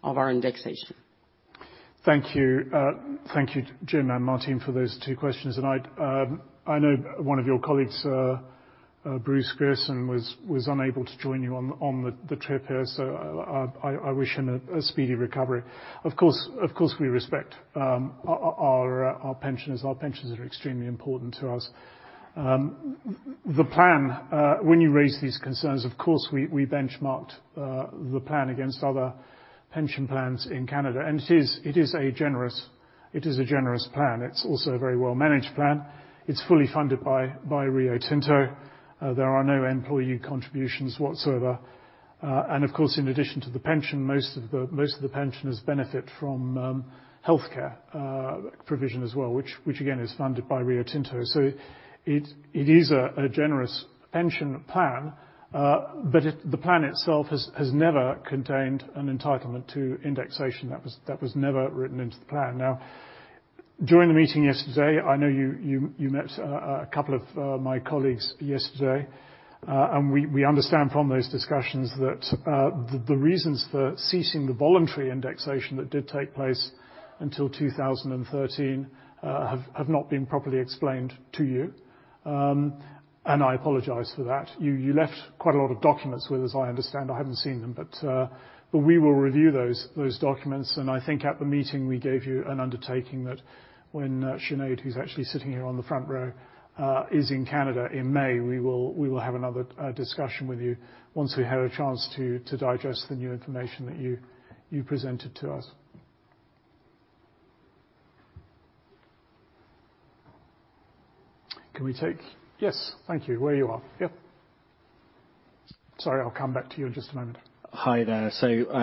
of our indexation. Thank you. Thank you, Jim and Martine, for those two questions. I know one of your colleagues, Bruce Gerson, was unable to join you on the trip here, so I wish him a speedy recovery. Of course, we respect our pensioners. Our pensioners are extremely important to us. The plan, when you raise these concerns, of course, we benchmarked the plan against other pension plans in Canada, and it is a generous plan. It's also a very well-managed plan. It's fully funded by Rio Tinto. There are no employee contributions whatsoever. Of course, in addition to the pension, most of the pensioners benefit from healthcare provision as well, which again is funded by Rio Tinto. It is a generous pension plan, but the plan itself has never contained an entitlement to indexation. That was never written into the plan. Now, during the meeting yesterday, I know you met a couple of my colleagues yesterday, and we understand from those discussions that the reasons for ceasing the voluntary indexation that did take place until 2013 have not been properly explained to you. I apologize for that. You left quite a lot of documents with us, I understand. I haven't seen them, but we will review those documents, and I think at the meeting, we gave you an undertaking that when Sinead, who's actually sitting here on the front row, is in Canada in May, we will have another discussion with you once we have a chance to digest the new information that you presented to us. Can we take? Yes, thank you. Where you are. Yeah. Sorry, I'll come back to you in just a moment. Hi there.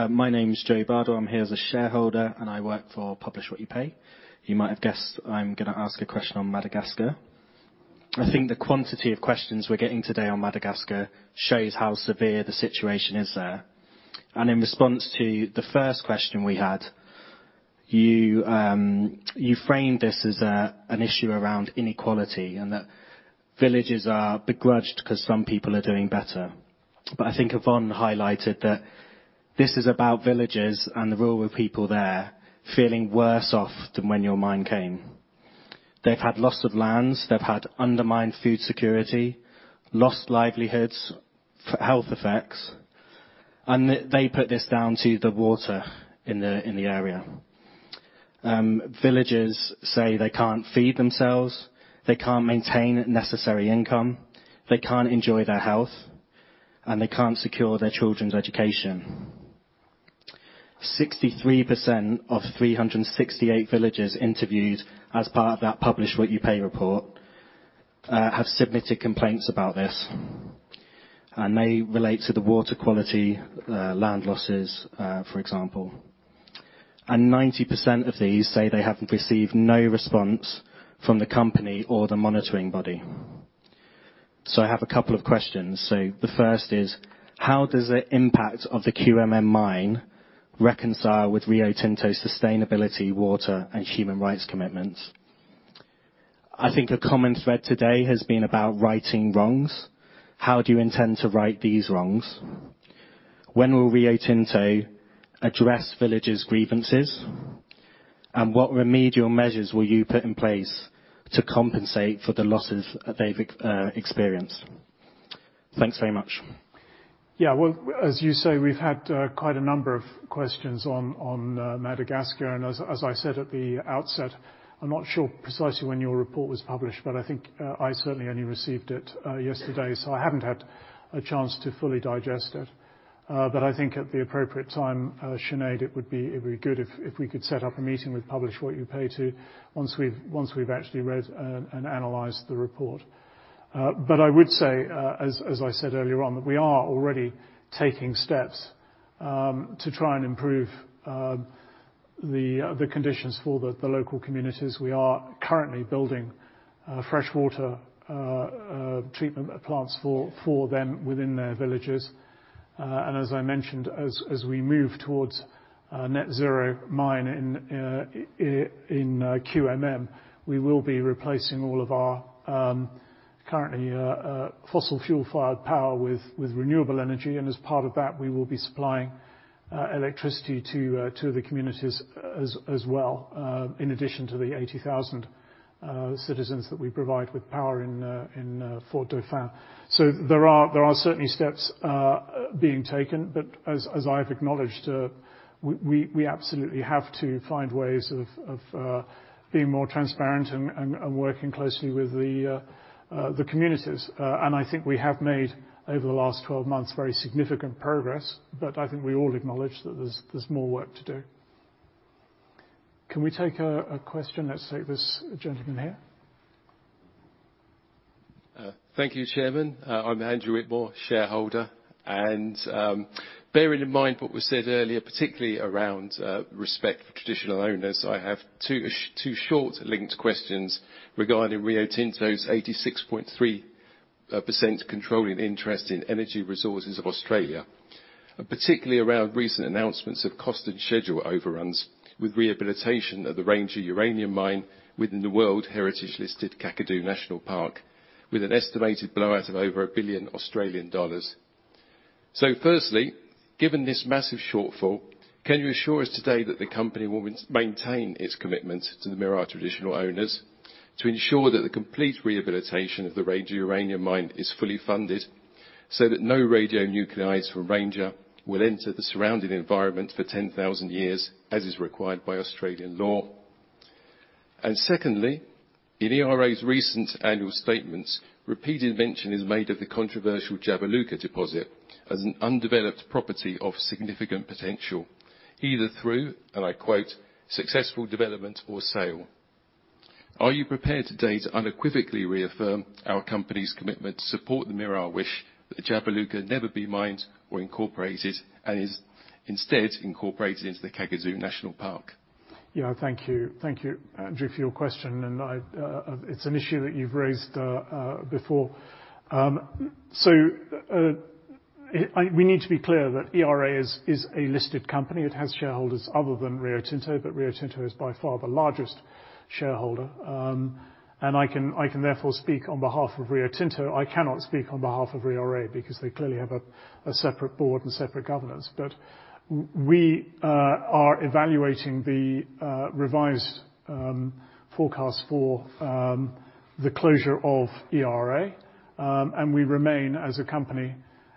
My name is Joe Bardow. I'm here as a shareholder, and I work for Publish What You Pay. You might have guessed I'm gonna ask a question on Madagascar. I think the quantity of questions we're getting today on Madagascar shows how severe the situation is there. In response to the first question we had, you framed this as an issue around inequality and that villages are begrudged 'cause some people are doing better. I think Yvonne highlighted that this is about villages and the rural people there feeling worse off than when your mine came. They've had loss of lands, they've had undermined food security, lost livelihoods, health effects, and they put this down to the water in the area. Villagers say they can't feed themselves, they can't maintain necessary income, they can't enjoy their health, and they can't secure their children's education. 63% of 368 villagers interviewed as part of that Publish What You Pay report have submitted complaints about this, and they relate to the water quality, land losses, for example. Ninety percent of these say they have received no response from the company or the monitoring body. I have a couple of questions. The first is: how does the impact of the QMM mine reconcile with Rio Tinto's sustainability, water, and human rights commitments? I think a common thread today has been about righting wrongs. How do you intend to right these wrongs? When will Rio Tinto address villagers' grievances, and what remedial measures will you put in place to compensate for the losses they've experienced? Thanks very much. Yeah. Well, as you say, we've had quite a number of questions on Madagascar. As I said at the outset, I'm not sure precisely when your report was published, but I think I certainly only received it yesterday. I haven't had a chance to fully digest it. I think at the appropriate time, Sinead, it would be good if we could set up a meeting with Publish What You Pay once we've actually read and analyzed the report. I would say, as I said earlier on, that we are already taking steps to try and improve the conditions for the local communities. We are currently building freshwater treatment plants for them within their villages. As I mentioned, as we move towards a net zero mine in QMM, we will be replacing all of our currently fossil fuel-fired power with renewable energy. As part of that, we will be supplying electricity to the communities as well, in addition to the 80,000 citizens that we provide with power in Fort Dauphin. There are certainly steps being taken. As I've acknowledged, we absolutely have to find ways of being more transparent and working closely with the communities. I think we have made, over the last 12 months, very significant progress. I think we all acknowledge that there's more work to do. Can we take a question? Let's take this gentleman here. Thank you, Chairman. I'm Andrew Whitmore, shareholder. Bearing in mind what was said earlier, particularly around respect for traditional owners, I have two short linked questions regarding Rio Tinto's 86.3% controlling interest in Energy Resources of Australia, and particularly around recent announcements of cost and schedule overruns with rehabilitation of the Ranger uranium mine within the World Heritage-listed Kakadu National Park, with an estimated blowout of over 1 billion Australian dollars. Firstly, given this massive shortfall, can you assure us today that the company will maintain its commitment to the Mirarr traditional owners to ensure that the complete rehabilitation of the Ranger uranium mine is fully funded so that no radionuclides from Ranger will enter the surrounding environment for 10,000 years, as is required by Australian law? Secondly, in ERA's recent annual statements, repeated mention is made of the controversial Jabiluka deposit as an undeveloped property of significant potential, either through, and I quote, "successful development or sale." Are you prepared today to unequivocally reaffirm our company's commitment to support the Mirarr wish that Jabiluka never be mined or incorporated, and is instead incorporated into the Kakadu National Park? Yeah, thank you. Thank you, Andrew, for your question. It's an issue that you've raised before. We need to be clear that ERA is a listed company. It has shareholders other than Rio Tinto, but Rio Tinto is by far the largest shareholder. I can therefore speak on behalf of Rio Tinto. I cannot speak on behalf of ERA because they clearly have a separate board and separate governance. We are evaluating the revised forecast for the closure of ERA. We remain, as a company,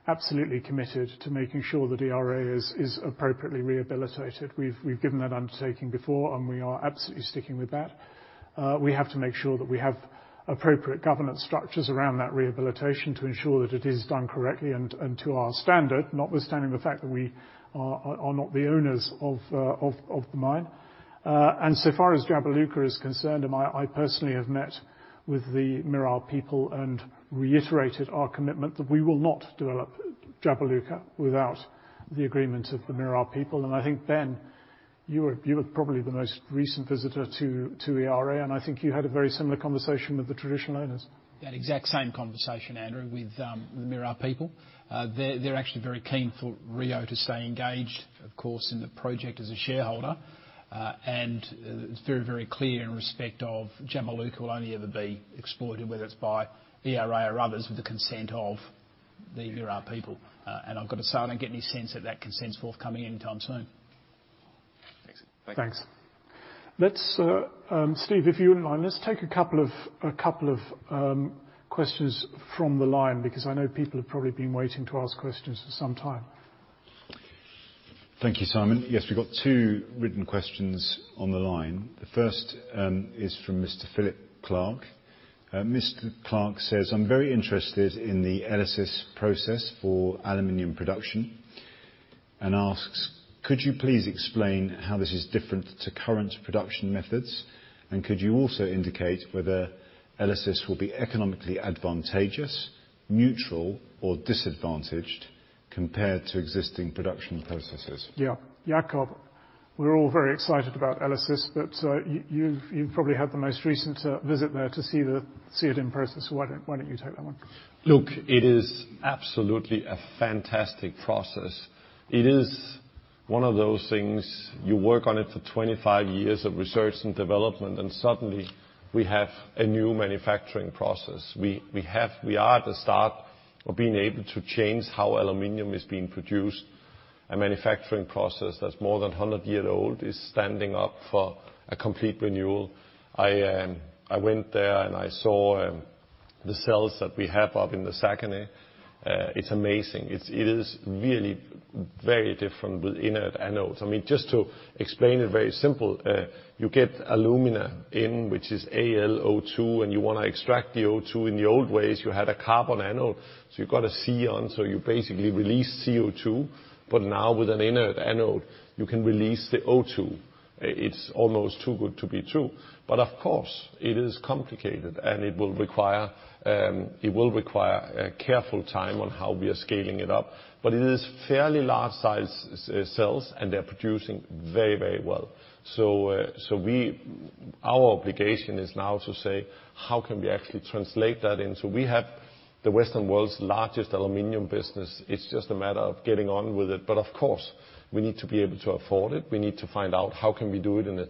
absolutely committed to making sure that ERA is appropriately rehabilitated. We've given that undertaking before, and we are absolutely sticking with that. We have to make sure that we have appropriate governance structures around that rehabilitation to ensure that it is done correctly and to our standard, notwithstanding the fact that we are not the owners of the mine. So far as Jabiluka is concerned, I personally have met with the Mirarr people and reiterated our commitment that we will not develop Jabiluka without the agreements of the Mirarr people. I think, Ben, you were probably the most recent visitor to ERA, and I think you had a very similar conversation with the traditional owners. That exact same conversation, Andrew, with the Mirarr people. They're actually very keen for Rio to stay engaged, of course, in the project as a shareholder. It's very, very clear in respect of Jabiluka will only ever be exploited, whether it's by ERA or others, with the consent of the Mirarr people. I've gotta say, I don't get any sense that consent's forthcoming anytime soon. Thanks. Let's, Steve, if you wouldn't mind, let's take a couple of questions from the line, because I know people have probably been waiting to ask questions for some time. Thank you, Simon. Yes, we've got two written questions on the line. The first is from Philip Clark. Mr. Clark says, "I'm very interested in the ELYSIS process for aluminum production," and asks, "Could you please explain how this is different to current production methods? And could you also indicate whether ELYSIS will be economically advantageous, neutral, or disadvantaged compared to existing production processes? Yeah. Jakob, we're all very excited about ELYSIS, but you've probably had the most recent visit there to see it in person, so why don't you take that one? Look, it is absolutely a fantastic process. It is one of those things, you work on it for 25 years of research and development, and suddenly we have a new manufacturing process. We are at the start of being able to change how aluminum is being produced. A manufacturing process that's more than 100-year-old is standing up for a complete renewal. I went there and I saw the cells that we have up in the Saguenay. It's amazing. It is really very different with inert anodes. I mean, just to explain it very simple, you get alumina in, which is AlO2, and you wanna extract the O2. In the old ways, you had a carbon anode, so you got a C on, so you basically release CO2. But now with an inert anode, you can release the O2. It's almost too good to be true. Of course, it is complicated, and it will require a careful timing on how we are scaling it up. It is fairly large-sized cells, and they're producing very, very well. Our obligation is now to say, "How can we actually translate that into we have the Western world's largest aluminum business." It's just a matter of getting on with it. Of course, we need to be able to afford it. We need to find out how can we do it in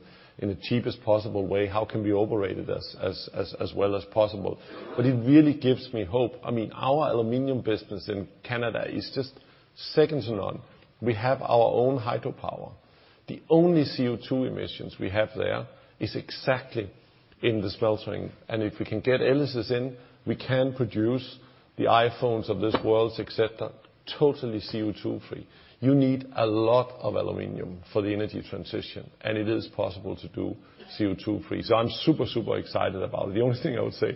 the cheapest possible way? How can we operate it as well as possible? It really gives me hope. I mean, our aluminum business in Canada is just second to none. We have our own hydropower. The only CO2 emissions we have there is exactly in the smelting. If we can get ELYSIS in, we can produce the iPhones of this world, etcetera, totally CO2 free. You need a lot of aluminum for the energy transition, and it is possible to do CO2 free. I'm super excited about it. The only thing I would say,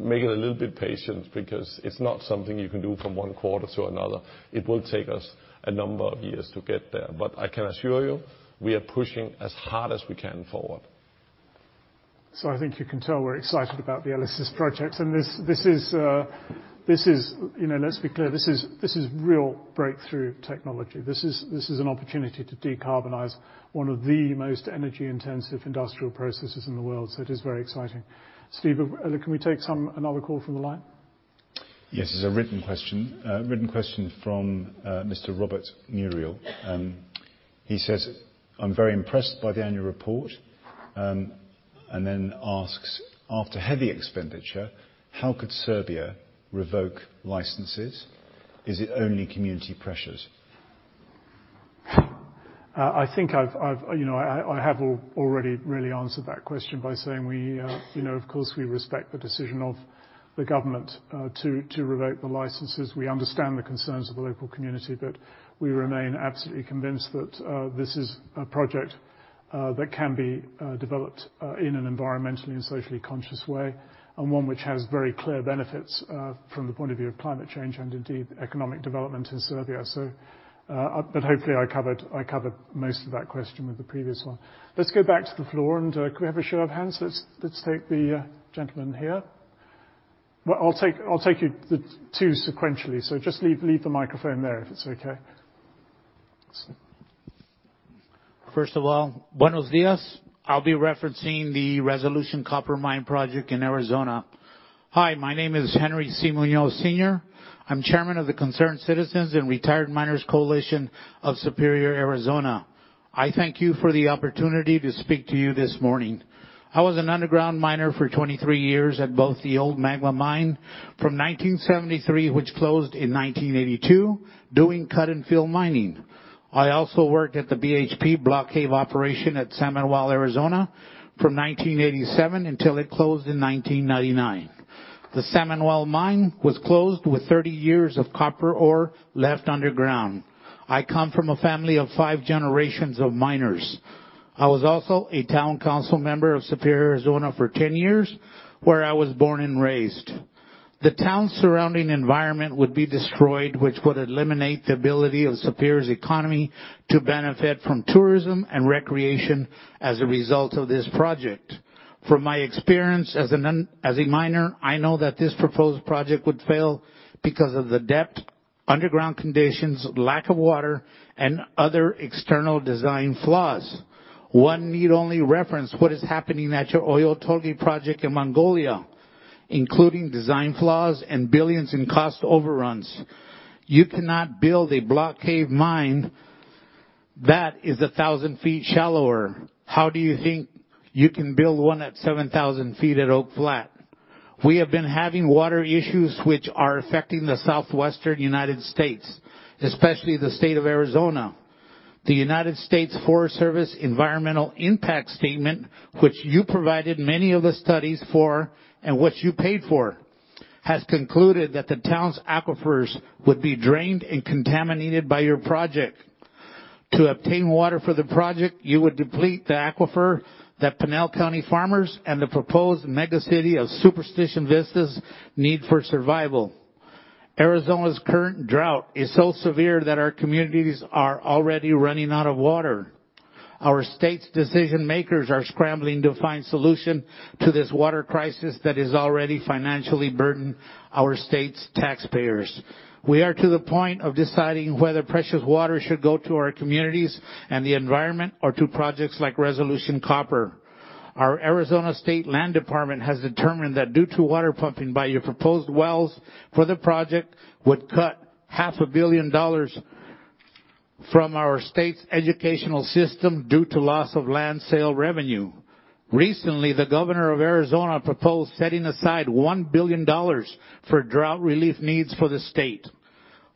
make it a little bit patient because it's not something you can do from one quarter to another. It will take us a number of years to get there. I can assure you, we are pushing as hard as we can forward. I think you can tell we're excited about the ELYSIS project. This is, you know, let's be clear, this is real breakthrough technology. This is an opportunity to decarbonize one of the most energy-intensive industrial processes in the world. It is very exciting. Steve, can we take another call from the line? Yes, it's a written question. A written question from Mr. Robert Muriel. He says, "I'm very impressed by the annual report," and then asks, "After heavy expenditure, how could Serbia revoke licenses? Is it only community pressures? I think I've you know already really answered that question by saying we you know of course we respect the decision of the government to revoke the licenses. We understand the concerns of the local community, but we remain absolutely convinced that this is a project that can be developed in an environmentally and socially conscious way, and one which has very clear benefits from the point of view of climate change and indeed economic development in Serbia. Hopefully I covered most of that question with the previous one. Let's go back to the floor and can we have a show of hands? Let's take the gentleman here. Well, I'll take you two sequentially, so just leave the microphone there if it's okay. First of all, Buenos días. I'll be referencing the Resolution Copper mine project in Arizona. Hi, my name is Henry Munoz, Sr. I'm Chairman of the Concerned Citizens and Retired Miners Coalition of Superior, Arizona. I thank you for the opportunity to speak to you this morning. I was an underground miner for 23 years at both the old Magma Mine from 1973, which closed in 1982, doing cut and fill mining. I also worked at the BHP block cave operation at San Manuel, Arizona from 1987 until it closed in 1999. The San Manuel mine was closed with 30 years of copper ore left underground. I come from a family of five generations of miners. I was also a town council member of Superior, Arizona for 10 years, where I was born and raised. The town's surrounding environment would be destroyed, which would eliminate the ability of Superior's economy to benefit from tourism and recreation as a result of this project. From my experience as a miner, I know that this proposed project would fail because of the depth underground conditions, lack of water and other external design flaws. One need only reference what is happening at your Oyu Tolgoi project in Mongolia, including design flaws and billions in cost overruns. You cannot build a block caving mine that is 1,000 feet shallower. How do you think you can build one at 7,000 feet at Oak Flat? We have been having water issues which are affecting the southwestern United States, especially the state of Arizona. The United States Forest Service environmental impact statement, which you provided many of the studies for and what you paid for, has concluded that the town's aquifers would be drained and contaminated by your project. To obtain water for the project, you would deplete the aquifer that Pinal County farmers and the proposed mega city of Superstition Vistas need for survival. Arizona's current drought is so severe that our communities are already running out of water. Our state's decision-makers are scrambling to find solution to this water crisis that has already financially burdened our state's taxpayers. We are to the point of deciding whether precious water should go to our communities and the environment or to projects like Resolution Copper. Our Arizona State Land Department has determined that due to water pumping by your proposed wells for the project would cut half a billion dollars from our state's educational system due to loss of land sale revenue. Recently, the governor of Arizona proposed setting aside $1 billion for drought relief needs for the state.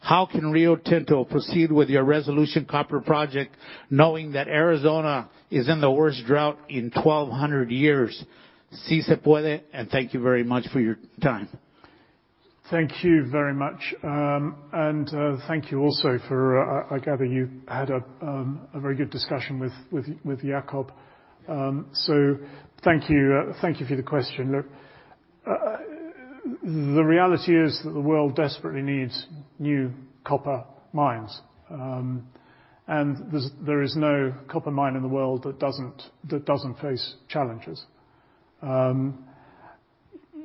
How can Rio Tinto proceed with your Resolution Copper project knowing that Arizona is in the worst drought in 1,200 years? Thank you very much for your time. Thank you very much. Thank you also for, I gather you had a very good discussion with Jakob. Thank you. Thank you for the question. Look, the reality is that the world desperately needs new copper mines. There is no copper mine in the world that doesn't face challenges.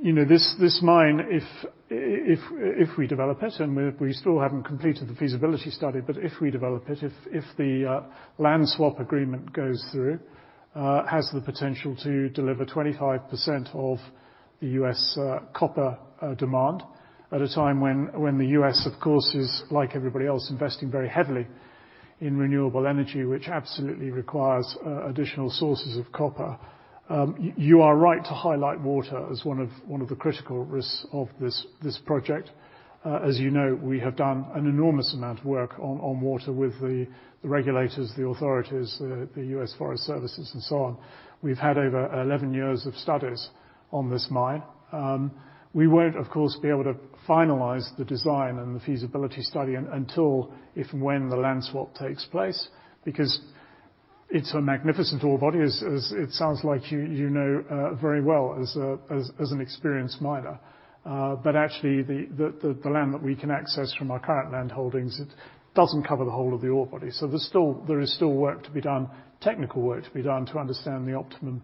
You know, this mine, if we develop it, and we still haven't completed the feasibility study, but if we develop it, if the land swap agreement goes through, has the potential to deliver 25% of the U.S. copper demand at a time when the U.S., of course, is like everybody else, investing very heavily in renewable energy, which absolutely requires additional sources of copper. You are right to highlight water as one of the critical risks of this project. As you know, we have done an enormous amount of work on water with the regulators, the authorities, the U.S. Forest Service and so on. We've had over 11 years of studies on this mine. We won't, of course, be able to finalize the design and the feasibility study until if and when the land swap takes place, because it's a magnificent ore body, as it sounds like you know very well as an experienced miner. Actually the land that we can access from our current land holdings doesn't cover the whole of the ore body. There's still work to be done, technical work to be done to understand the optimum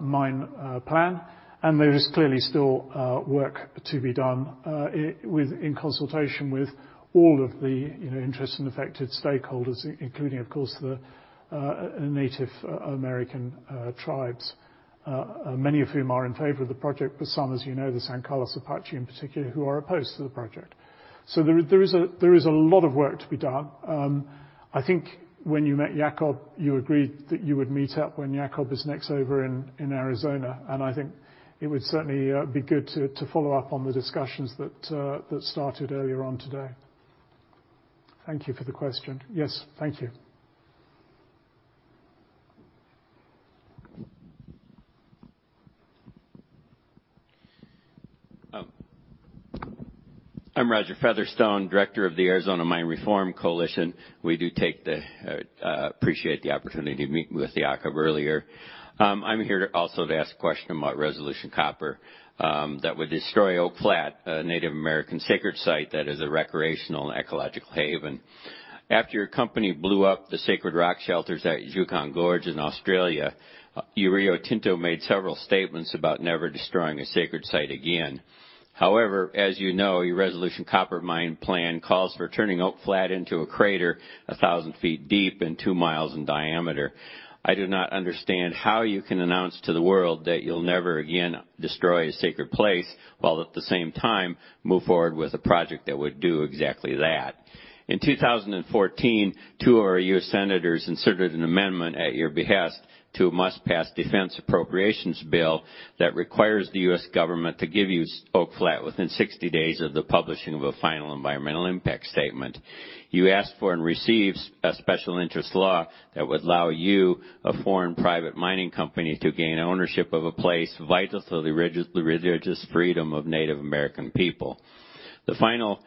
mine plan. There is clearly still work to be done in consultation with all of the, you know, interests and affected stakeholders, including of course the Native American tribes, many of whom are in favor of the project, but some, as you know, the San Carlos Apache in particular, who are opposed to the project. There is a lot of work to be done. I think when you met Jakob, you agreed that you would meet up when Jakob is next over in Arizona, and I think it would certainly be good to follow up on the discussions that started earlier today. Thank you for the question. Yes. Thank you. I'm Roger Featherstone, Director of the Arizona Mining Reform Coalition. We appreciate the opportunity to meet with Jakob earlier. I'm here to ask a question about Resolution Copper that would destroy Oak Flat, a Native American sacred site that is a recreational and ecological haven. After your company blew up the sacred rock shelters at Juukan Gorge in Australia, you, Rio Tinto, made several statements about never destroying a sacred site again. However, as you know, your Resolution Copper mine plan calls for turning Oak Flat into a crater 1,000 feet deep and 2 miles in diameter. I do not understand how you can announce to the world that you'll never again destroy a sacred place while at the same time move forward with a project that would do exactly that. In 2014, two of our U.S. senators inserted an amendment at your behest to a must-pass defense appropriations bill that requires the U.S. government to give you Oak Flat within 60 days of the publishing of a final environmental impact statement. You asked for and received a special interest law that would allow you, a foreign private mining company, to gain ownership of a place vital to the religious freedom of Native American people. The final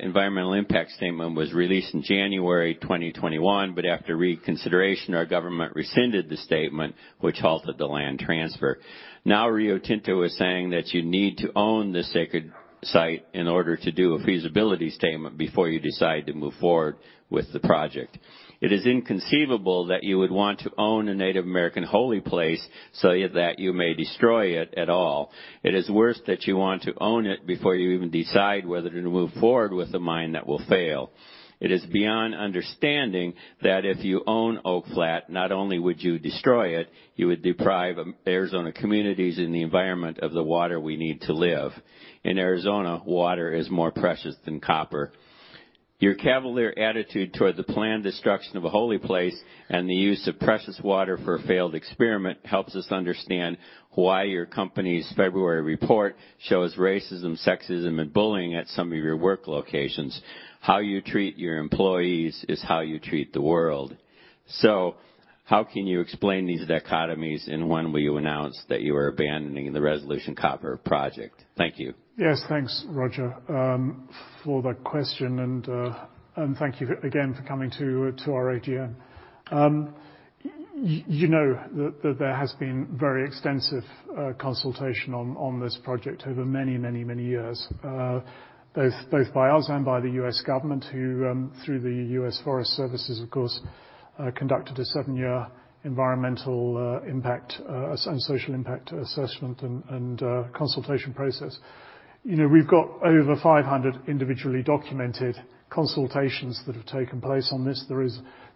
environmental impact statement was released in January 2021, but after reconsideration, our government rescinded the statement, which halted the land transfer. Now, Rio Tinto is saying that you need to own the sacred site in order to do a feasibility statement before you decide to move forward with the project. It is inconceivable that you would want to own a Native American holy place so that you may destroy it at all. It is worse that you want to own it before you even decide whether to move forward with a mine that will fail. It is beyond understanding that if you own Oak Flat, not only would you destroy it, you would deprive Arizona communities and the environment of the water we need to live. In Arizona, water is more precious than copper. Your cavalier attitude toward the planned destruction of a holy place and the use of precious water for a failed experiment helps us understand why your company's February report shows racism, sexism, and bullying at some of your work locations. How you treat your employees is how you treat the world. How can you explain these dichotomies and when will you announce that you are abandoning the Resolution Copper project? Thank you. Yes. Thanks, Roger, for the question, and thank you again for coming to our AGM. You know that there has been very extensive consultation on this project over many years, both by us and by the U.S. government, who through the U.S. Forest Service, of course, conducted a seven-year environmental impact and social impact assessment and consultation process. You know, we've got over 500 individually documented consultations that have taken place on this.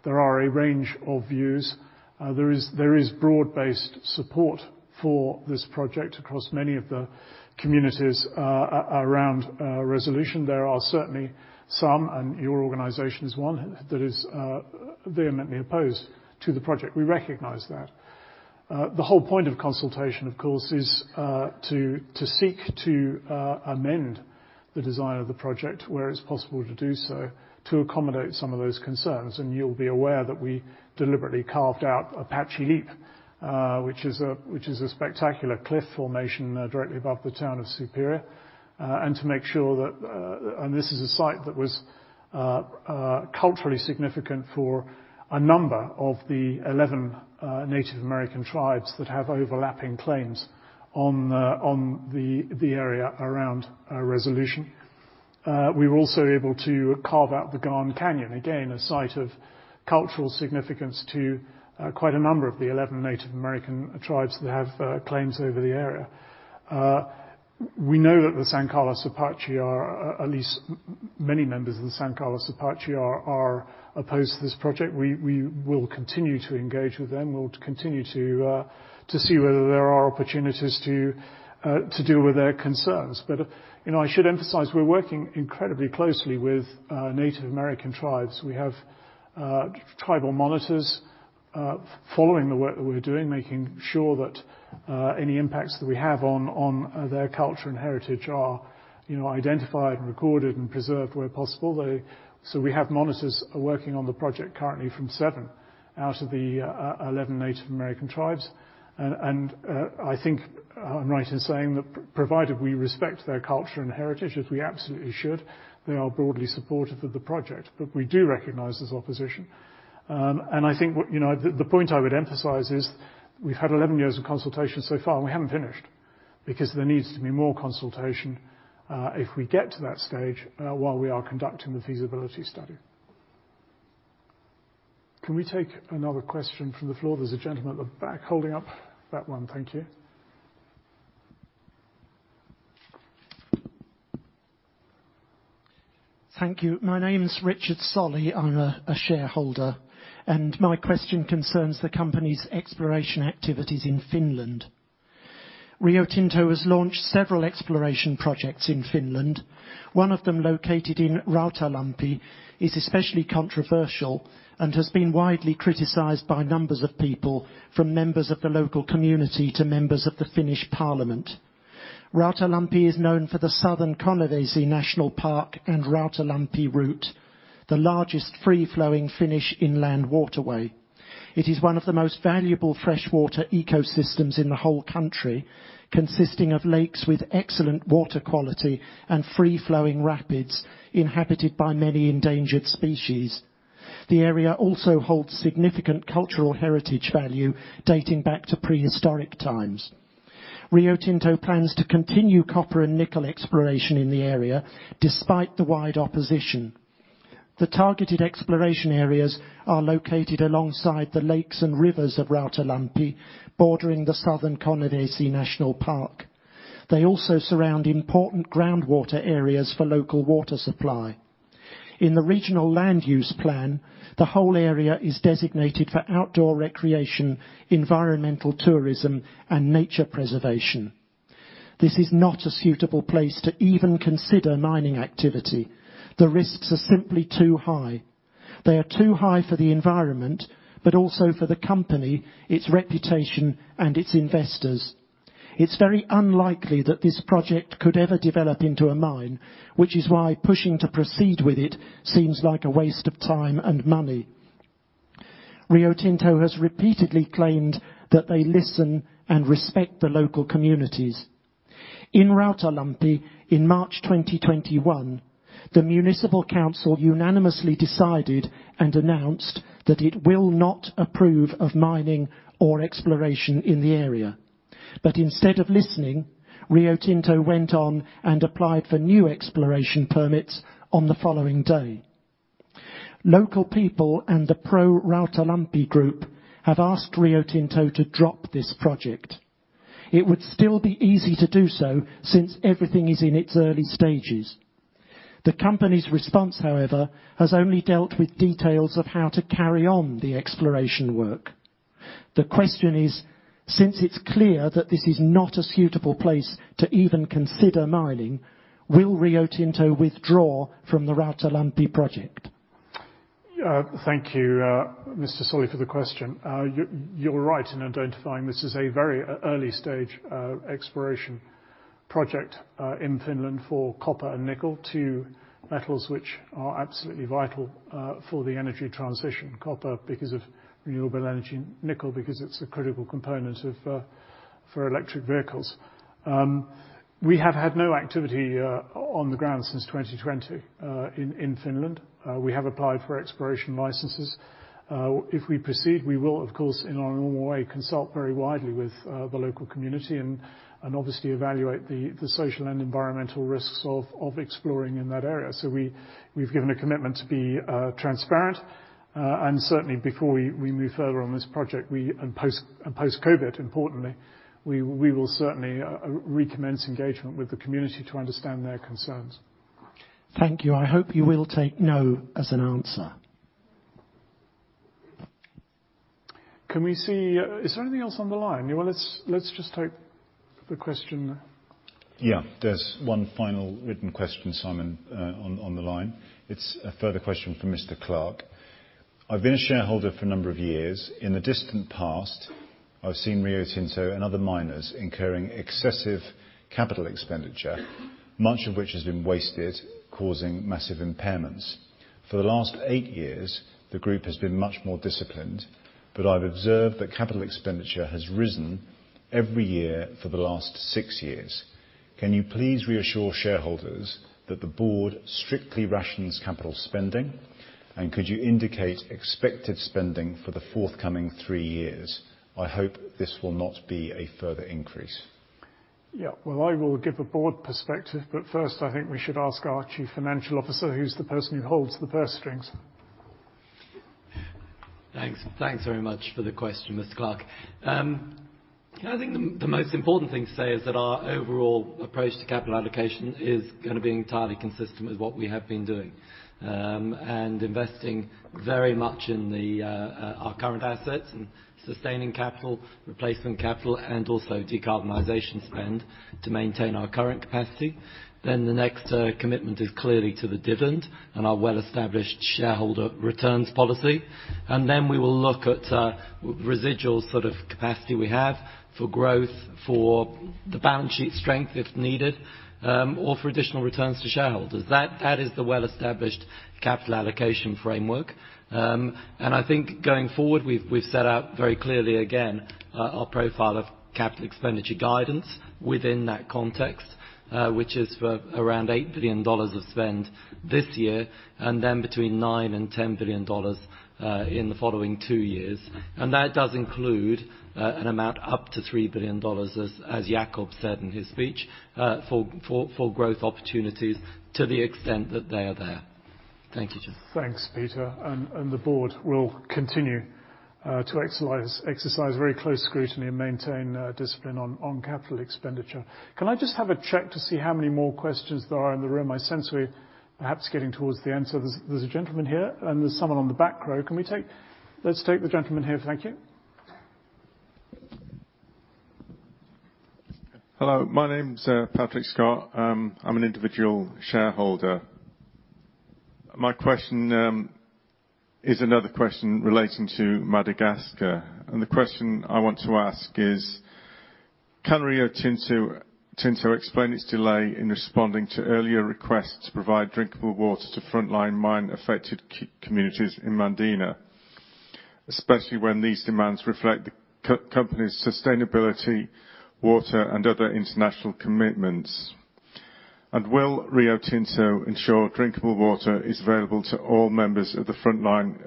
There are a range of views. There is broad-based support for this project across many of the communities around Resolution. There are certainly some, and your organization is one that is vehemently opposed to the project. We recognize that. The whole point of consultation, of course, is to seek to amend the design of the project where it's possible to do so to accommodate some of those concerns. You'll be aware that we deliberately carved out Apache Leap, which is a spectacular cliff formation directly above the town of Superior. To make sure that this is a site that was culturally significant for a number of the 11 Native American tribes that have overlapping claims on the area around Resolution. We were also able to carve out the Gaan Canyon, again, a site of cultural significance to quite a number of the 11 Native American tribes that have claims over the area. We know that the San Carlos Apache are, at least many members of the San Carlos Apache are, opposed to this project. We will continue to engage with them. We'll continue to see whether there are opportunities to deal with their concerns. You know, I should emphasize, we're working incredibly closely with Native American tribes. We have tribal monitors following the work that we're doing, making sure that any impacts that we have on their culture and heritage are, you know, identified, recorded, and preserved where possible. We have monitors working on the project currently from seven out of the 11 Native American tribes. I think I'm right in saying that provided we respect their culture and heritage, as we absolutely should, they are broadly supportive of the project. We do recognize this opposition. I think what, you know, the point I would emphasize is we've had 11 years of consultation so far, and we haven't finished because there needs to be more consultation, if we get to that stage while we are conducting the feasibility study. Can we take another question from the floor? There's a gentleman at the back holding up. That one. Thank you. Thank you. My name is Richard Solly. I'm a shareholder. My question concerns the company's exploration activities in Finland. Rio Tinto has launched several exploration projects in Finland. One of them, located in Rautalampi, is especially controversial and has been widely criticized by numbers of people from members of the local community to members of the Finnish Parliament. Rautalampi is known for the Southern Konnevesi National Park and Rautalampi route, the largest free-flowing Finnish inland waterway. It is one of the most valuable freshwater ecosystems in the whole country, consisting of lakes with excellent water quality and free-flowing rapids inhabited by many endangered species. The area also holds significant cultural heritage value dating back to prehistoric times. Rio Tinto plans to continue copper and nickel exploration in the area despite the wide opposition. The targeted exploration areas are located alongside the lakes and rivers of Rautalampi, bordering the Southern Konnevesi National Park. They also surround important groundwater areas for local water supply. In the regional land use plan, the whole area is designated for outdoor recreation, environmental tourism, and nature preservation. This is not a suitable place to even consider mining activity. The risks are simply too high. They are too high for the environment, but also for the company, its reputation, and its investors. It's very unlikely that this project could ever develop into a mine, which is why pushing to proceed with it seems like a waste of time and money. Rio Tinto has repeatedly claimed that they listen and respect the local communities. In Rautalampi, in March 2021, the municipal council unanimously decided and announced that it will not approve of mining or exploration in the area. Instead of listening, Rio Tinto went on and applied for new exploration permits on the following day. Local people and the Pro Rautalampi group have asked Rio Tinto to drop this project. It would still be easy to do so, since everything is in its early stages. The company's response, however, has only dealt with details of how to carry on the exploration work. The question is, since it's clear that this is not a suitable place to even consider mining, will Rio Tinto withdraw from the Rautalampi project? Thank you, Mr. Solly, for the question. You're right in identifying this is a very early stage exploration project in Finland for copper and nickel, two metals which are absolutely vital for the energy transition. Copper because of renewable energy, nickel because it's a critical component for electric vehicles. We have had no activity on the ground since 2020 in Finland. We have applied for exploration licenses. If we proceed, we will, of course, in our normal way, consult very widely with the local community and obviously evaluate the social and environmental risks of exploring in that area. We've given a commitment to be transparent. Certainly before we move further on this project, and post-COVID, importantly, we will certainly recommence engagement with the community to understand their concerns. Thank you. I hope you will take "no" as an answer. Is there anything else on the line? Yeah, well, let's just take the question. Yeah. There's one final written question, Simon, on the line. It's a further question from Mr. Clark. I've been a shareholder for a number of years. In the distant past, I've seen Rio Tinto and other miners incurring excessive capital expenditure, much of which has been wasted, causing massive impairments. For the last eight years, the group has been much more disciplined, but I've observed that capital expenditure has risen every year for the last six years. Can you please reassure shareholders that the board strictly rations capital spending, and could you indicate expected spending for the forthcoming three years? I hope this will not be a further increase. Yeah. Well, I will give a board perspective, but first, I think we should ask our Chief Financial Officer, who's the person who holds the purse strings. Thanks. Thanks very much for the question, Mr. Clark. I think the most important thing to say is that our overall approach to capital allocation is gonna be entirely consistent with what we have been doing, and investing very much in our current assets and sustaining capital, replacement capital, and also decarbonization spend to maintain our current capacity. The next commitment is clearly to the dividend and our well-established shareholder returns policy. We will look at residual sort of capacity we have for growth, for the balance sheet strength if needed, or for additional returns to shareholders. That is the well-established capital allocation framework. I think going forward, we've set out very clearly again our profile of capital expenditure guidance within that context, which is for around $8 billion of spend this year, and then between $9 billion and $10 billion in the following two years. That does include an amount up to $3 billion, as Jakob said in his speech, for growth opportunities to the extent that they are there. Thank you, Chair. Thanks, Peter. The board will continue to exercise very close scrutiny and maintain discipline on capital expenditure. Can I just have a check to see how many more questions there are in the room? I sense we're perhaps getting towards the end. There's a gentleman here and there's someone on the back row. Can we take the gentleman here. Let's take the gentleman here. Thank you. Hello, my name's Patrick Scott. I'm an individual shareholder. My question is another question relating to Madagascar. The question I want to ask is, can Rio Tinto explain its delay in responding to earlier requests to provide drinkable water to frontline mine-affected communities in Mandena, especially when these demands reflect the company's sustainability, water, and other international commitments? Will Rio Tinto ensure drinkable water is available to all members of the frontline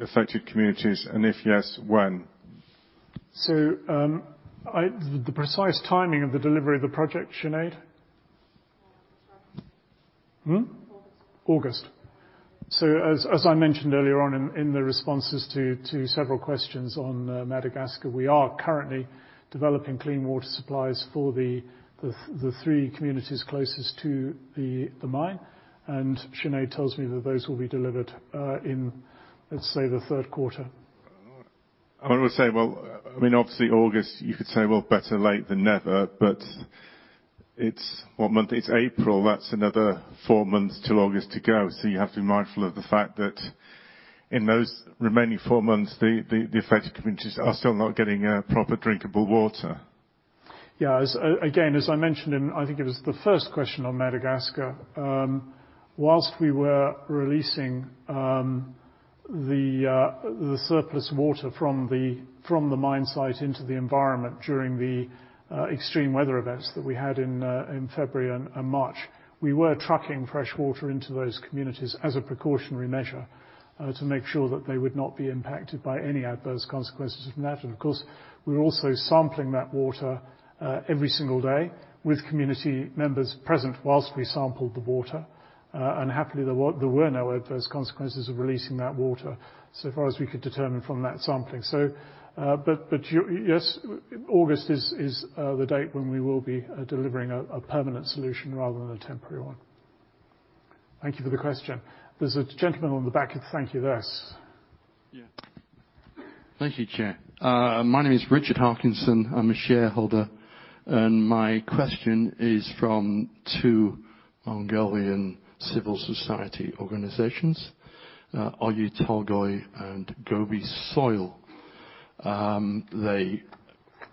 affected communities, and if yes, when? The precise timing of the delivery of the project, Sinead? August. As I mentioned earlier in the responses to several questions on Madagascar, we are currently developing clean water supplies for the three communities closest to the mine. Sinead tells me that those will be delivered in, let's say, the third quarter. I would say, well, I mean, obviously August, you could say, well, better late than never, but it's what month? It's April. That's another four months till August to go. So you have to be mindful of the fact that in those remaining four months, the affected communities are still not getting proper drinkable water. Yeah. As again, as I mentioned in, I think it was the first question on Madagascar, while we were releasing the surplus water from the mine site into the environment during the extreme weather events that we had in February and March, we were trucking fresh water into those communities as a precautionary measure. To make sure that they would not be impacted by any adverse consequences from that. Of course, we're also sampling that water every single day with community members present while we sample the water. And happily, there were no adverse consequences of releasing that water so far as we could determine from that sampling. But yes, August is the date when we will be delivering a permanent solution rather than a temporary one. Thank you for the question. There's a gentleman on the back. Thank you, yes. Thank you, Chair. My name is Richard Harkinson. I'm a shareholder. My question is from two Mongolian civil society organizations, Oyu Tolgoi and Gobi Soil. They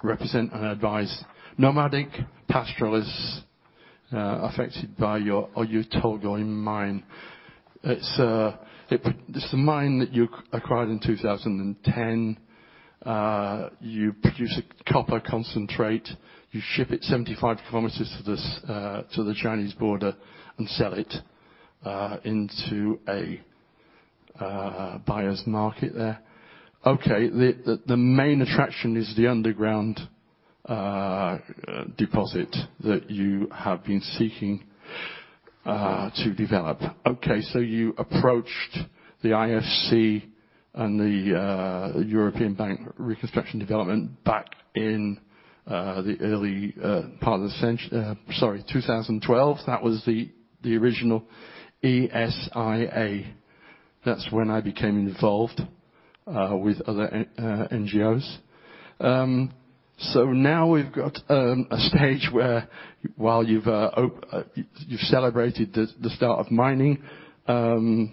represent and advise nomadic pastoralists affected by your Oyu Tolgoi mine. It's the mine that you acquired in 2010. You produce a copper concentrate. You ship it 75 km to the Chinese border and sell it into a buyer's market there. The main attraction is the underground deposit that you have been seeking to develop. You approached the IFC and the European Bank for Reconstruction and Development back in the early part of 2012. That was the original ESIA. That's when I became involved with other NGOs. Now we've got a stage where while you've celebrated the start of mining, the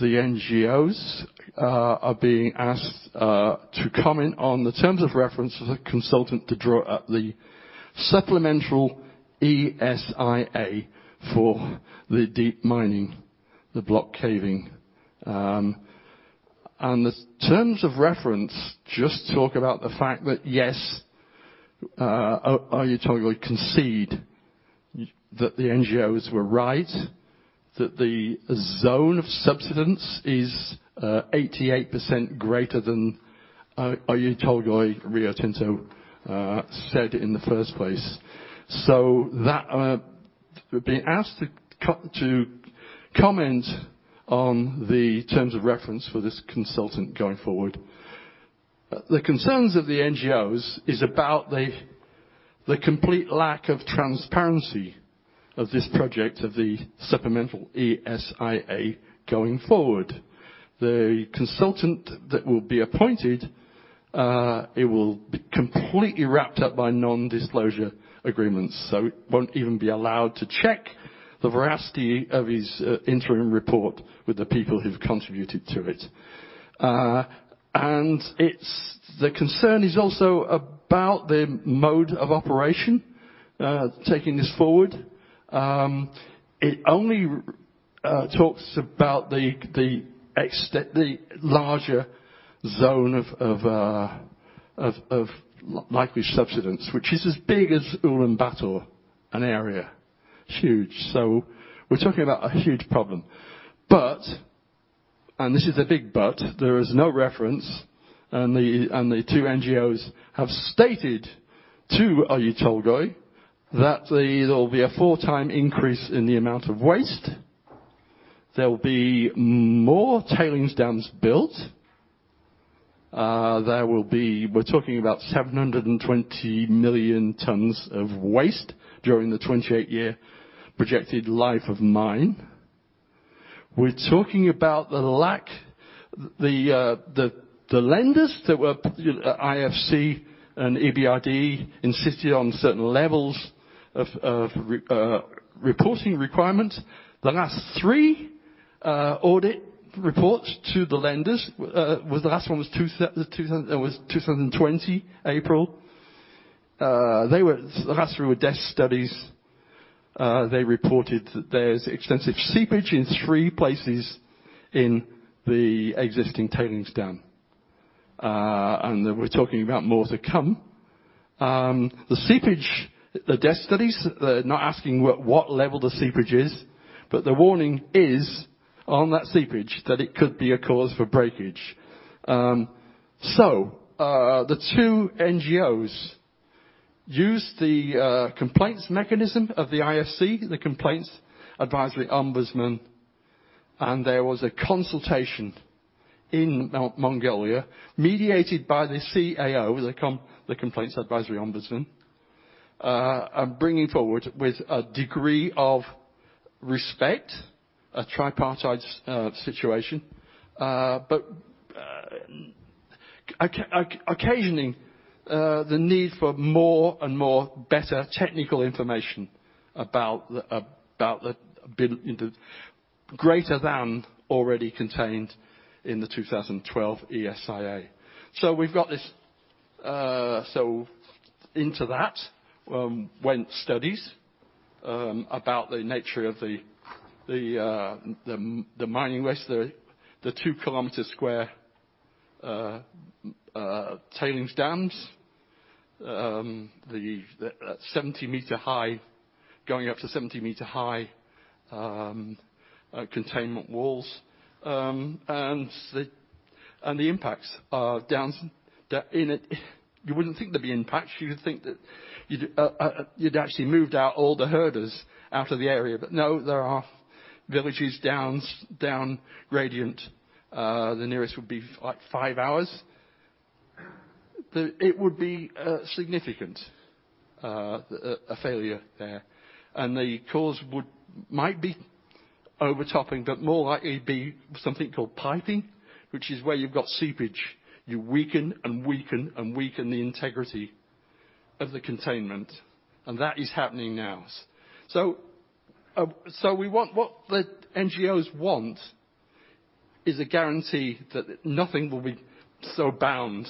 NGOs are being asked to comment on the terms of reference as a consultant to draw up the supplemental ESIA for the deep mining, the block caving. The terms of reference just talk about the fact that, yes, Oyu Tolgoi concede that the NGOs were right, that the zone of subsidence is 88% greater than Oyu Tolgoi Rio Tinto said in the first place. That, we're being asked to comment on the terms of reference for this consultant going forward. The concerns of the NGOs is about the complete lack of transparency of this project, of the supplemental ESIA going forward. The consultant that will be appointed, it will be completely wrapped up by non-disclosure agreements, so it won't even be allowed to check the veracity of his interim report with the people who've contributed to it. The concern is also about the mode of operation, taking this forward. It only talks about the larger zone of likely subsidence, which is as big as Ulaanbaatar, an area. Huge. So we're talking about a huge problem. This is a big but, there is no reference, and the two NGOs have stated to Oyu Tolgoi that there'll be a four times increase in the amount of waste. There will be more tailings dams built. There will be, we're talking about 720 million tons of waste during the 28-year projected life of mine. We're talking about the lenders that were IFC and EBRD insisted on certain levels of reporting requirements. The last three audit reports to the lenders, the last one was 2020, April. The last three were desk studies. They reported that there's extensive seepage in three places in the existing tailings dam. We're talking about more to come. The seepage, the desk studies, they're not asking what level the seepage is, but the warning is on that seepage that it could be a cause for breakage. The two NGOs used the complaints mechanism of the IFC, the Compliance Advisor Ombudsman, and there was a consultation in Mongolia, mediated by the CAO, the Compliance Advisor Ombudsman, bringing forward with a degree of respect a tripartite situation, occasioning the need for more and better technical information greater than already contained in the 2012 ESIA. We've got this, into that went studies about the nature of the mining waste, the 2 sq km tailings dams, the 70-meter high containment walls going up to 70-meter high. The impacts are downstream in it, you wouldn't think there'd be impacts. You would think that you'd actually moved all the herders out of the area. No, there are villages down gradient. The nearest would be like five hours. It would be significant. A failure there. The cause might be overtopping, but more likely be something called piping, which is where you've got seepage. You weaken the integrity of the containment, and that is happening now. What the NGOs want is a guarantee that nothing will be so bound.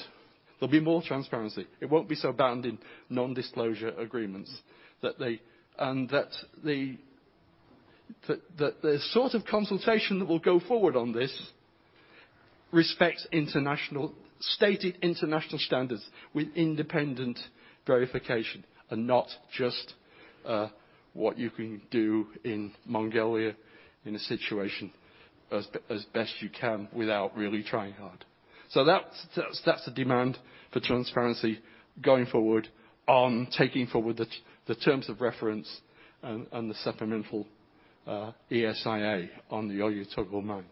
There'll be more transparency. It won't be so bound in non-disclosure agreements. That the sort of consultation that will go forward on this respects stated international standards with independent verification and not just what you can do in Mongolia in a situation as best you can without really trying hard. That's a demand for transparency going forward on taking forward the terms of reference and the supplemental ESIA on the Oyu Tolgoi mine.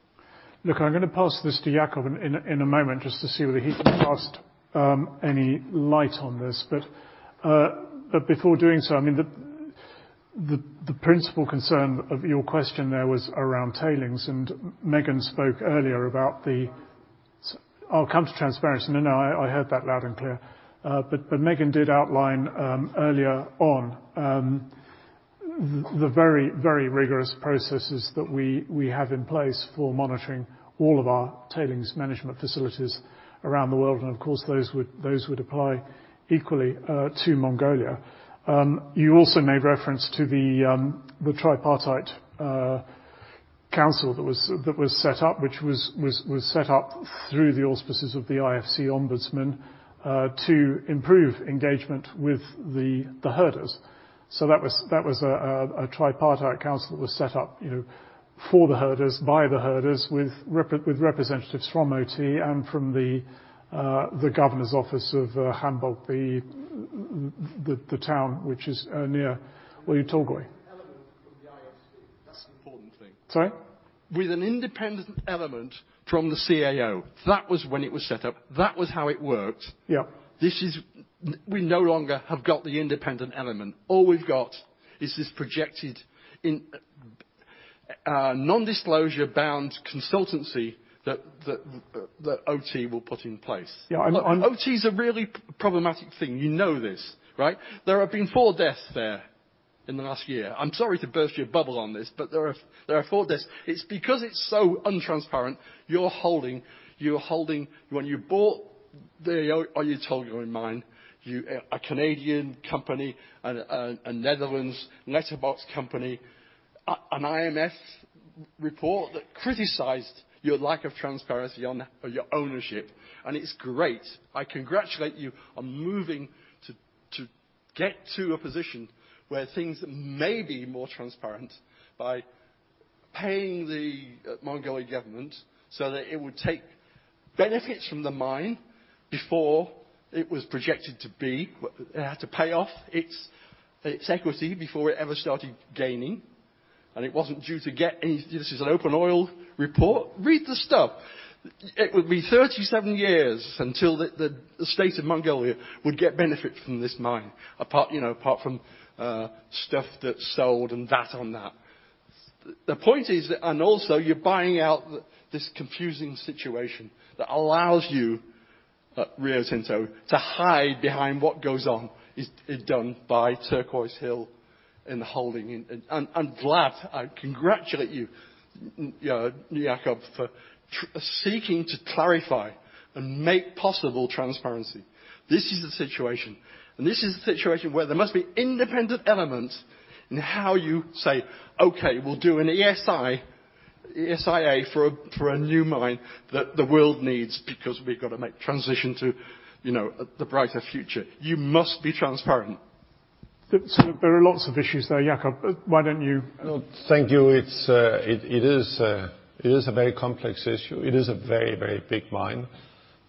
Look, I'm gonna pass this to Jakob in a moment just to see whether he can cast any light on this. Before doing so, I mean, the principal concern of your question there was around tailings, and Megan spoke earlier about the- Transparency. I'll come to transparency. No, I heard that loud and clear. Megan did outline earlier on the very rigorous processes that we have in place for monitoring all of our tailings management facilities around the world, and of course, those would apply equally to Mongolia. You also made reference to the Tripartite Council that was set up, which was set up through the auspices of the IFC Ombudsman to improve engagement with the herders. That was a Tripartite Council that was set up, you know, for the herders by the herders with representatives from OT and from the Governor's Office of Khanbogd, the town which is near Oyu Tolgoi. Element from the IFC, that's an important thing. Sorry? With an independent element from the CAO. That was when it was set up. That was how it worked. Yeah. We no longer have got the independent element. All we've got is this projected in non-disclosure bound consultancy that the OT will put in place. Yeah. Oyu Tolgoi's a really problematic thing. You know this, right? There have been four deaths there in the last year. I'm sorry to burst your bubble on this, but there are four deaths. It's because it's so untransparent, you're holding. When you bought the Oyu Tolgoi mine, you a Canadian company and a Netherlands letterbox company, an IMF report that criticized your lack of transparency on your ownership. It's great. I congratulate you on moving to get to a position where things may be more transparent by paying the Mongolian government so that it would take benefits from the mine before it was projected to be. It had to pay off its equity before it ever started gaining. It wasn't due to get any. This is an OpenOil report. Read the stuff. It would be 37 years until the estate of Mongolia would get benefit from this mine, apart from stuff that's sold and that on that. The point is also you're buying out this confusing situation that allows you, Rio Tinto, to hide behind what goes on is done by Turquoise Hill and the holding. I'm glad, I congratulate you, Jakob, for seeking to clarify and make possible transparency. This is the situation. This is the situation where there must be independent elements in how you say, "Okay, we'll do an ESIA for a new mine that the world needs because we've got to make transition to the brighter future." You must be transparent. There are lots of issues there, Jakob, but why don't you Thank you. It is a very complex issue. It is a very, very big mine.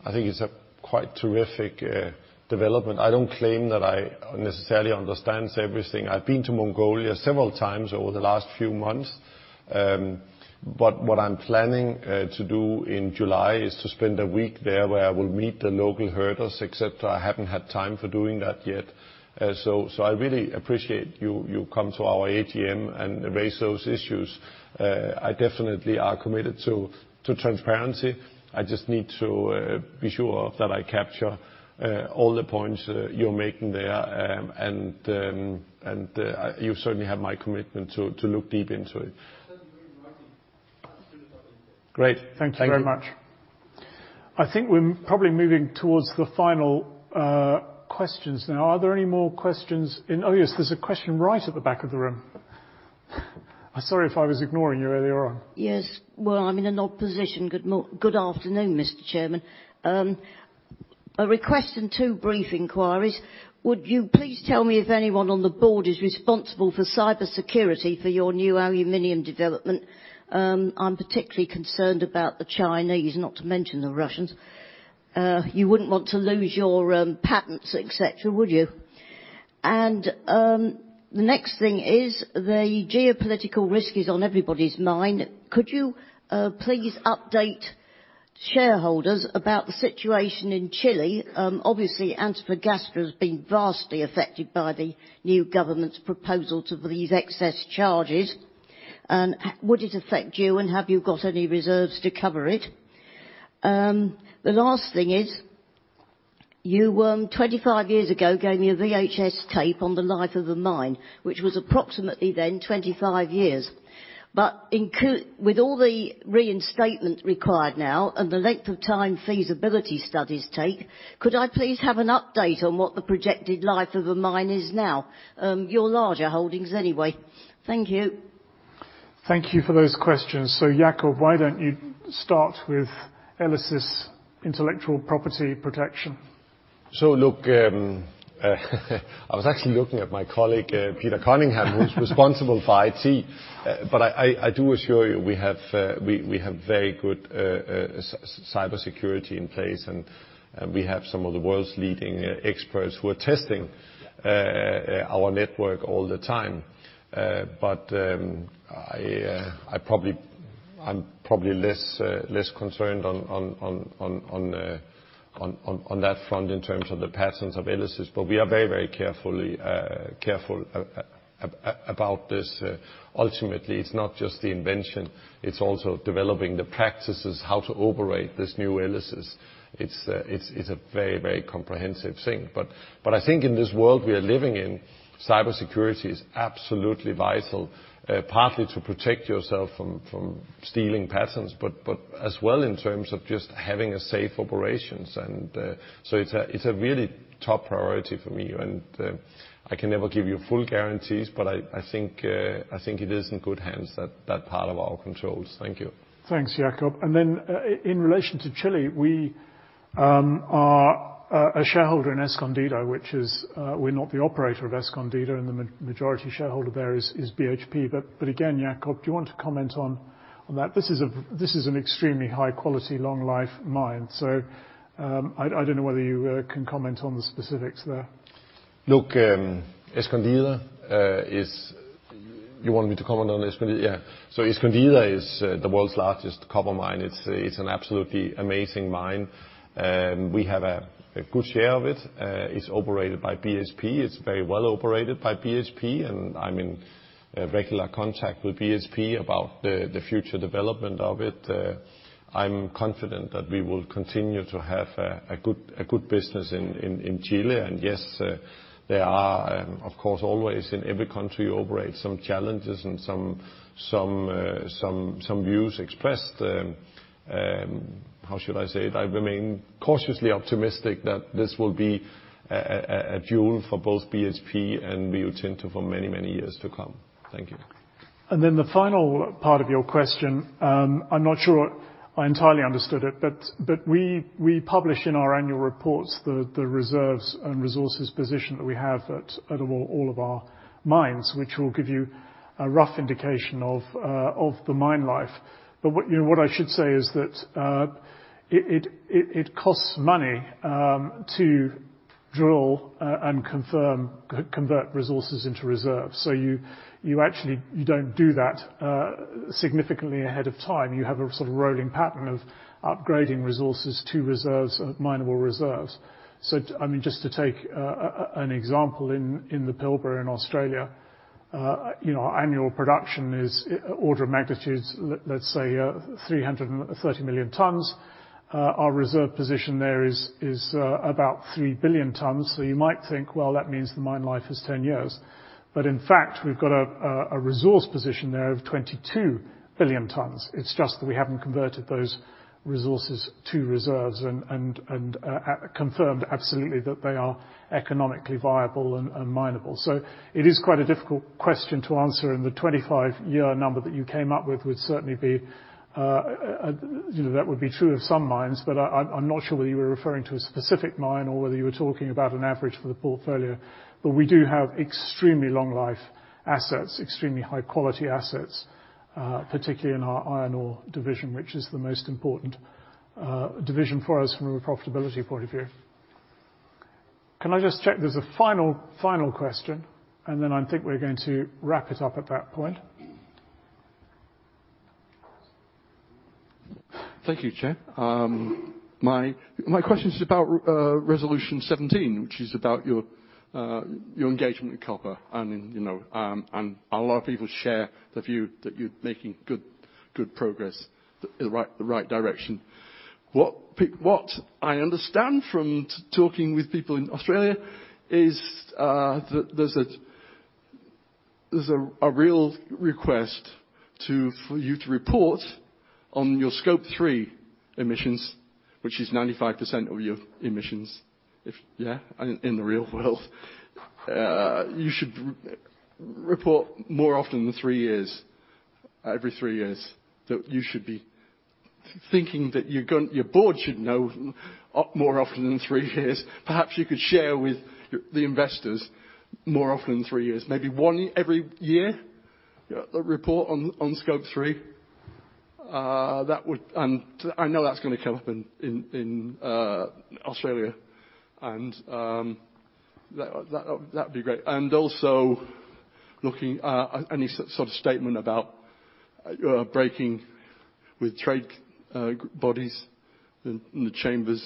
I think it's a quite terrific development. I don't claim that I necessarily understands everything. I've been to Mongolia several times over the last few months. What I'm planning to do in July is to spend a week there where I will meet the local herders, except I haven't had time for doing that yet. I really appreciate you come to our AGM and raise those issues. I definitely are committed to transparency. I just need to be sure that I capture all the points you're making there. You certainly have my commitment to look deep into it. Great. Thank you. Thank you very much. I think we're probably moving towards the final questions now. Are there any more questions? Oh, yes, there's a question right at the back of the room. I'm sorry if I was ignoring you earlier on. Yes. Well, I'm in an odd position. Good afternoon, Mr. Chairman. A request and two brief inquiries. Would you please tell me if anyone on the board is responsible for cybersecurity for your new aluminum development? I'm particularly concerned about the Chinese, not to mention the Russians. You wouldn't want to lose your patents, et cetera, would you? The next thing is the geopolitical risk is on everybody's mind. Could you please update shareholders about the situation in Chile? Obviously, Antofagasta has been vastly affected by the new government's proposal to these excess charges. Would it affect you, and have you got any reserves to cover it? The last thing is, you 25 years ago gave me a VHS tape on the life of a mine, which was approximately then 25 years. With all the reinstatement required now and the length of time feasibility studies take, could I please have an update on what the projected life of a mine is now? Your larger holdings anyway. Thank you. Thank you for those questions. Jakob, why don't you start with ELYSIS' intellectual property protection? Look, I was actually looking at my colleague Peter Cunningham, who's responsible for IT. I do assure you we have very good cybersecurity in place, and we have some of the world's leading experts who are testing our network all the time. I'm probably less concerned on that front in terms of the patents of ELYSIS. We are very careful about this. Ultimately, it's not just the invention, it's also developing the practices, how to operate this new ELYSIS. It's a very comprehensive thing. I think in this world we are living in, cybersecurity is absolutely vital, partly to protect yourself from stealing patents, but as well in terms of just having a safe operations. It's a really top priority for me. I can never give you full guarantees, but I think it is in good hands, that part of our controls. Thank you. Thanks, Jakob. In relation to Chile, we are a shareholder in Escondida, which is, we're not the operator of Escondida and the majority shareholder there is BHP. Again, Jakob, do you want to comment on that? This is an extremely high-quality, long life mine. I don't know whether you can comment on the specifics there. Look, Escondida is. You want me to comment on Escondida? Yeah. Escondida is the world's largest copper mine. It's an absolutely amazing mine. We have a good share of it. It's operated by BHP. It's very well operated by BHP, and I'm in regular contact with BHP about the future development of it. I'm confident that we will continue to have a good business in Chile. Yes, there are, of course, always in every country you operate some challenges and some views expressed. How should I say it? I remain cautiously optimistic that this will be a jewel for both BHP and Rio Tinto for many years to come. Thank you. Then the final part of your question, I'm not sure I entirely understood it, but we publish in our annual reports the reserves and resources position that we have at all of our mines, which will give you a rough indication of the mine life. But what I should say is that it costs money to drill and confirm, convert resources into reserves. So you actually don't do that significantly ahead of time. You have a sort of rolling pattern of upgrading resources to reserves and minable reserves. So, I mean, just to take an example in the Pilbara in Australia, you know, our annual production is on the order of magnitude, let's say, 330 million tons. Our reserve position there is about 3 billion tons. So you might think, well, that means the mine life is 10 years. But in fact, we've got a resource position there of 22 billion tons. It's just that we haven't converted those resources to reserves and confirmed absolutely that they are economically viable and minable. So it is quite a difficult question to answer, and the 25-year number that you came up with would certainly be, you know, that would be true of some mines. But I'm not sure whether you were referring to a specific mine or whether you were talking about an average for the portfolio. We do have extremely long life assets, extremely high quality assets, particularly in our Iron Ore division, which is the most important division for us from a profitability point of view. Can I just check? There's a final question, and then I think we're going to wrap it up at that point. Thank you, Chair. My question is about Resolution 17, which is about your engagement with copper, you know, and a lot of people share the view that you're making good progress, the right direction. What I understand from talking with people in Australia is that there's a real request for you to report. On your Scope 3 emissions, which is 95% of your emissions, you should report more often than every three years. Your board should know more often than three years. Perhaps you could share with the investors more often than three years. Maybe one every year, a report on Scope 3. That would. I know that's gonna come up in Australia, and that'd be great. Also, any sort of statement about breaking with trade bodies in the chambers.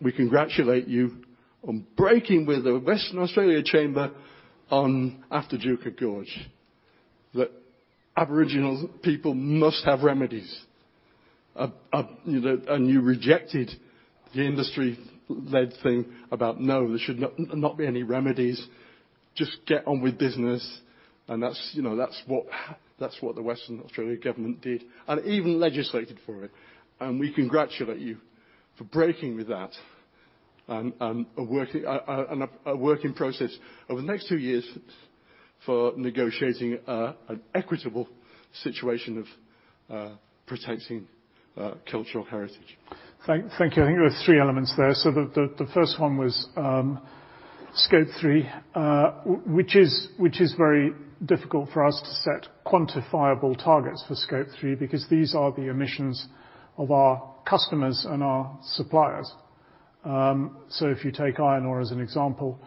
We congratulate you on breaking with the Western Australia Chamber after Juukan Gorge, that Aboriginal people must have remedies. You know, you rejected the industry-led thing about, no, there should not be any remedies, just get on with business. That's what the Western Australia government did and even legislated for it. We congratulate you for breaking with that and a working process over the next two years for negotiating an equitable situation of protecting cultural heritage. Thank you. I think there were three elements there. The first one was Scope 3, which is very difficult for us to set quantifiable targets for Scope 3 because these are the emissions of our customers and our suppliers. If you take iron ore as an example,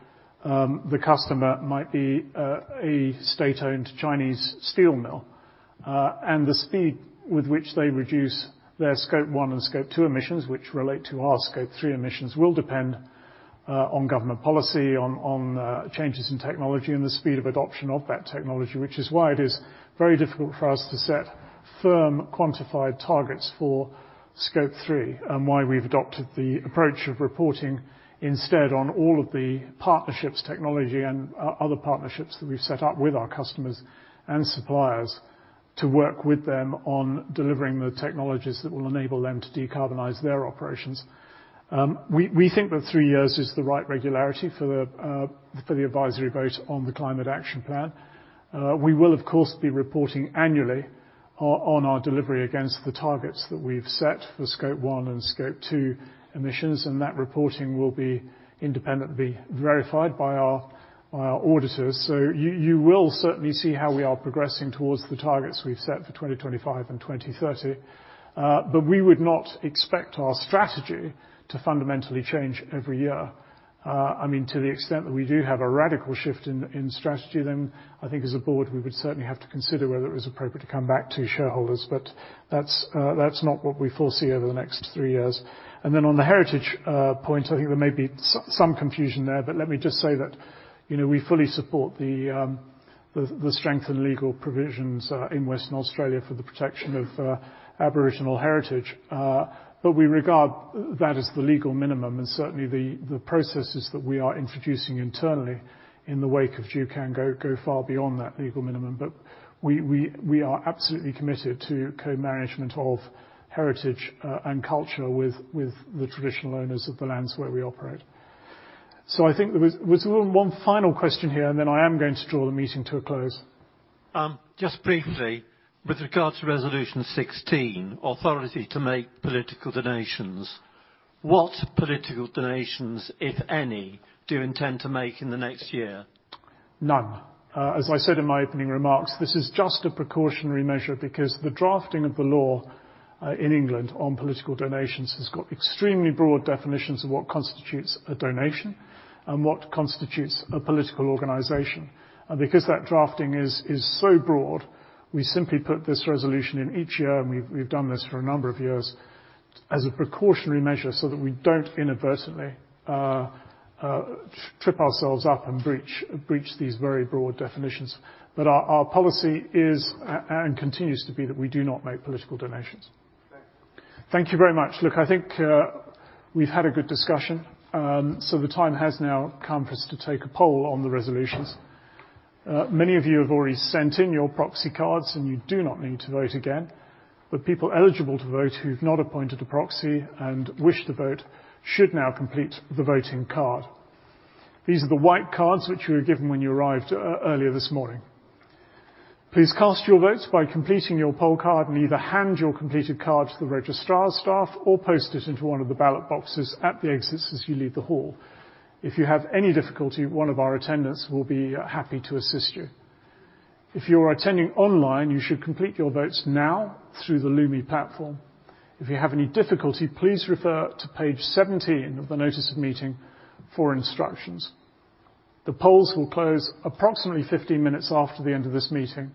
the customer might be a state-owned Chinese steel mill. The speed with which they reduce their Scope 1 and Scope 2 emissions, which relate to our Scope 3 emissions, will depend on government policy, on changes in technology and the speed of adoption of that technology, which is why it is very difficult for us to set firm quantified targets for Scope 3 and why we've adopted the approach of reporting instead on all of the partnerships, technology, and other partnerships that we've set up with our customers and suppliers to work with them on delivering the technologies that will enable them to decarbonize their operations. We think that three years is the right regularity for the advisory vote on the climate action plan. We will of course be reporting annually on our delivery against the targets that we've set for Scope 1 and Scope 2 emissions, and that reporting will be independently verified by our auditors. You will certainly see how we are progressing towards the targets we've set for 2025 and 2030. We would not expect our strategy to fundamentally change every year. I mean, to the extent that we do have a radical shift in strategy, then I think as a board, we would certainly have to consider whether it was appropriate to come back to shareholders. That's not what we foresee over the next three years. On the heritage point, I think there may be some confusion there, but let me just say that, you know, we fully support the strength and legal provisions in Western Australia for the protection of Aboriginal heritage. We regard that as the legal minimum and certainly the processes that we are introducing internally in the wake of Juukan Gorge go far beyond that legal minimum. We are absolutely committed to co-management of heritage and culture with the traditional owners of the lands where we operate. I think there was one final question here, and then I am going to draw the meeting to a close. Just briefly, with regard to Resolution 16, authority to make political donations. What political donations, if any, do you intend to make in the next year? None. As I said in my opening remarks, this is just a precautionary measure because the drafting of the law in England on political donations has got extremely broad definitions of what constitutes a donation and what constitutes a political organization. Because that drafting is so broad, we simply put this resolution in each year, and we've done this for a number of years, as a precautionary measure so that we don't inadvertently trip ourselves up and breach these very broad definitions. But our policy is and continues to be that we do not make political donations. Thanks. Thank you very much. Look, I think, we've had a good discussion. The time has now come for us to take a poll on the resolutions. Many of you have already sent in your proxy cards, and you do not need to vote again. People eligible to vote who've not appointed a proxy and wish to vote should now complete the voting card. These are the white cards which you were given when you arrived earlier this morning. Please cast your votes by completing your poll card and either hand your completed card to the registrar's staff or post it into one of the ballot boxes at the exits as you leave the hall. If you have any difficulty, one of our attendants will be happy to assist you. If you're attending online, you should complete your votes now through the Lumi platform. If you have any difficulty, please refer to page 17 of the notice of meeting for instructions. The polls will close approximately 15 minutes after the end of this meeting.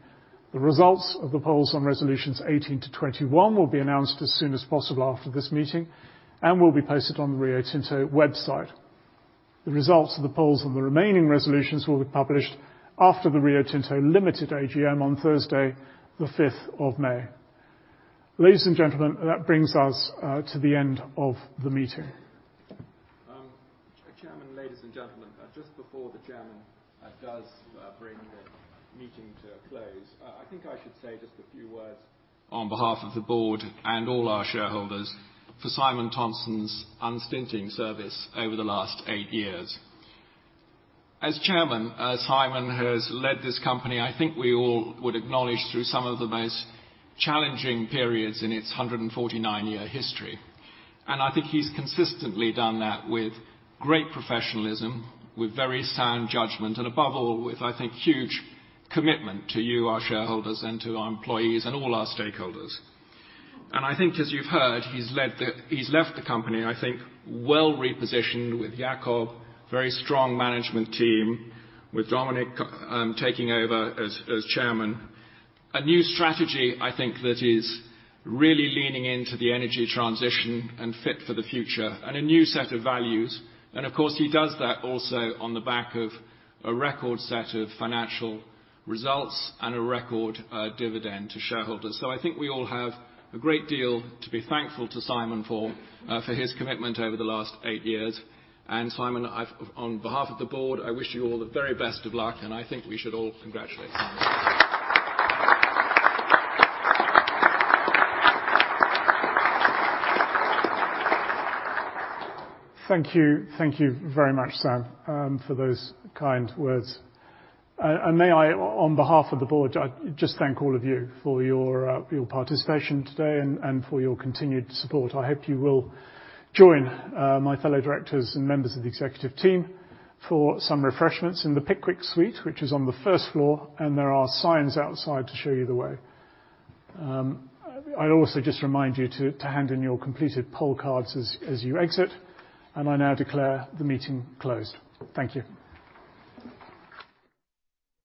The results of the polls on Resolutions 18 to 21 will be announced as soon as possible after this meeting and will be posted on the Rio Tinto website. The results of the polls on the remaining resolutions will be published after the Rio Tinto Limited AGM on Thursday, the 5th of May. Ladies and gentlemen, that brings us to the end of the meeting. Ladies and gentlemen, just before the chairman does bring the meeting to a close, I think I should say just a few words on behalf of the board and all our shareholders for Simon Thompson's unstinting service over the last eight years. As chairman, Simon has led this company, I think we all would acknowledge, through some of the most challenging periods in its 149-year history. I think he's consistently done that with great professionalism, with very sound judgment, and above all, with, I think, huge commitment to you, our shareholders, and to our employees and all our stakeholders. I think as you've heard, he's left the company, I think, well repositioned with Jakob, very strong management team, with Dominic taking over as chairman. A new strategy, I think, that is really leaning into the energy transition and fit for the future, and a new set of values. Of course, he does that also on the back of a record set of financial results and a record dividend to shareholders. I think we all have a great deal to be thankful to Simon for his commitment over the last eight years. Simon, on behalf of the board, I wish you all the very best of luck, and I think we should all congratulate Simon. Thank you. Thank you very much, Sam, for those kind words. May I, on behalf of the board, just thank all of you for your participation today and for your continued support. I hope you will join my fellow directors and members of the executive team for some refreshments in the Pickwick Suite, which is on the first floor, and there are signs outside to show you the way. I'd also just remind you to hand in your completed poll cards as you exit, and I now declare the meeting closed. Thank you.